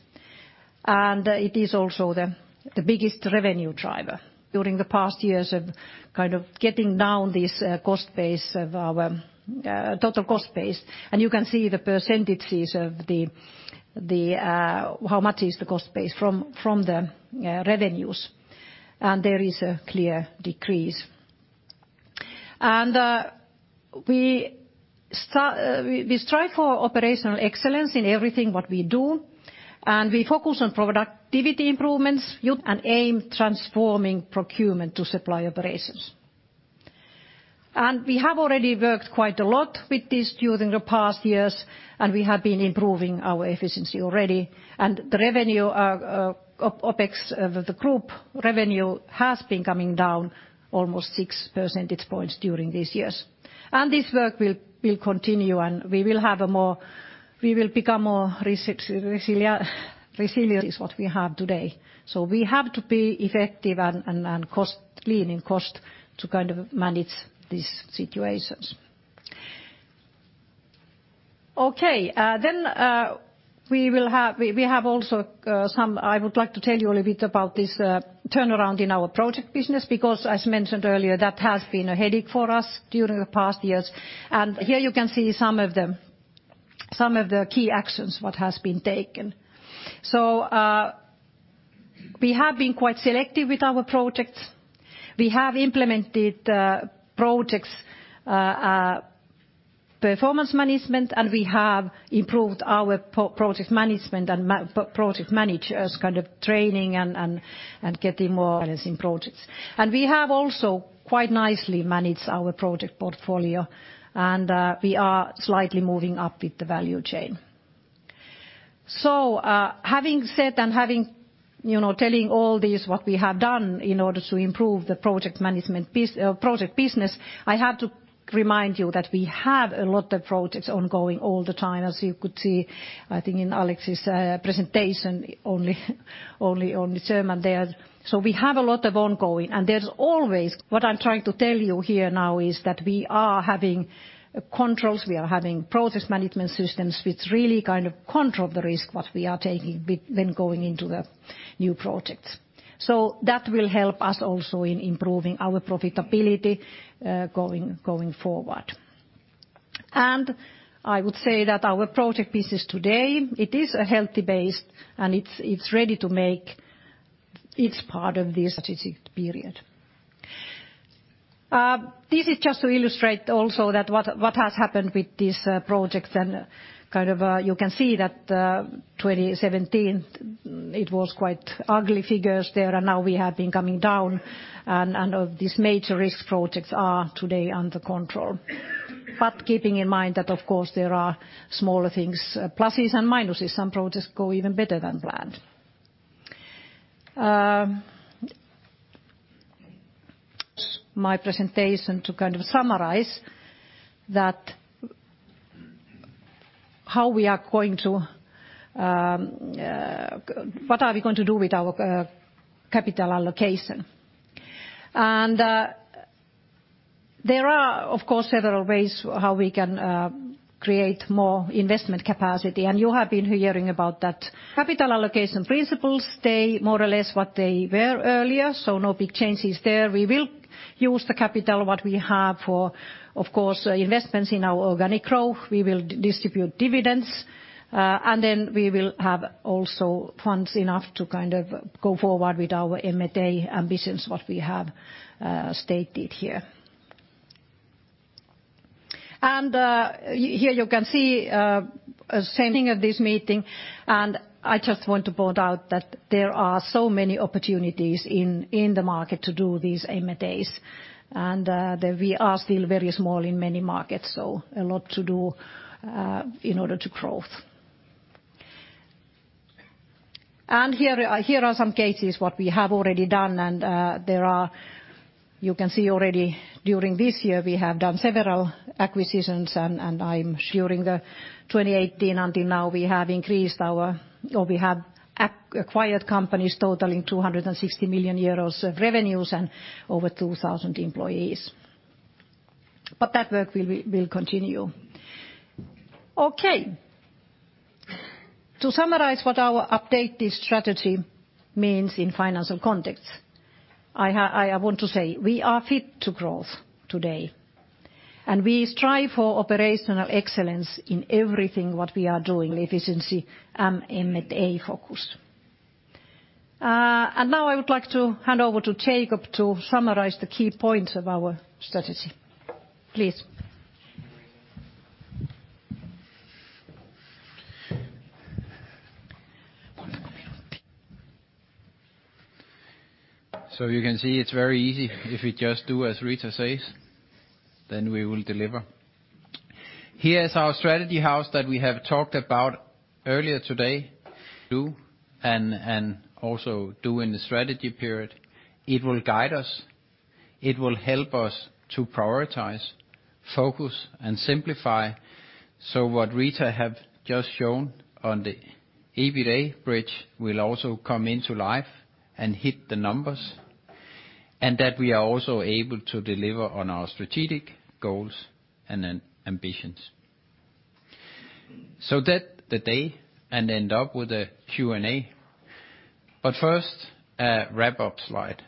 It is also the biggest revenue driver during the past years of kind of getting down this cost base of our total cost base. You can see the percentages of how much is the cost base from the revenues. There is a clear decrease. We strive for operational excellence in everything what we do, and we focus on productivity improvements and aim transforming procurement to supply operations. We have already worked quite a lot with this during the past years, and we have been improving our efficiency already. The revenue OpEx of the group revenue has been coming down almost 6 percentage points during these years. This work will continue, and we will become more resilient than what we have today. We have to be effective and lean in cost to kind of manage these situations. We have also I would like to tell you a little bit about this turnaround in our project business, because as mentioned earlier, that has been a headache for us during the past years. Here you can see some of the key actions what has been taken. We have been quite selective with our projects. We have implemented projects performance management, and we have improved our project management and project managers kind of training and getting more projects. We have also quite nicely managed our project portfolio, and we are slightly moving up with the value chain. Having said, you know, telling all this, what we have done in order to improve the project management project business, I have to remind you that we have a lot of projects ongoing all the time, as you could see, I think, in Alex's presentation only on the term there. We have a lot of ongoing, and there's always. What I'm trying to tell you here now is that we are having controls, we are having project management systems which really kind of control the risk what we are taking with then going into the new projects. That will help us also in improving our profitability, going forward. I would say that our project business today, it is a healthy base, and it's ready to make its part of the strategic period. This is just to illustrate also that what has happened with these projects and kind of you can see that, 2017, it was quite ugly figures there, and now we have been coming down and of these major risk projects are today under control. Keeping in mind that of course there are smaller things, pluses and minuses. Some projects go even better than planned. My presentation to kind of summarize that how we are going to what are we going to do with our capital allocation. There are of course several ways how we can create more investment capacity, and you have been hearing about that. Capital allocation principles, they more or less what they were earlier, so no big changes there. We will use the capital what we have for, of course, investments in our organic growth. We will distribute dividends, and then we will have also funds enough to kind of go forward with our M&A ambitions, what we have stated here. Here you can see ending of this meeting, and I just want to point out that there are so many opportunities in the market to do these M&As, and that we are still very small in many markets, so a lot to do in order to growth. Here are some cases what we have already done, and there you can see already during this year we have done several acquisitions, and I'm sure during 2018 until now we have acquired companies totaling 260 million euros of revenues and over 2,000 employees. That work will continue. Okay. To summarize what our updated strategy means in financial context, I want to say we are fit to growth today, and we strive for operational excellence in everything what we are doing, efficiency and M&A focus. Now I would like to hand over to Jacob to summarize the key points of our strategy. Please. You can see it's very easy if you just do as Riitta says, then we will deliver. Here is our strategy house that we have talked about earlier today, and also during the strategy period. It will guide us. It will help us to prioritize. Focus and simplify. What Riitta have just shown on the EBITDA bridge will also come to life and hit the numbers, and that we are also able to deliver on our strategic goals and ambitions. That's the day, and end up with a Q&A. First, a wrap-up slide.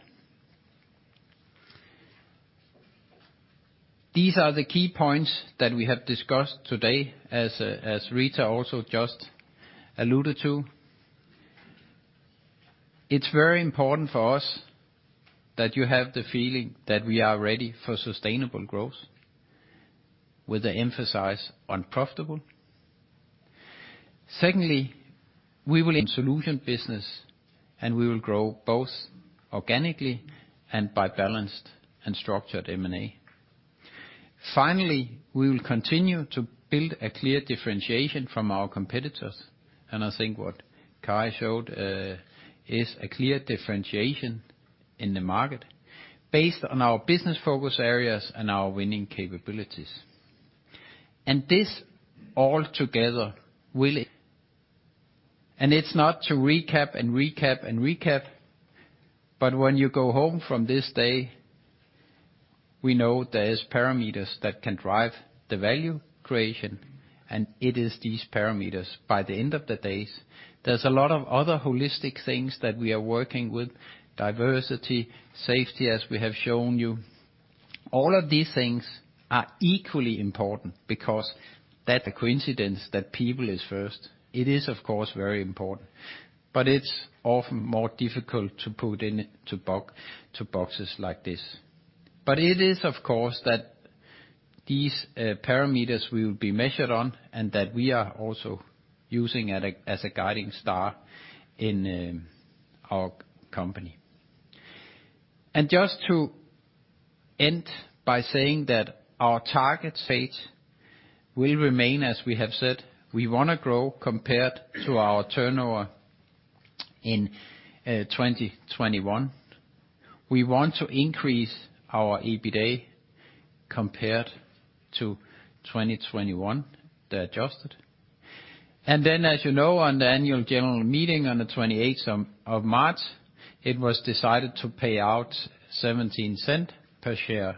These are the key points that we have discussed today, as Riitta also just alluded to. It's very important for us that you have the feeling that we are ready for sustainable growth with an emphasis on profitable. Secondly, we will invest in solutions business, and we will grow both organically and by balanced and structured M&A. Finally, we will continue to build a clear differentiation from our competitors, and I think what Kari showed is a clear differentiation in the market based on our business focus areas and our winning capabilities. It's not to recap and recap and recap, but when you go home from this day, we know there is parameters that can drive the value creation, and it is these parameters. By the end of the day, there's a lot of other holistic things that we are working with, diversity, safety, as we have shown you. All of these things are equally important because it's no coincidence that people is first. It is of course very important, but it's often more difficult to put it into boxes like this. It is, of course, that these parameters we will be measured on and that we are also using as a guiding star in our company. Just to end by saying that our target rate will remain as we have said. We wanna grow compared to our turnover in 2021. We want to increase our EBITDA compared to 2021, the adjusted. Then, as you know, on the annual general meeting on the 28th of March, it was decided to pay out 0.17 per share.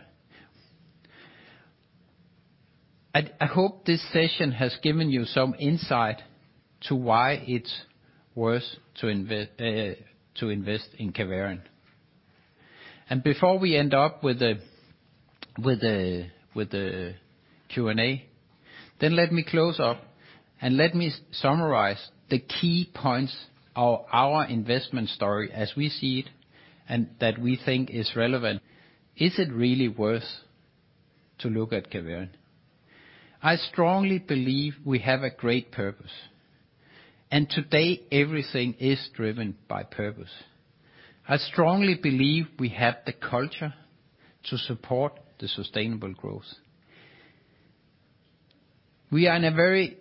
I hope this session has given you some insight to why it's worth to invest in Caverion. Before we end up with the Q&A, let me close up and let me summarize the key points of our investment story as we see it and that we think is relevant. Is it really worth to look at Caverion? I strongly believe we have a great purpose, and today everything is driven by purpose. I strongly believe we have the culture to support the sustainable growth. We are in a very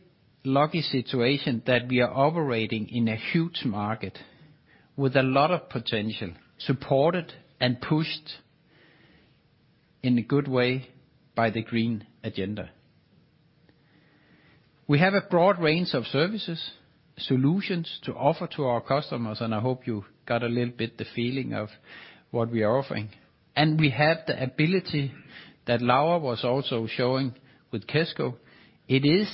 lucky situation that we are operating in a huge market with a lot of potential, supported and pushed in a good way by the green agenda. We have a broad range of services, solutions to offer to our customers, and I hope you got a little bit the feeling of what we are offering. We have the ability that Laura was also showing with Kesko. It is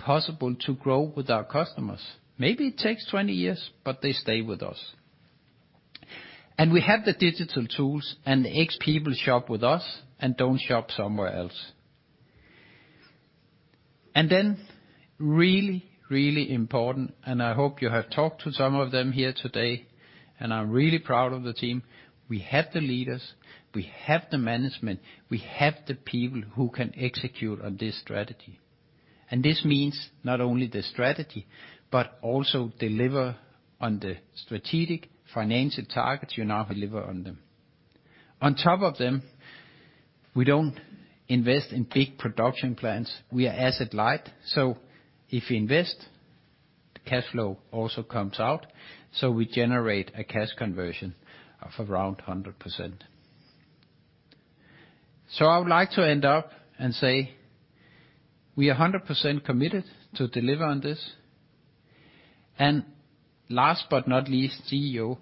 possible to grow with our customers. Maybe it takes 20 years, but they stay with us. We have the digital tools and the existing people shop with us and don't shop somewhere else. Really, really important, I hope you have talked to some of them here today, and I'm really proud of the team. We have the leaders, we have the management, we have the people who can execute on this strategy. This means not only the strategy, but also deliver on the strategic financial targets we now deliver on them. On top of them, we don't invest in big production plants. We are asset light. If you invest, the cash flow also comes out. We generate a cash conversion of around 100%. I would like to wrap up and say we are 100% committed to deliver on this. Last but not least, CEO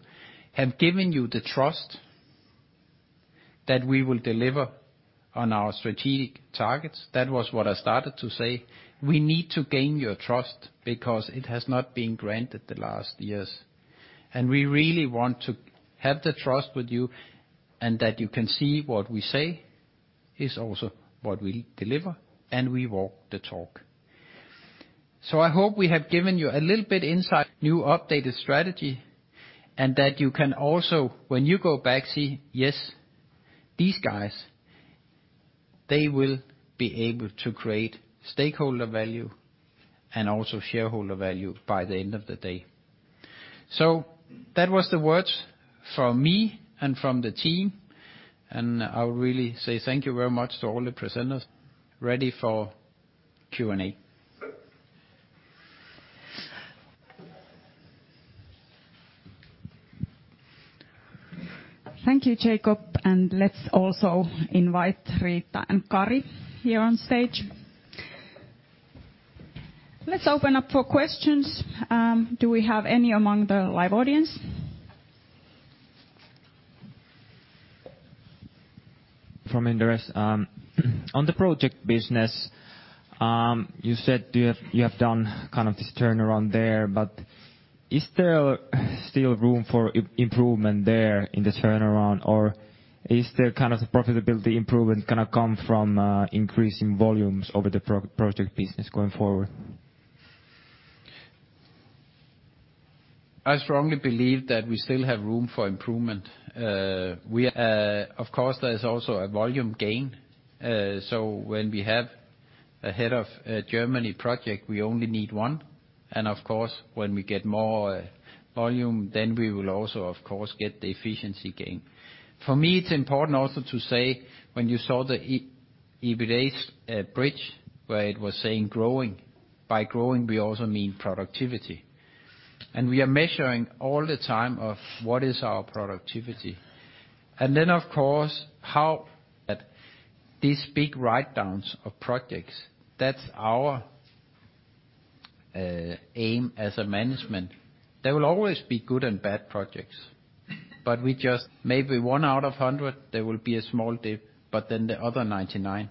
have given you the trust that we will deliver on our strategic targets. That was what I started to say. We need to gain your trust because it has not been granted the last years. We really want to have the trust with you and that you can see what we say is also what we deliver, and we walk the talk. I hope we have given you a little bit insight, new updated strategy, and that you can also, when you go back, see, yes, these guys, they will be able to create stakeholder value and also shareholder value by the end of the day. That was the words from me and from the team, and I would really say thank you very much to all the presenters. Ready for Q&A. Thank you, Jacob, and let's also invite Riitta and Kari here on stage. Let's open up for questions. Do we have any among the live audience? On the project business, you said you have done kind of this turnaround there, but is there still room for improvement there in the turnaround, or is there kind of a profitability improvement gonna come from increasing volumes over the project business going forward? I strongly believe that we still have room for improvement. Of course, there's also a volume gain. When we have a head of a Germany project, we only need one, and of course, when we get more volume, then we will also of course get the efficiency gain. For me, it's important also to say when you saw the EBITDA bridge where it was saying growing, by growing we also mean productivity. We are measuring all the time of what is our productivity. Of course, how that these big write-downs of projects, that's our aim as a management. There will always be good and bad projects, but we maybe one out of 100 there will be a small dip, but then the other 99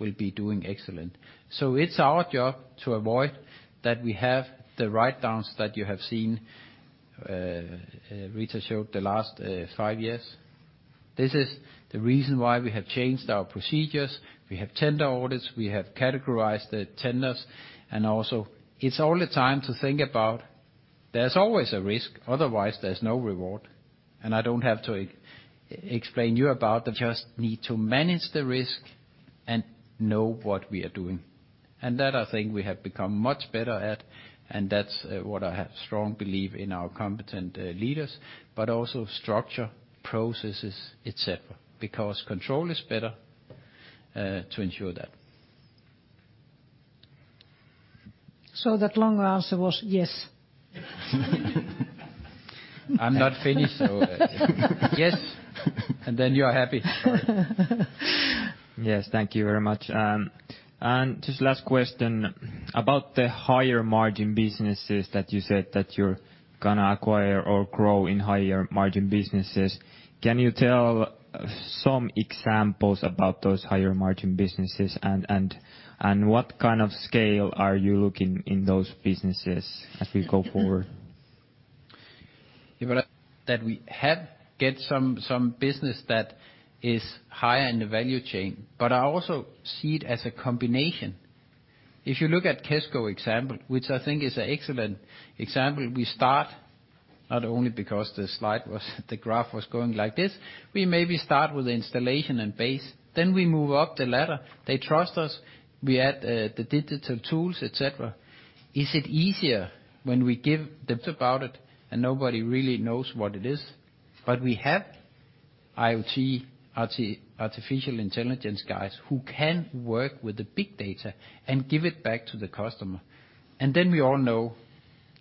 will be doing excellent. It's our job to avoid that we have the write-downs that you have seen, Riitta showed the last five years. This is the reason why we have changed our procedures. We have tender audits, we have categorized the tenders, and also it's all the time to think about there's always a risk, otherwise there's no reward. I don't have to explain to you. We just need to manage the risk and know what we are doing. That I think we have become much better at, and that's what I have strong belief in our competent leaders, but also structure, processes, et cetera. Because control is better to ensure that. That long answer was yes. I'm not finished, so. Yes, you are happy. Yes. Thank you very much. Just last question about the higher margin businesses that you said that you're gonna acquire or grow in higher margin businesses. Can you tell some examples about those higher margin businesses and what kind of scale are you looking in those businesses as we go forward? That we have got some business that is higher in the value chain. I also see it as a combination. If you look at Kesko example, which I think is an excellent example, we start not only because the graph was going like this. We maybe start with the installation and base, then we move up the ladder. They trust us. We add the digital tools, et cetera. Is it easier when we talk about it and nobody really knows what it is? We have IoT, RT, artificial intelligence guys who can work with the big data and give it back to the customer. We all know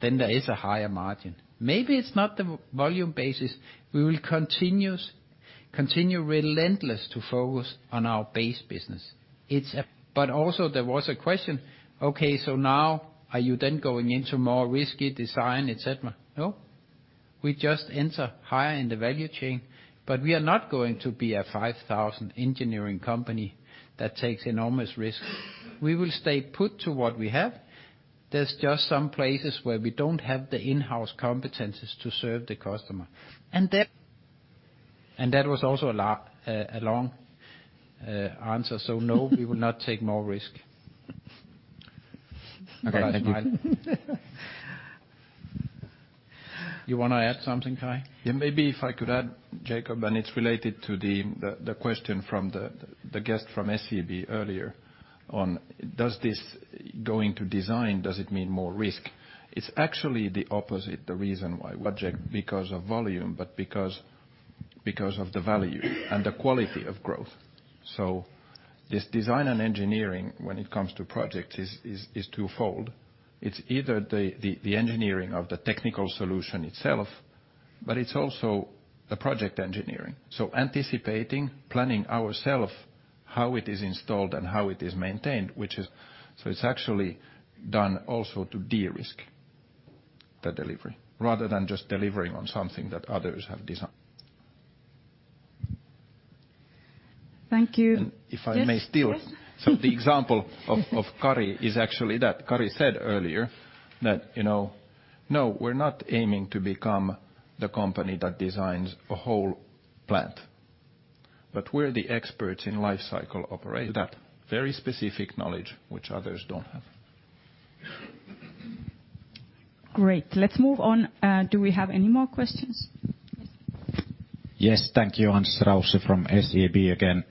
that there is a higher margin. Maybe it's not the volume basis. We will continue relentless to focus on our base business. It's a. Also there was a question, okay, now are you then going into more risky design, et cetera? No. We just enter higher in the value chain, but we are not going to be a 5,000 engineering company that takes enormous risk. We will stay put to what we have. There's just some places where we don't have the in-house competencies to serve the customer. That was also a long answer. No, we will not take more risk. Thank you. You wanna add something, Kari? Yeah, maybe if I could add, Jacob. It's related to the question from the guest from SEB earlier on. Does it mean more risk? It's actually the opposite, the reason for projects is not because of volume, but because of the value and the quality of growth. This design and engineering when it comes to projects is twofold. It's either the engineering of the technical solution itself, but it's also the project engineering. Anticipating, planning ourselves how it is installed and how it is maintained. It's actually done also to de-risk the delivery rather than just delivering on something that others have designed. Thank you. And if I may still- Yes, yes. The example of Kari is actually that Kari said earlier that, you know, no, we're not aiming to become the company that designs a whole plant, but we're the experts in lifecycle operation. That very specific knowledge which others don't have. Great. Let's move on. Do we have any more questions? Yes. Thank you. Anssi Raussi from SEB again.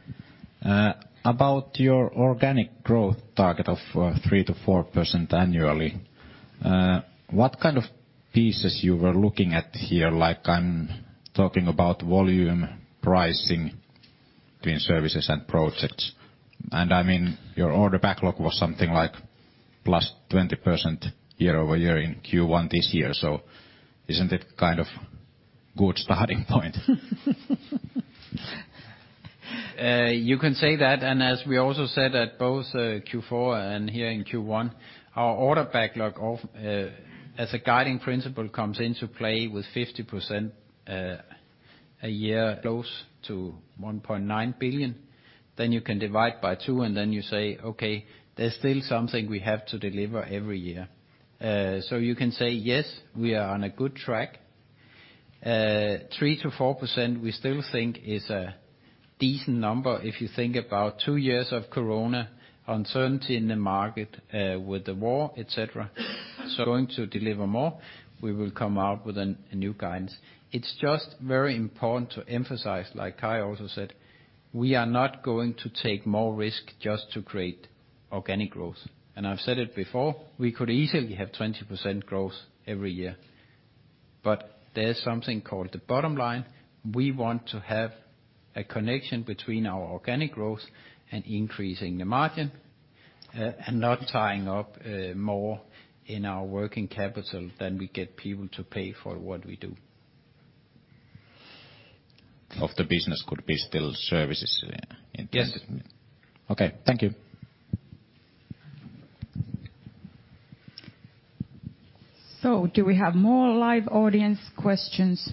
About your organic growth target of 3%-4% annually, what kind of pieces you were looking at here? Like, I'm talking about volume, pricing between services and projects. I mean, your order backlog was something like plus 20% year-over-year in Q1 this year. Isn't it kind of good starting point? You can say that, as we also said at both Q4 and here in Q1, our order backlog, as a guiding principle comes into play with 50% a year close to 1.9 billion. You can divide by two, and you say, "Okay, there's still something we have to deliver every year." You can say, yes, we are on a good track. 3%-4% we still think is a decent number if you think about two years of corona, uncertainty in the market, with the war, et cetera. Going to deliver more, we will come out with a new guidance. It's just very important to emphasize, like Kari also said, we are not going to take more risk just to create organic growth. I've said it before, we could easily have 20% growth every year. There's something called the bottom line. We want to have a connection between our organic growth and increasing the margin, and not tying up more in our working capital than we get people to pay for what we do. Of the business could be still services, yeah, in terms of. Yes. Okay. Thank you. Do we have more live audience questions?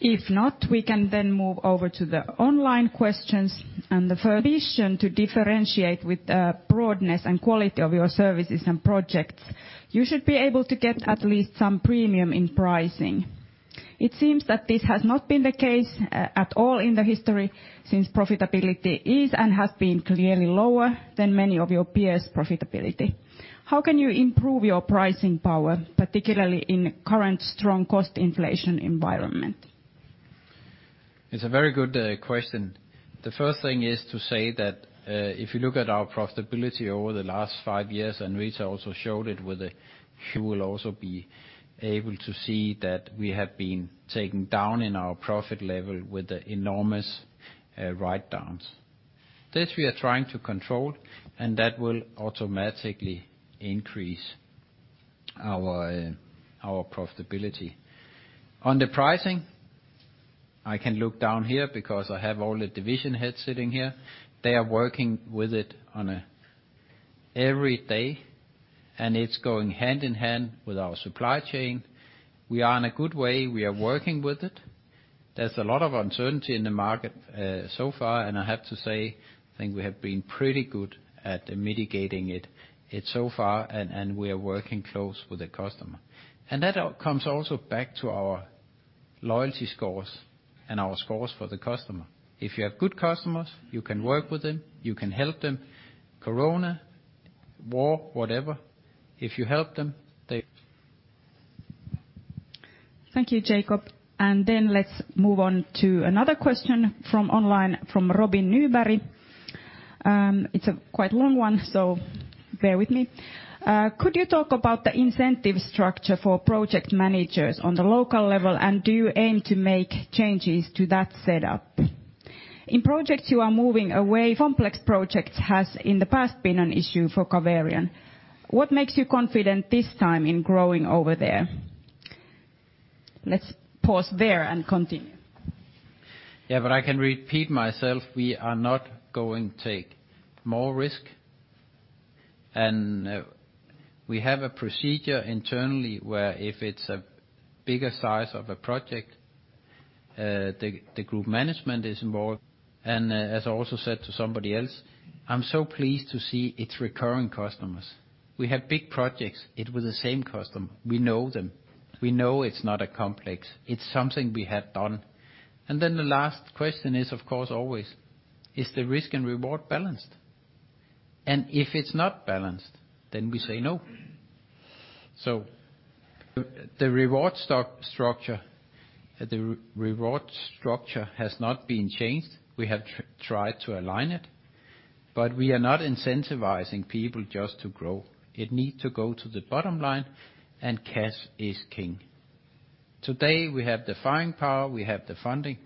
If not, we can move over to the online questions and the first. Mission to differentiate with broadness and quality of your services and projects, you should be able to get at least some premium in pricing. It seems that this has not been the case at all in the history since profitability is and has been clearly lower than many of your peers' profitability. How can you improve your pricing power, particularly in current strong cost inflation environment? It's a very good question. The first thing is to say that if you look at our profitability over the last five years, and Ritita also showed it. She will also be able to see that we have been taken down in our profit level with the enormous writedowns. This we are trying to control, and that will automatically increase our profitability. On the pricing, I can look down here because I have all the division heads sitting here. They are working with it every day, and it's going hand in hand with our supply chain. We are in a good way. We are working with it. There's a lot of uncertainty in the market so far, and I have to say, I think we have been pretty good at mitigating it so far, and we are working close with the customer. That all comes also back to our loyalty scores and our scores for the customer. If you have good customers, you can work with them, you can help them. Corona, war, whatever. If you help them, they. Thank you, Jacob. Let's move on to another question from online from Robin Newberry. It's a quite long one, so bear with me. Could you talk about the incentive structure for project managers on the local level, and do you aim to make changes to that setup? Complex projects has in the past been an issue for Caverion. What makes you confident this time in growing over there? Let's pause there and continue. Yeah, I can repeat myself. We are not going to take more risk. We have a procedure internally where if it's a bigger size of a project, the group management is involved. As I also said to somebody else, I'm so pleased to see it's recurring customers. We have big projects. It was the same customer. We know them. We know it's not a complex. It's something we have done. The last question is, of course, always, is the risk and reward balanced? If it's not balanced, then we say no. The reward structure has not been changed. We have tried to align it, but we are not incentivizing people just to grow. It need to go to the bottom line, and cash is king. Today, we have the buying power, we have the funding.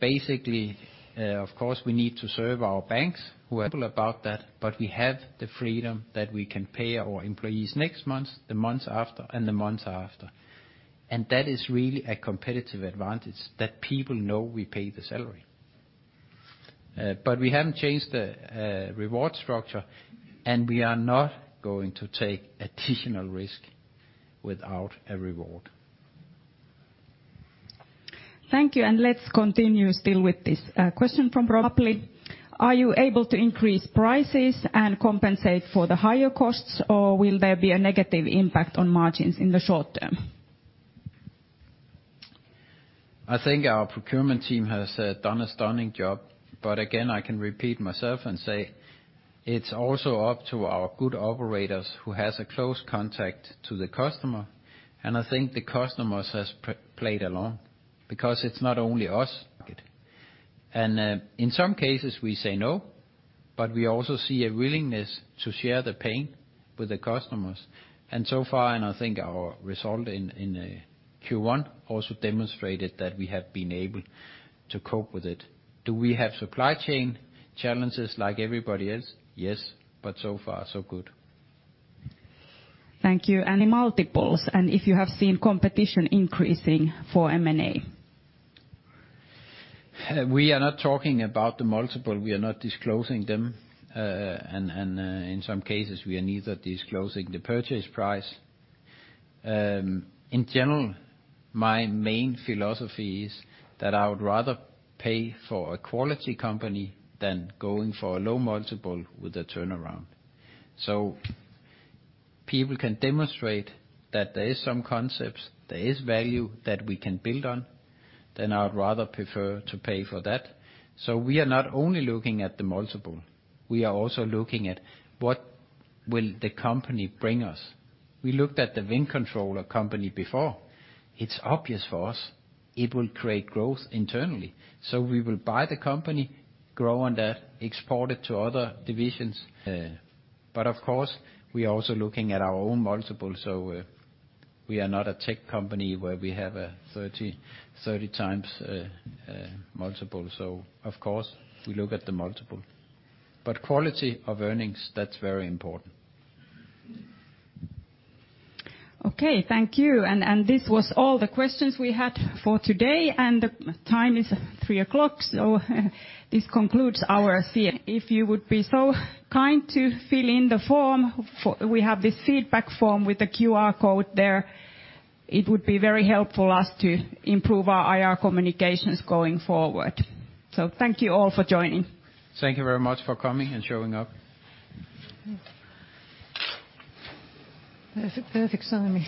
Basically, of course, we need to serve our banks who are about that, but we have the freedom that we can pay our employees next month, the month after, and the month after. That is really a competitive advantage that people know we pay the salary. We haven't changed the reward structure, and we are not going to take additional risk without a reward. Thank you. Let's continue still with this, question from Robin. Are you able to increase prices and compensate for the higher costs, or will there be a negative impact on margins in the short term? I think our procurement team has done a stunning job. Again, I can repeat myself and say it's also up to our good operators who has a close contact to the customer, and I think the customers has played along because it's not only us. In some cases we say no, but we also see a willingness to share the pain with the customers. So far, I think our result in Q1 also demonstrated that we have been able to cope with it. Do we have supply chain challenges like everybody else? Yes, but so far so good. Thank you. Any multiples, and if you have seen competition increasing for M&A? We are not talking about the multiple. We are not disclosing them. In some cases we are neither disclosing the purchase price. In general, my main philosophy is that I would rather pay for a quality company than going for a low multiple with a turnaround. People can demonstrate that there is some concepts, there is value that we can build on, then I would rather prefer to pay for that. We are not only looking at the multiple, we are also looking at what will the company bring us. We looked at the Wind Controller company before. It's obvious for us it will create growth internally. We will buy the company, grow on that, export it to other divisions. Of course we're also looking at our own multiples. We are not a tech company where we have a 30x multiple. So of course we look at the multiple. Quality of earnings, that's very important. Okay, thank you. This was all the questions we had for today. The time is 3:00 P.M., so this concludes our call. If you would be so kind to fill in the form. We have this feedback form with the QR code there. It would be very helpful as to improve our IR communications going forward. Thank you all for joining. Thank you very much for coming and showing up. Perfect timing.